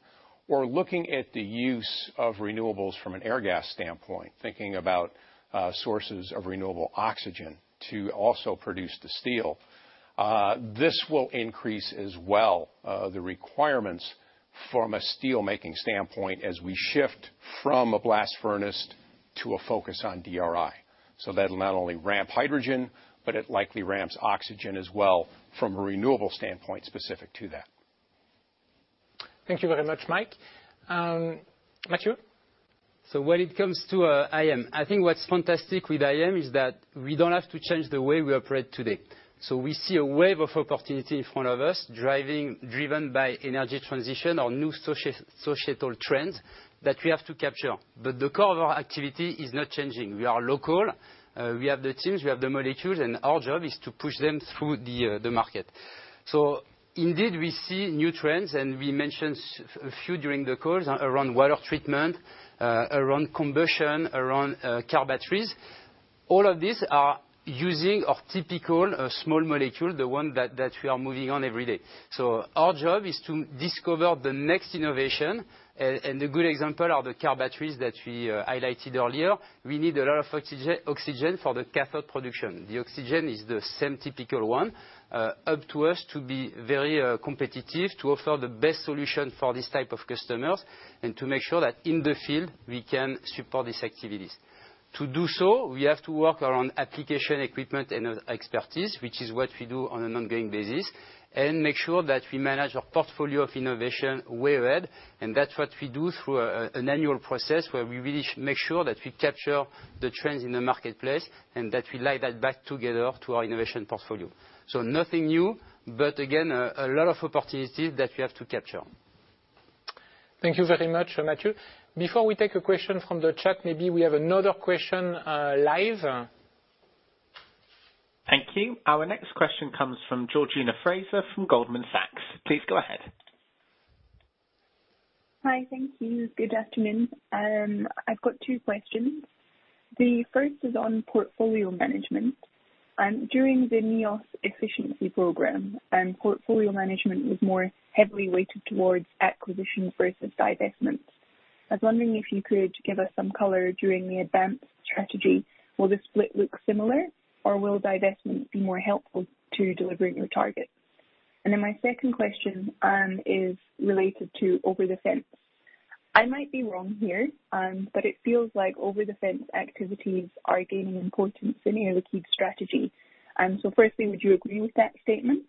or looking at the use of renewables from an Airgas standpoint, thinking about sources of renewable oxygen to also produce the steel, this will increase as well the requirements from a steelmaking standpoint as we shift from a blast furnace to a focus on DRI. That'll not only ramp hydrogen, but it likely ramps oxygen as well from a renewable standpoint specific to that. Thank you very much, Mike. Mathieu? When it comes to IM, I think what's fantastic with IM is that we don't have to change the way we operate today. We see a wave of opportunity in front of us, driven by energy transition or new societal trends that we have to capture. The core of our activity is not changing. We are local, we have the teams, we have the molecules, and our job is to push them through the market. Indeed, we see new trends, and we mentioned a few during the calls around water treatment, around combustion, around car batteries. All of these are using our typical small molecule, the one that we are moving on every day. Our job is to discover the next innovation. A good example are the car batteries that we highlighted earlier. We need a lot of oxygen for the cathode production. The oxygen is the same typical one, up to us to be very competitive, to offer the best solution for these type of customers, and to make sure that in the field we can support these activities. To do so, we have to work around application equipment and expertise, which is what we do on an ongoing basis, and make sure that we manage our portfolio of innovation well. That's what we do through an annual process where we really make sure that we capture the trends in the marketplace and that we lay that back together to our innovation portfolio. Nothing new, but again, a lot of opportunities that we have to capture. Thank you very much, Mathieu. Before we take a question from the chat, maybe we have another question, live. Thank you. Our next question comes from Georgina Fraser from Goldman Sachs. Please go ahead. Hi. Thank you. Good afternoon. I've got two questions. The first is on portfolio management. During the NEOS efficiency program, portfolio management was more heavily weighted towards acquisition versus divestments. I was wondering if you could give us some color during the ADVANCE strategy. Will the split look similar, or will divestment be more helpful to delivering your targets? My second question is related to over the fence. I might be wrong here, but it feels like over the fence activities are gaining importance in Air Liquide strategy. Firstly, would you agree with that statement?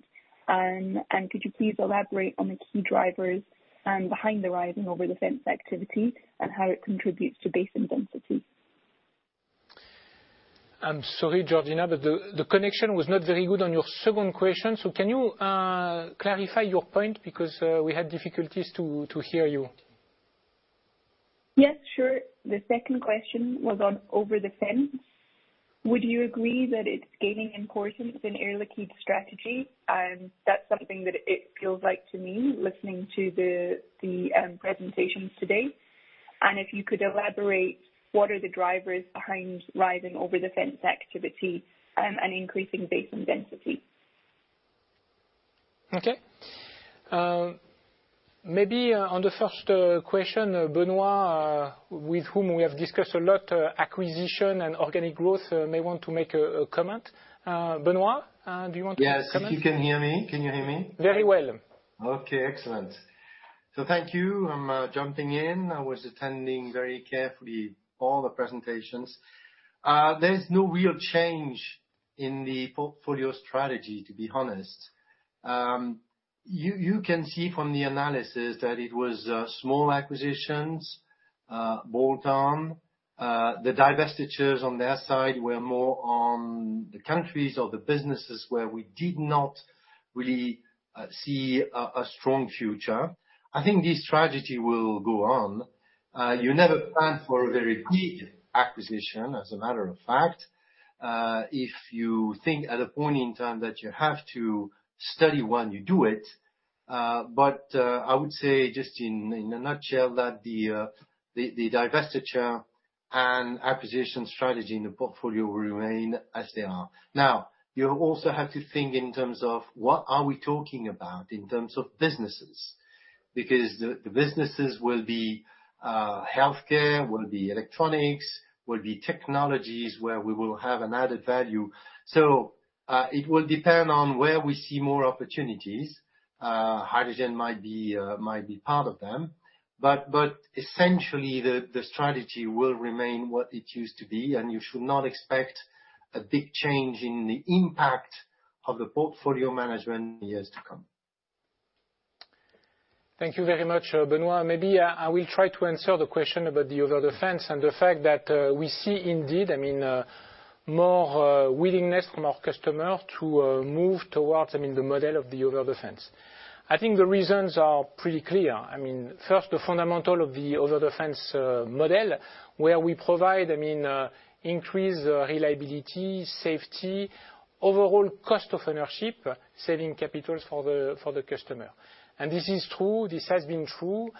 Could you please elaborate on the key drivers behind the rising over the fence activity and how it contributes to basin density? I'm sorry, Georgina, but the connection was not very good on your second question, so can you clarify your point because we had difficulties to hear you? Yes, sure. The second question was on over the fence. Would you agree that it's gaining importance in Air Liquide strategy? That's something that it feels like to me, listening to the presentations today. If you could elaborate, what are the drivers behind rising over the fence activity, and increasing basin density? Okay. Maybe on the first question, Benoît, with whom we have discussed a lot acquisition and organic growth, may want to make a comment. Benoît, do you want to comment? Yes. If you can hear me? Can you hear me? Very well. Okay, excellent. Thank you. I'm jumping in. I was attending very carefully all the presentations. There's no real change in the portfolio strategy, to be honest. You can see from the analysis that it was small acquisitions, bolt on. The divestitures on their side were more on the countries or the businesses where we did not really see a strong future. I think this strategy will go on. You never plan for a very big acquisition, as a matter of fact. If you think at a point in time that you have to study one, you do it. I would say just in a nutshell that the divestiture and acquisition strategy in the portfolio will remain as they are. Now, you also have to think in terms of what are we talking about in terms of businesses. Because the businesses will be healthcare, will be electronics, will be technologies where we will have an added value. It will depend on where we see more opportunities. Hydrogen might be part of them, but essentially the strategy will remain what it used to be, and you should not expect a big change in the impact of the portfolio management in the years to come. Thank you very much, Benoît. Maybe I will try to answer the question about the over the fence and the fact that we see indeed, I mean, more willingness from our customer to move towards, I mean, the model of the over the fence. I think the reasons are pretty clear. I mean, first, the fundamental of the over the fence model where we provide, I mean, increased reliability, safety, overall cost of ownership, saving capitals for the customer. This is true, this has been true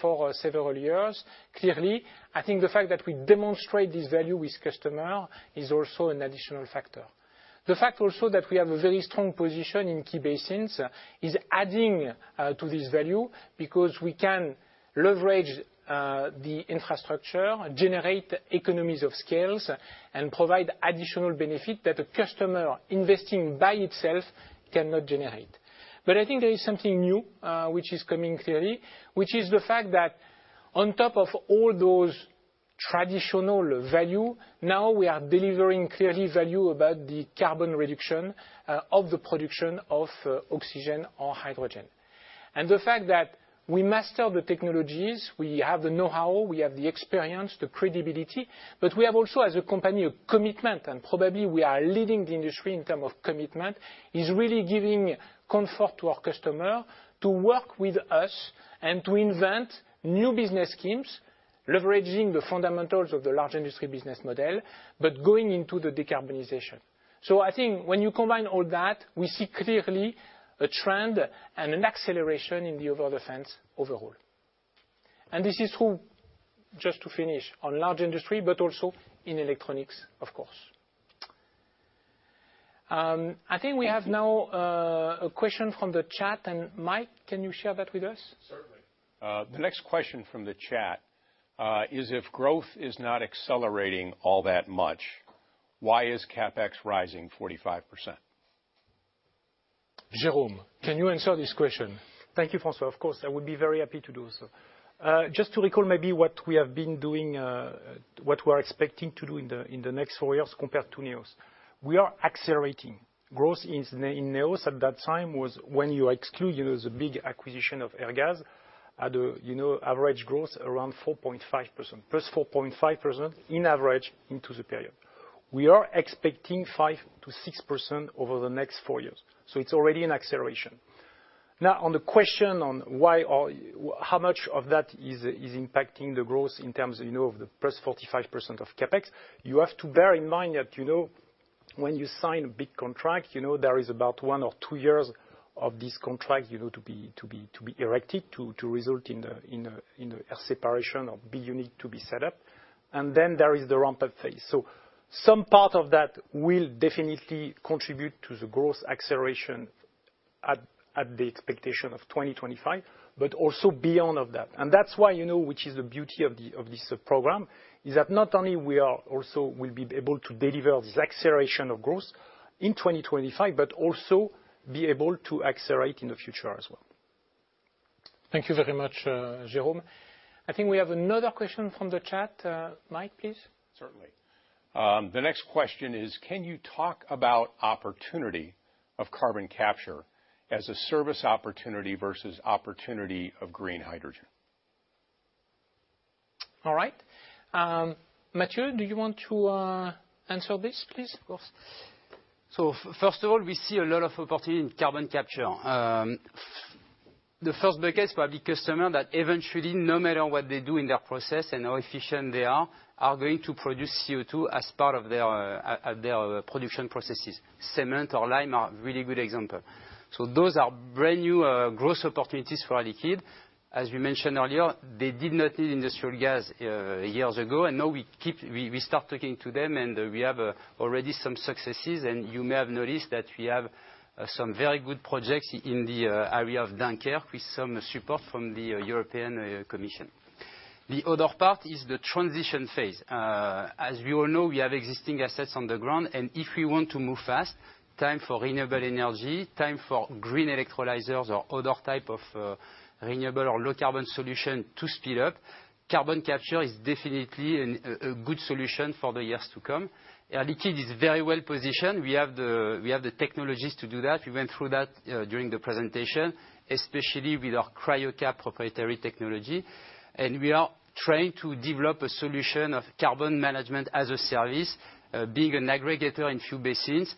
for several years. Clearly, I think the fact that we demonstrate this value with customer is also an additional factor. The fact also that we have a very strong position in key basins is adding to this value because we can leverage the infrastructure, generate economies of scale, and provide additional benefit that a customer investing by itself cannot generate. I think there is something new which is coming clearly, which is the fact that on top of all those traditional value, now we are delivering clearly value about the carbon reduction of the production of oxygen or hydrogen. The fact that we master the technologies, we have the know-how, we have the experience, the credibility, but we have also as a company a commitment, and probably we are leading the industry in terms of commitment, is really giving comfort to our customers to work with us and to invent new business schemes, leveraging the fundamentals of the large industry business model, but going into the decarbonization. I think when you combine all that, we see clearly a trend and an acceleration in the over-the-fence overall. This is true, just to finish, on large industry, but also in electronics, of course. I think we have now a question from the chat, and Mike, can you share that with us? Certainly. The next question from the chat is if growth is not accelerating all that much, why is CapEx rising 45%? Jérôme, can you answer this question? Thank you, François. Of course, I would be very happy to do so. Just to recall maybe what we have been doing, what we're expecting to do in the next four years compared to NEOS. We are accelerating. Growth in NEOS at that time was when you exclude, you know, the big acquisition of Airgas at a, you know, average growth around 4.5%. Plus 4.5% in average into the period. We are expecting 5%-6% over the next four years, so it's already an acceleration. Now, on the question on why or how much of that is impacting the growth in terms, you know, of the plus 45% of CapEx, you have to bear in mind that, you know, when you sign a big contract, you know, there is about one or two years of this contract, you know, to be erected to result in a air separation or big unit to be set up. Then there is the ramp-up phase. Some part of that will definitely contribute to the growth acceleration at the expectation of 2025, but also beyond of that. That's why, you know, which is the beauty of this program, is that not only we will also be able to deliver this acceleration of growth in 2025, but also be able to accelerate in the future as well. Thank you very much, Jérôme. I think we have another question from the chat. Mike, please. Certainly. The next question is, can you talk about opportunity of carbon capture as a service opportunity versus opportunity of green hydrogen? All right. Mathieu, do you want to answer this, please? Of course. First of all, we see a lot of opportunity in carbon capture. The first buckets will be customer that eventually, no matter what they do in their process and how efficient they are going to produce CO2 as part of their production processes. Cement or lime are really good example. Those are brand new growth opportunities for Air Liquide. As we mentioned earlier, they did not need industrial gas years ago, and now we start talking to them and we have already some successes. You may have noticed that we have some very good projects in the area of Dunkirk with some support from the European Commission. The other part is the transition phase. As we all know, we have existing assets on the ground, and if we want to move fast, time for renewable energy, time for green electrolyzers or other type of renewable or low carbon solution to speed up, carbon capture is definitely a good solution for the years to come. Air Liquide is very well positioned. We have the technologies to do that. We went through that during the presentation, especially with our CryoCap™ proprietary technology. We are trying to develop a solution of carbon management as a service, being an aggregator in few basins,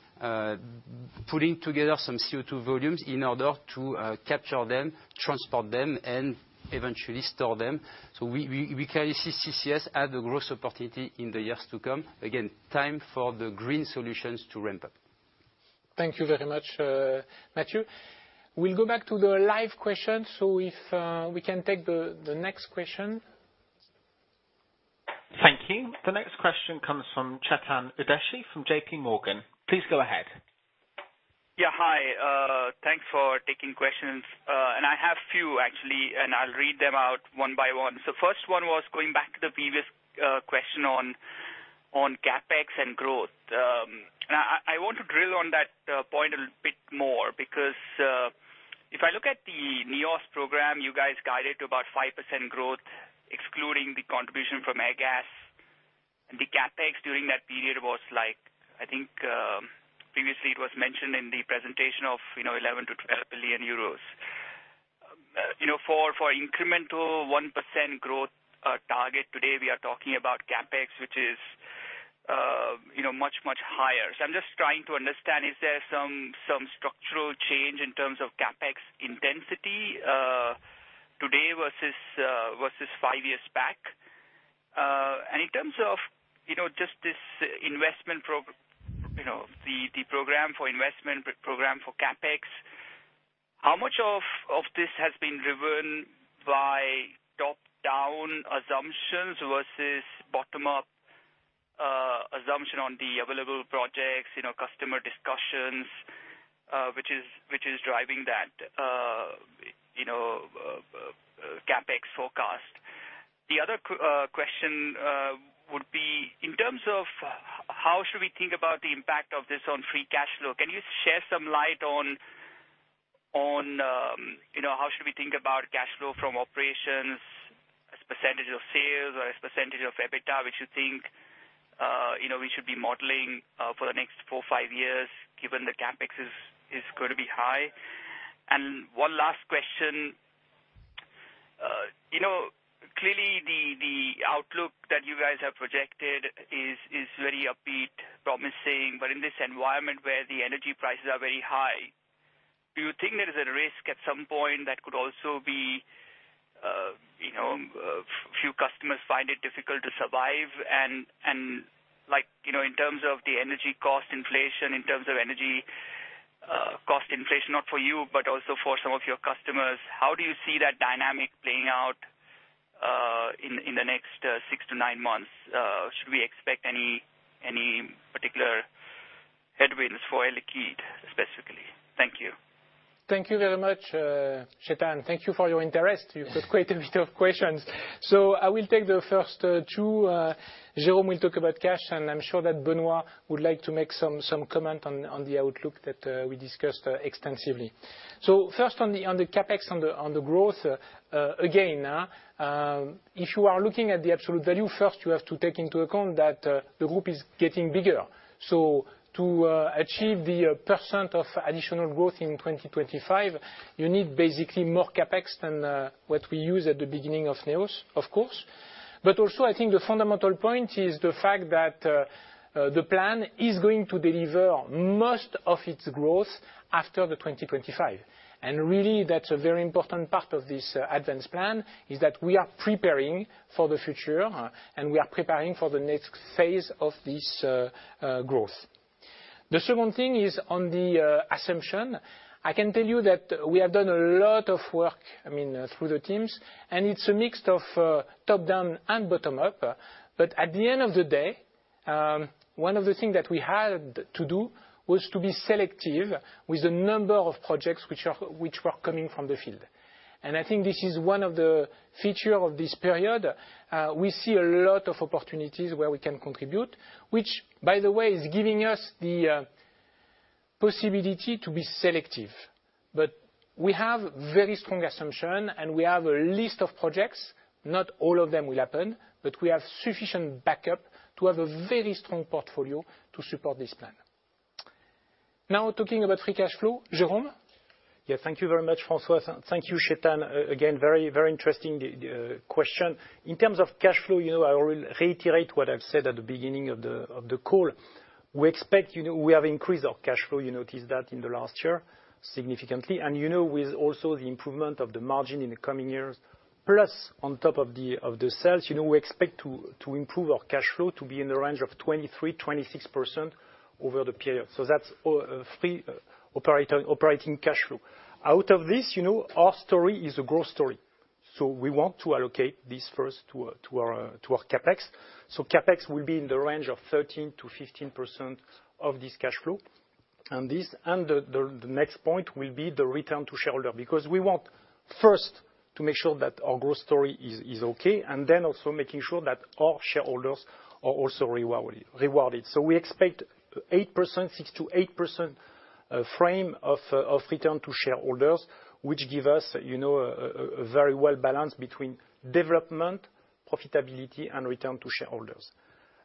putting together some CO2 volumes in order to capture them, transport them, and eventually store them. We can see CCS as a growth opportunity in the years to come. Again, time for the green solutions to ramp up. Thank you very much, Mathieu. We'll go back to the live questions. If we can take the next question. Thank you. The next question comes from Chetan Udeshi from J.P. Morgan. Please go ahead. Yeah. Hi. Thanks for taking questions. I have a few actually, and I'll read them out one by one. First one was going back to the previous question on CapEx and growth. I want to drill on that point a bit more because if I look at the NEOS program, you guys guided to about 5% growth, excluding the contribution from Airgas. The CapEx during that period was like, I think, previously it was mentioned in the presentation of, you know, 11 billion-12 billion euros. You know, for incremental 1% growth target today we are talking about CapEx, which is, you know, much higher. I'm just trying to understand, is there some structural change in terms of CapEx intensity today versus five years back? In terms of, you know, just this investment, you know, the program for investment, the program for CapEx, how much of this has been driven by top-down assumptions versus bottom-up assumption on the available projects, you know, customer discussions, which is driving that, you know, CapEx forecast? The other question would be in terms of how should we think about the impact of this on free cash flow. Can you shed some light on, you know, how should we think about cash flow from operations as a percentage of sales or as a percentage of EBITDA? Would you think, you know, we should be modeling for the next four, five years, given the CapEx is gonna be high? One last question. You know, clearly the outlook that you guys have projected is very upbeat, promising, but in this environment where the energy prices are very high, do you think there is a risk at some point that could also be you know, few customers find it difficult to survive and like, you know, in terms of energy cost inflation, not for you, but also for some of your customers, how do you see that dynamic playing out in the next six to nine months? Should we expect any particular headwinds for Air Liquide specifically? Thank you. Thank you very much, Chetan. Thank you for your interest. You've got quite a bit of questions. I will take the first two. Jérôme will talk about cash, and I'm sure that Benoît would like to make some comment on the outlook that we discussed extensively. First on the CapEx on the growth, again, if you are looking at the absolute value, first you have to take into account that the group is getting bigger. To achieve the percent of additional growth in 2025, you need basically more CapEx than what we used at the beginning of NEOS, of course. Also I think the fundamental point is the fact that the plan is going to deliver most of its growth after 2025. Really that's a very important part of this ADVANCE plan, is that we are preparing for the future, and we are preparing for the next phase of this growth. The second thing is on the assumption. I can tell you that we have done a lot of work, I mean, through the teams, and it's a mix of top-down and bottom-up. At the end of the day, one of the things that we had to do was to be selective with the number of projects which were coming from the field. I think this is one of the feature of this period. We see a lot of opportunities where we can contribute, which by the way is giving us the possibility to be selective. We have very strong assumption, and we have a list of projects. Not all of them will happen. We have sufficient backup to have a very strong portfolio to support this plan. Now talking about free cash flow, Jérôme? Yeah. Thank you very much, François. Thank you, Chetan. Again, very, very interesting question. In terms of cash flow, you know, I will reiterate what I've said at the beginning of the call. We expect, you know, we have increased our cash flow. You noticed that in the last year significantly. You know, with also the improvement of the margin in the coming years, plus on top of the sales, you know, we expect to improve our cash flow to be in the range of 23%-26% over the period. That's free operating cash flow. Out of this, you know, our story is a growth story. We want to allocate this first to our CapEx. CapEx will be in the range of 13%-15% of this cash flow. This. The next point will be the return to shareholder. Because we want first to make sure that our growth story is okay, and then also making sure that our shareholders are also rewarded. We expect 6%-8% frame of return to shareholders, which give us, you know, a very well balance between development, profitability, and return to shareholders.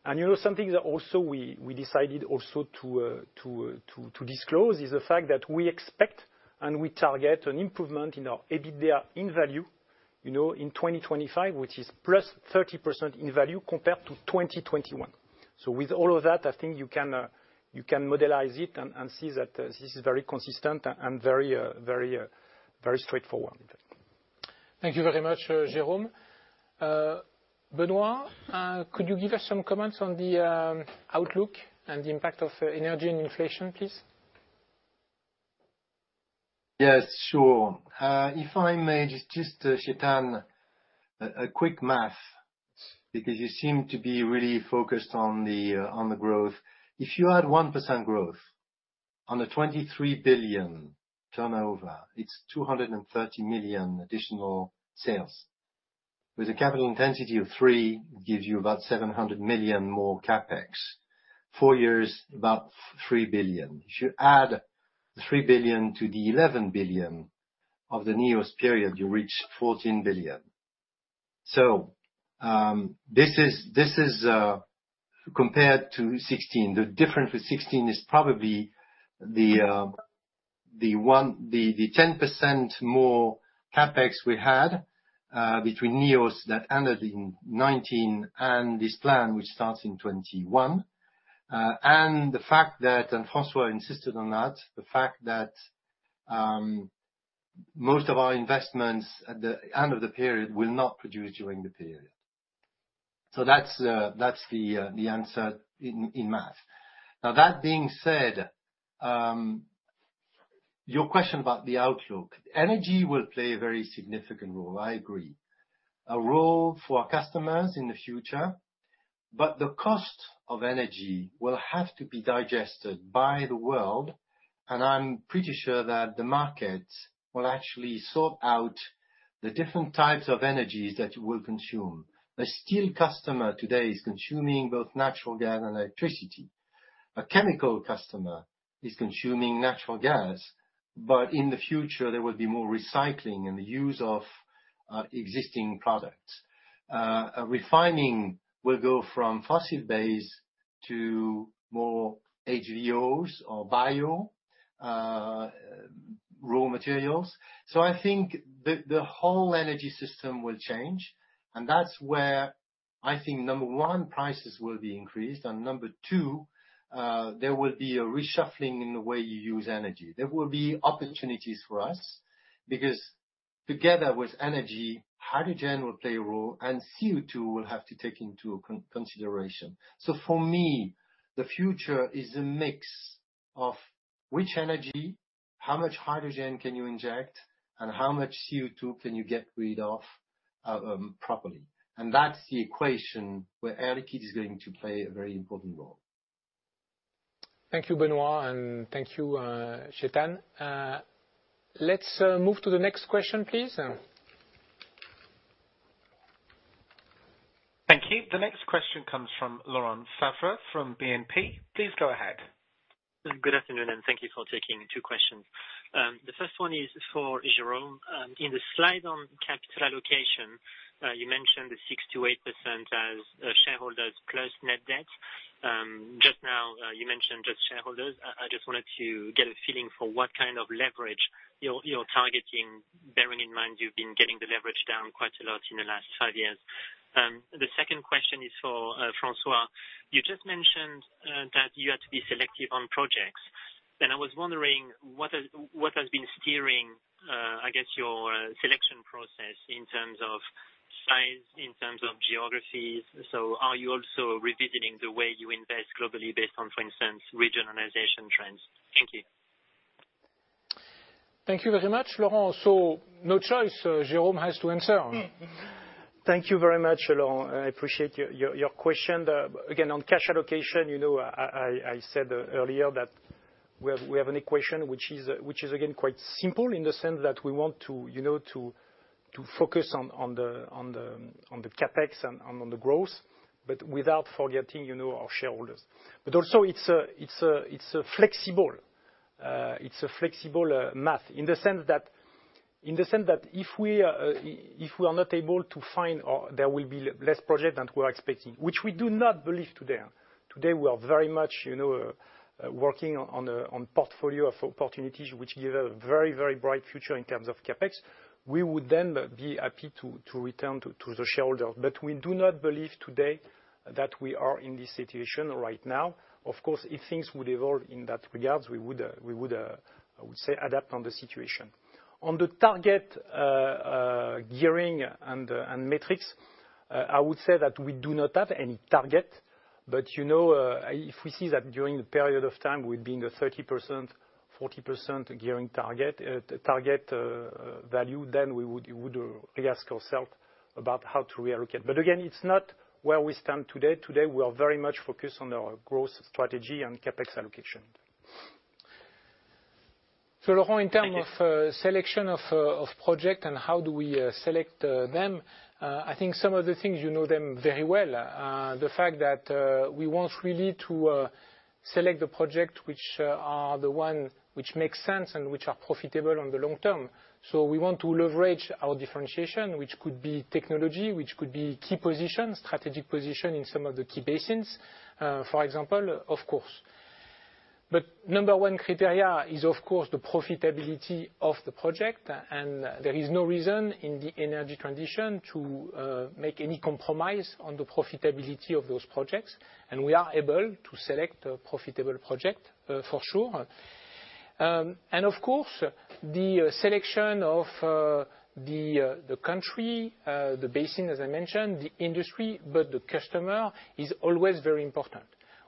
You know, something that also we decided also to disclose is the fact that we expect and we target an improvement in our EBITDA in value, you know, in 2025, which is +30% in value compared to 2021. With all of that, I think you can model it and see that this is very consistent and very straightforward. Thank you very much, Jérôme. Benoît, could you give us some comments on the outlook and the impact of energy and inflation, please? Yes, sure. If I may just, Chetan, a quick math, because you seem to be really focused on the growth. If you add 1% growth on a 23 billion turnover, it's 230 million additional sales. With a capital intensity of three, gives you about 700 million more CapEx. Four years, about 3 billion. If you add 3 billion to the 11 billion of the NEOS period, you reach 14 billion. This is compared to 16. The difference with 16 is probably the ten percent more CapEx we had between NEOS that ended in 2019 and this plan, which starts in 2021. François insisted on that, the fact that most of our investments at the end of the period will not produce during the period. That's the answer in math. Now that being said, your question about the outlook. Energy will play a very significant role, I agree. A role for our customers in the future, but the cost of energy will have to be digested by the world, and I'm pretty sure that the market will actually sort out the different types of energies that it will consume. A steel customer today is consuming both natural gas and electricity. A chemical customer is consuming natural gas, but in the future there will be more recycling and the use of existing products. Refining will go from fossil-based to more HVOs or bio raw materials. I think the whole energy system will change, and that's where I think, number one, prices will be increased, and number two, there will be a reshuffling in the way you use energy. There will be opportunities for us, because together with energy, hydrogen will play a role, and CO2 will have to take into consideration. For me, the future is a mix of which energy, how much hydrogen can you inject, and how much CO2 can you get rid of, properly. That's the equation where Air Liquide is going to play a very important role. Thank you, Benoît, and thank you, Chetan. Let's move to the next question, please. Thank you. The next question comes from Laurent Favre from BNP. Please go ahead. Good afternoon, and thank you for taking two questions. The first one is for Jérôme. In the slide on capital allocation, you mentioned the 6%-8% as shareholders plus net debt. Just now, you mentioned just shareholders. I just wanted to get a feeling for what kind of leverage you're targeting, bearing in mind you've been getting the leverage down quite a lot in the last five years. The second question is for François. You just mentioned that you had to be selective on projects, and I was wondering what has been steering your selection process in terms of size, in terms of geographies. Are you also revisiting the way you invest globally based on, for instance, regionalization trends? Thank you. Thank you very much, Laurent. No choice, Jerome has to answer. Thank you very much, Laurent. I appreciate your question. Again, on cash allocation, you know, I said earlier that we have an equation which is again quite simple in the sense that we want to, you know, to focus on the CapEx and on the growth, but without forgetting, you know, our shareholders. Also it's a flexible math in the sense that if we are not able to find or there will be less projects than we are expecting, which we do not believe today. Today, we are very much, you know, working on a portfolio of opportunities which give a very bright future in terms of CapEx. We would then be happy to return to the shareholder. We do not believe today that we are in this situation right now. Of course, if things would evolve in that regard, we would, I would say, adapt on the situation. On the target, gearing and metrics, I would say that we do not have any target. You know, if we see that during the period of time, we've been a 30%, 40% gearing target value, then we would ask ourself about how to reallocate. Again, it's not where we stand today. Today, we are very much focused on our growth strategy and CapEx allocation. Laurent, in terms of selection of projects and how do we select them, I think some of the things you know them very well. The fact that we want really to select the project which are the one which makes sense and which are profitable on the long term. We want to leverage our differentiation, which could be technology, which could be key positions, strategic position in some of the key basins, for example, of course. Number one criteria is, of course, the profitability of the project, and there is no reason in the energy transition to make any compromise on the profitability of those projects. We are able to select a profitable project, for sure. Of course, the selection of the country, the basin, as I mentioned, the industry, but the customer is always very important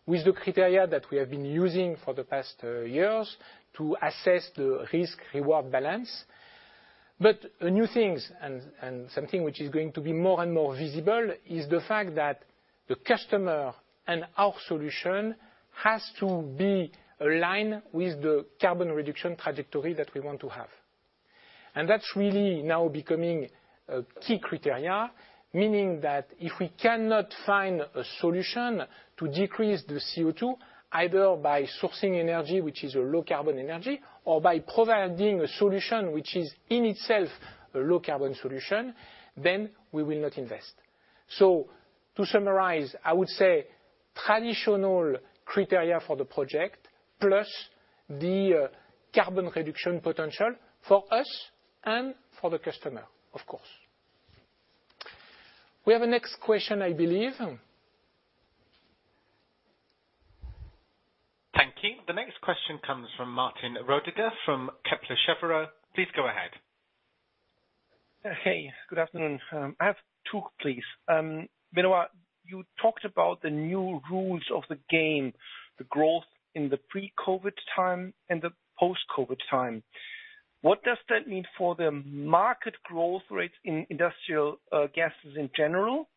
with the criteria that we have been using for the past years to assess the risk-reward balance. New things and something which is going to be more and more visible is the fact that the customer and our solution has to be aligned with the carbon reduction trajectory that we want to have. That's really now becoming a key criterion, meaning that if we cannot find a solution to decrease the CO2, either by sourcing energy, which is a low carbon energy, or by providing a solution which is in itself a low carbon solution, then we will not invest. To summarize, I would say traditional criteria for the project plus the carbon reduction potential for us and for the customer, of course. We have our next question, I believe. Thank you. The next question comes from Martin Roediger from Kepler Cheuvreux. Please go ahead. Hey, good afternoon. I have two, please. Benoît, you talked about the new rules of the game, the growth in the pre-COVID time and the post-COVID time. What does that mean for the market growth rates in industrial gases in general?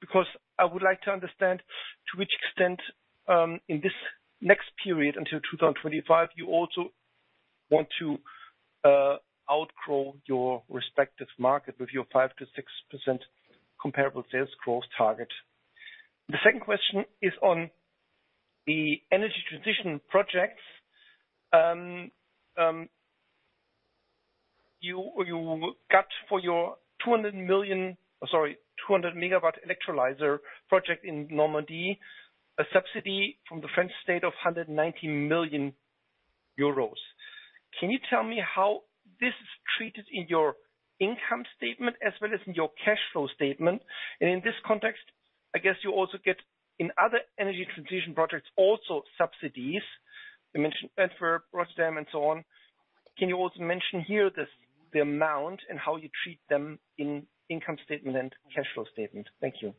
Because I would like to understand to which extent, in this next period until 2025, you also want to outgrow your respective market with your 5%-6% comparable sales growth target. The second question is on the energy transition projects. You got for your 200 megawatt electrolyzer project in Normandy, a subsidy from the French state of 190 million euros. Can you tell me how this is treated in your income statement as well as in your cash flow statement? In this context, I guess you also get, in other energy transition projects, also subsidies. You mentioned Antwerp, Rotterdam and so on. Can you also mention here this, the amount and how you treat them in income statement and cash flow statement? Thank you.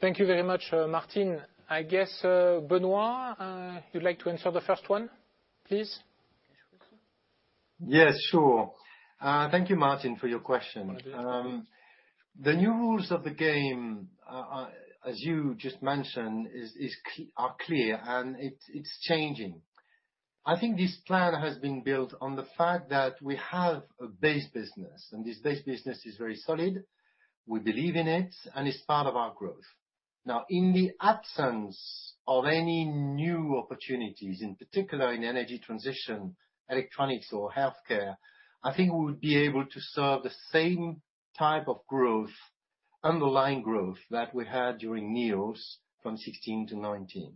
Thank you very much, Martin. I guess, Benoît, you'd like to answer the first one, please. Yes, sure. Thank you, Martin, for your question. The new rules of the game, as you just mentioned, are clear, and it's changing. I think this plan has been built on the fact that we have a base business, and this base business is very solid. We believe in it, and it's part of our growth. Now, in the absence of any new opportunities, in particular in energy transition, electronics or healthcare, I think we would be able to serve the same type of growth, underlying growth, that we had during NEOS from 2016 to 2019.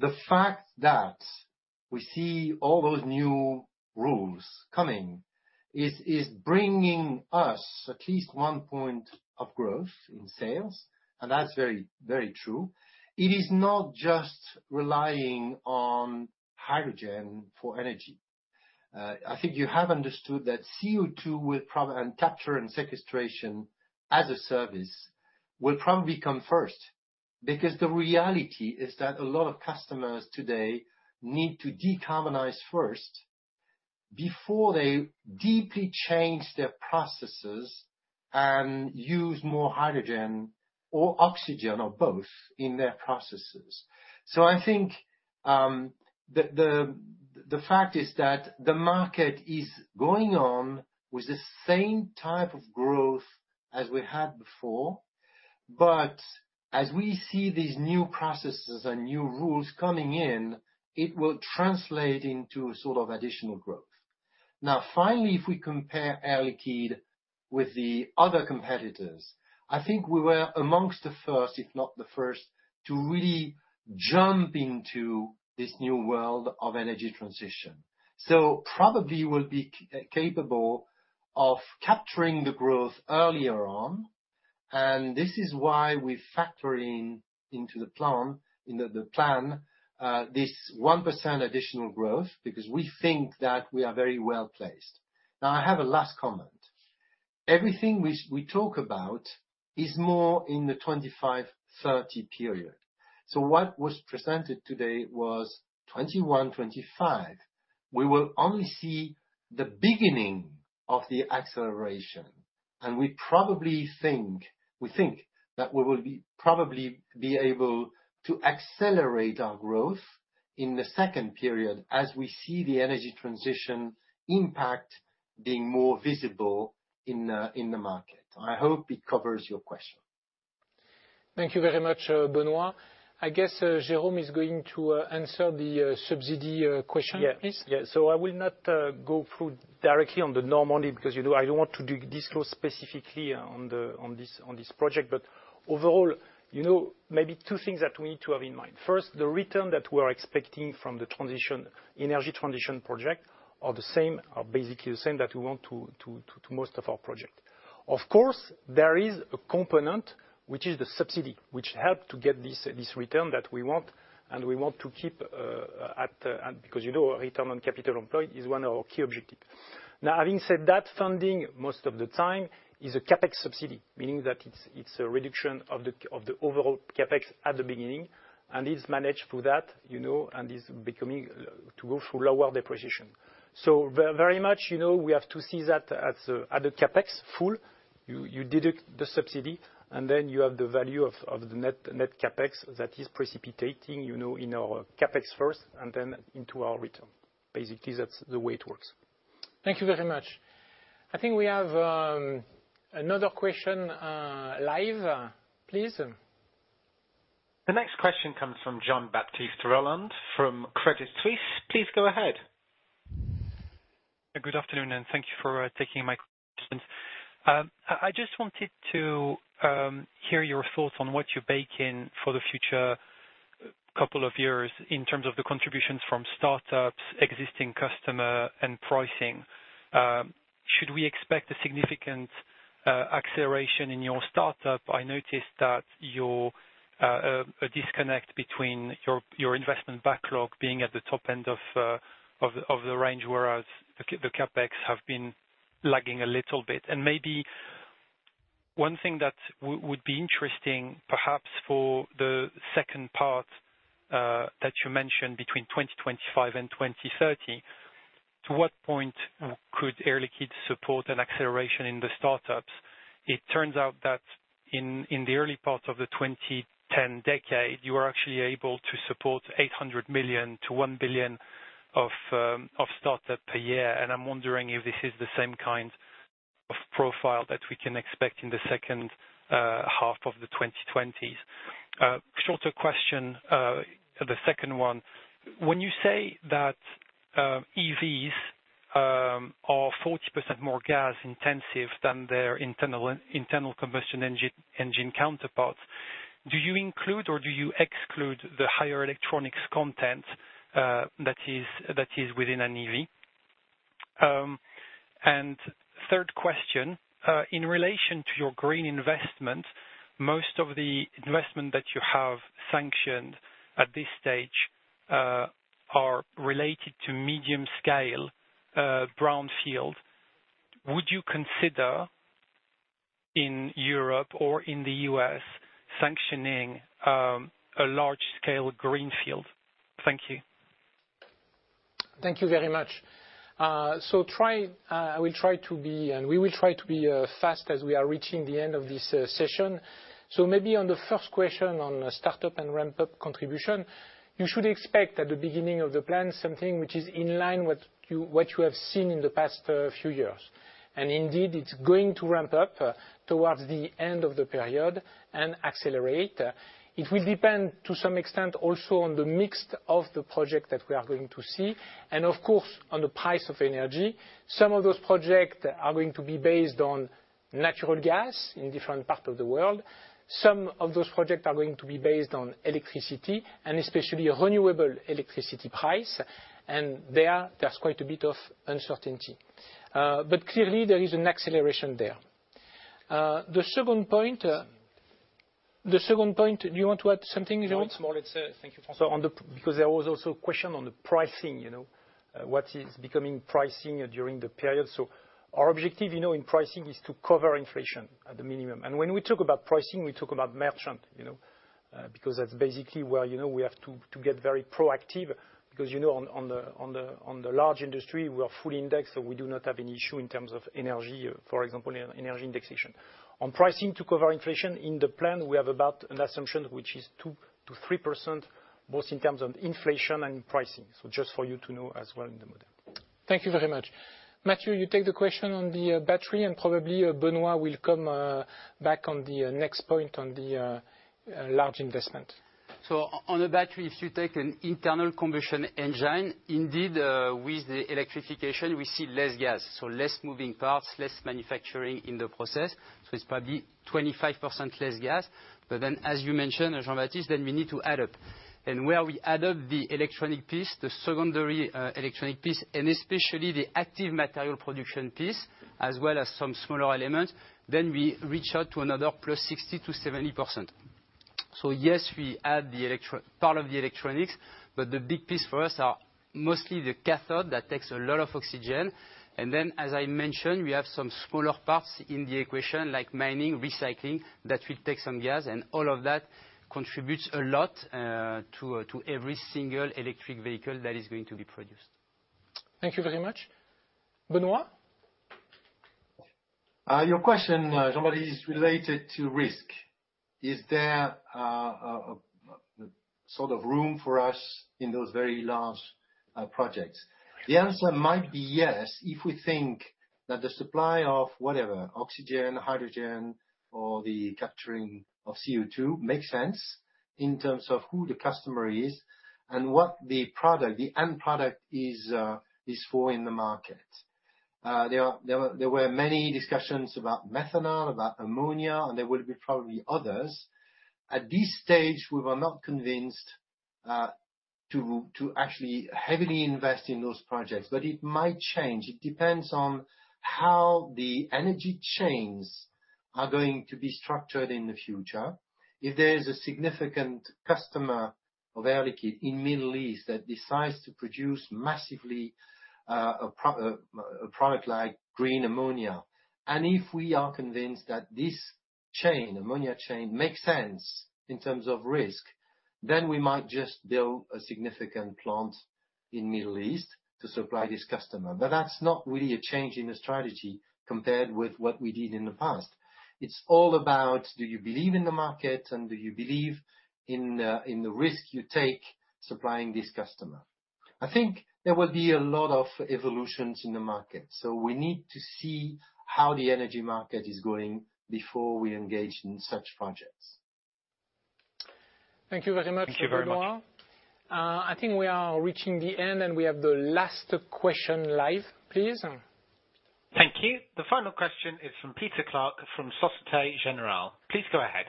The fact that we see all those new rules coming is bringing us at least one point of growth in sales, and that's very, very true. It is not just relying on hydrogen for energy. I think you have understood that CO2 and capture and sequestration as a service will probably come first. Because the reality is that a lot of customers today need to decarbonize first before they deeply change their processes and use more hydrogen or oxygen or both in their processes. I think the fact is that the market is going on with the same type of growth as we had before, but as we see these new processes and new rules coming in, it will translate into sort of additional growth. Now finally, if we compare Air Liquide with the other competitors, I think we were amongst the first, if not the first, to really jump into this new world of energy transition. Probably we'll be capable of capturing the growth earlier on, and this is why we factor into the plan this 1% additional growth, because we think that we are very well-placed. Now, I have a last comment. Everything we talk about is more in the 2025/2030 period. What was presented today was 2021/2025. We will only see the beginning of the acceleration, and we think that we will be able to accelerate our growth in the second period as we see the energy transition impact being more visible in the market. I hope it covers your question. Thank you very much, Benoît. I guess, Jérôme is going to answer the subsidy question. Yeah. Please. Yeah. I will not go through directly on the Normandy because, you know, I don't want to disclose specifically on this project. Overall, you know, maybe two things that we need to have in mind. First, the return that we are expecting from the transition energy transition project are basically the same that we want to most of our project. Of course, there is a component which is the subsidy, which help to get this return that we want, and we want to keep at because you know return on capital employed is one of our key objective. Now, having said that, funding most of the time is a CapEx subsidy, meaning that it's a reduction of the overall CapEx at the beginning, and it's managed through that, you know, and is beginning to go through lower depreciation. Very much, you know, we have to see that at a CapEx level. You deduct the subsidy and then you have the value of the net CapEx that is depreciating, you know, in our CapEx first and then into our return. Basically, that's the way it works. Thank you very much. I think we have another question live, please. The next question comes from Jean-Baptiste Rolland from Credit Suisse. Please go ahead. Good afternoon, and thank you for taking my questions. I just wanted to hear your thoughts on what you bake in for the future couple of years in terms of the contributions from startups, existing customer, and pricing. Should we expect a significant acceleration in your startup? I noticed a disconnect between your investment backlog being at the top end of the range, whereas the CapEx have been lagging a little bit. Maybe one thing that would be interesting, perhaps for the second part, that you mentioned between 2025 and 2030, to what point could Air Liquide support an acceleration in the startups? It turns out that in the early part of the 2010s, you are actually able to support 800 million-1 billion of startup per year. I'm wondering if this is the same kind of profile that we can expect in the second half of the 2020s. Shorter question, the second one: When you say that EVs are 40% more gas intensive than their internal combustion engine counterparts, do you include or do you exclude the higher electronics content that is within an EV? Third question, in relation to your green investment, most of the investment that you have sanctioned at this stage are related to medium scale brownfield. Would you consider in Europe or in the U.S. sanctioning a large-scale greenfield? Thank you. Thank you very much. I will try to be, and we will try to be, fast as we are reaching the end of this session. Maybe on the first question on startup and ramp-up contribution, you should expect at the beginning of the plan something which is in line with what you have seen in the past few years. Indeed, it's going to ramp up towards the end of the period and accelerate. It will depend to some extent also on the mix of the project that we are going to see and of course, on the price of energy. Some of those projects are going to be based on natural gas in different parts of the world. Some of those projects are going to be based on electricity and especially renewable electricity price. There, there's quite a bit of uncertainty. But clearly there is an acceleration there. The second point, do you want to add something, Matthieu? No, it's more or less. Thank you, François. Because there was also a question on the pricing, you know, what is becoming pricing during the period. Our objective, you know, in pricing is to cover inflation at the minimum. When we talk about pricing, we talk about merchant, you know, because that's basically where, you know, we have to get very proactive because, you know, on the large industry, we are fully indexed, so we do not have an issue in terms of energy, for example, energy indexation. On pricing to cover inflation in the plan, we have about an assumption which is 2%-3%, both in terms of inflation and pricing. Just for you to know as well in the model. Thank you very much. Matthieu, you take the question on the battery and probably Benoît will come back on the large investment. On the battery, if you take an internal combustion engine, indeed, with the electrification, we see less gas, so less moving parts, less manufacturing in the process. It's probably 25% less gas. As you mentioned, Jean-Baptiste, we need to add up. Where we add up the electronic piece, the secondary, electronic piece, and especially the active material production piece, as well as some smaller elements, then we reach out to another plus 60%-70%. Yes, we add the electronic part of the electronics, but the big piece for us are mostly the cathode that takes a lot of oxygen. As I mentioned, we have some smaller parts in the equation like mining, recycling, that will take some gas and all of that contributes a lot to every single electric vehicle that is going to be produced. Thank you very much. Benoît? Your question, Jean-Baptiste, related to risk. Is there sort of room for us in those very large projects? The answer might be yes if we think that the supply of whatever, oxygen, hydrogen or the capturing of CO2 makes sense in terms of who the customer is and what the product, the end product is for in the market. There were many discussions about methanol, about ammonia, and there will be probably others. At this stage, we were not convinced to actually heavily invest in those projects, but it might change. It depends on how the energy chains are going to be structured in the future. If there is a significant customer of Air Liquide in Middle East that decides to produce massively a product like green ammonia, and if we are convinced that this chain, ammonia chain, makes sense in terms of risk, then we might just build a significant plant in Middle East to supply this customer. That's not really a change in the strategy compared with what we did in the past. It's all about do you believe in the market and do you believe in the risk you take supplying this customer? I think there will be a lot of evolutions in the market, so we need to see how the energy market is going before we engage in such projects. Thank you very much, Benoît. Thank you very much. I think we are reaching the end, and we have the last question live, please. Thank you. The final question is from Peter Clark from Société Générale. Please go ahead.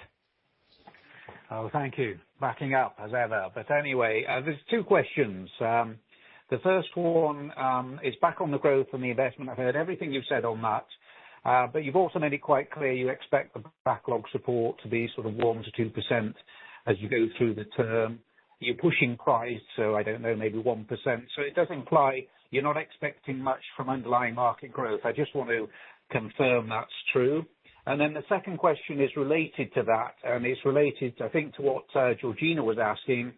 Thank you. Backing up as ever, but anyway, there's two questions. The first one is back on the growth and the investment. I've heard everything you've said on that, but you've also made it quite clear you expect the backlog support to be sort of 1%-2% as you go through the term. You're pushing price, so I don't know, maybe 1%. It does imply you're not expecting much from underlying market growth. I just want to confirm that's true. The second question is related to that, and it's related, I think, to what Georgina was asking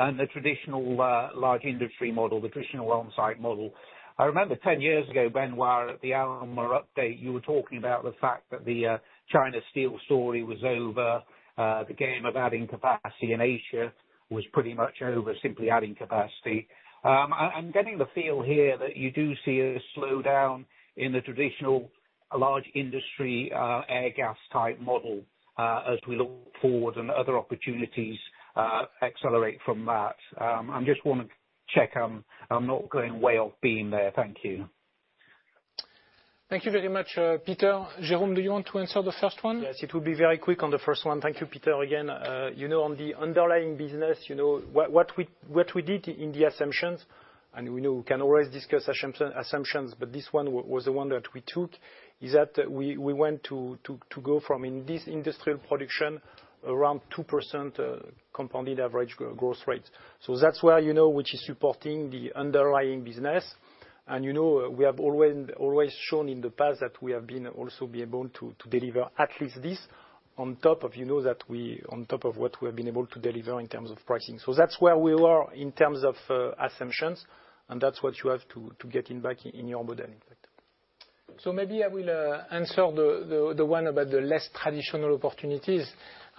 and the traditional large industry model, the traditional onsite model. I remember 10 years ago, Benoît, at the ALMA update, you were talking about the fact that the China steel story was over. The game of adding capacity in Asia was pretty much over, simply adding capacity. I'm getting the feel here that you do see a slowdown in the traditional large industry, air gas type model, as we look forward and other opportunities accelerate from that. I just wanna check I'm not going way off beam there. Thank you. Thank you very much, Peter. Jérôme, do you want to answer the first one? Yes, it will be very quick on the first one. Thank you, Peter, again. You know, on the underlying business, you know, what we did in the assumptions, and we know we can always discuss assumptions, but this one was the one that we took, is that we went to go from in this industrial production around 2% compounded average growth rates. So that's where, you know, which is supporting the underlying business. You know, we have always shown in the past that we have been able to deliver at least this on top of what we have been able to deliver in terms of pricing. That's where we were in terms of assumptions, and that's what you have to get back in your modeling. Maybe I will answer the one about the less traditional opportunities.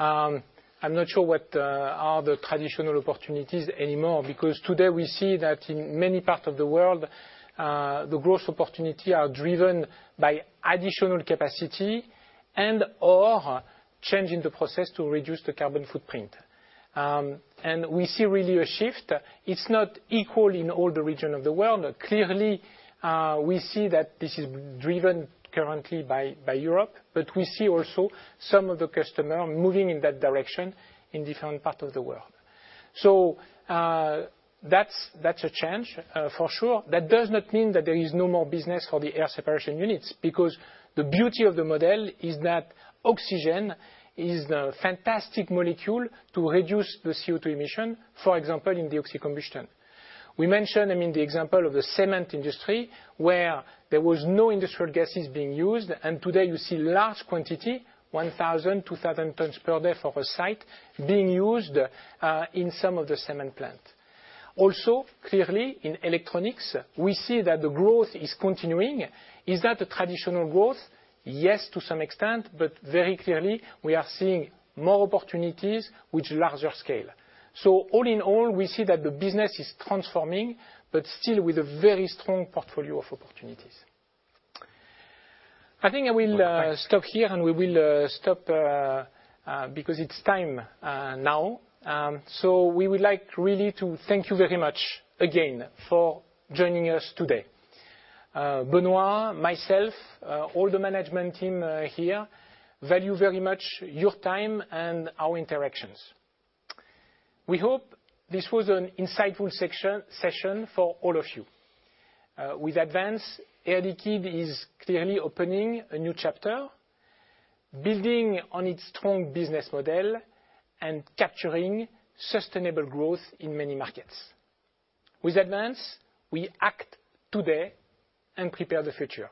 I'm not sure what are the traditional opportunities anymore because today we see that in many parts of the world, the growth opportunity are driven by additional capacity and/or change in the process to reduce the carbon footprint. We see really a shift. It's not equal in all the region of the world. Clearly, we see that this is driven currently by Europe, but we see also some of the customer moving in that direction in different parts of the world. That's a change for sure. That does not mean that there is no more business for the air separation units, because the beauty of the model is that oxygen is the fantastic molecule to reduce the CO2 emission, for example, in the oxycombustion. We mentioned, I mean, the example of the cement industry, where there was no industrial gases being used, and today you see large quantity, 1,000, 2,000 tons per day for a site, being used in some of the cement plant. Also, clearly in electronics, we see that the growth is continuing. Is that a traditional growth? Yes, to some extent, but very clearly we are seeing more opportunities with larger scale. All in all, we see that the business is transforming, but still with a very strong portfolio of opportunities. I think I will stop here and we will stop because it's time now. We would like really to thank you very much again for joining us today. Benoît, myself, all the management team here value very much your time and our interactions. We hope this was an insightful session for all of you. With ADVANCE, Air Liquide is clearly opening a new chapter, building on its strong business model and capturing sustainable growth in many markets. With ADVANCE, we act today and prepare the future.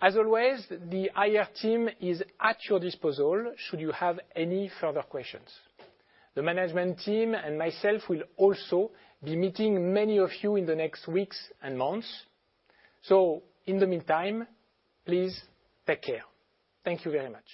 As always, the IR team is at your disposal should you have any further questions. The management team and myself will also be meeting many of you in the next weeks and months. In the meantime, please take care. Thank you very much.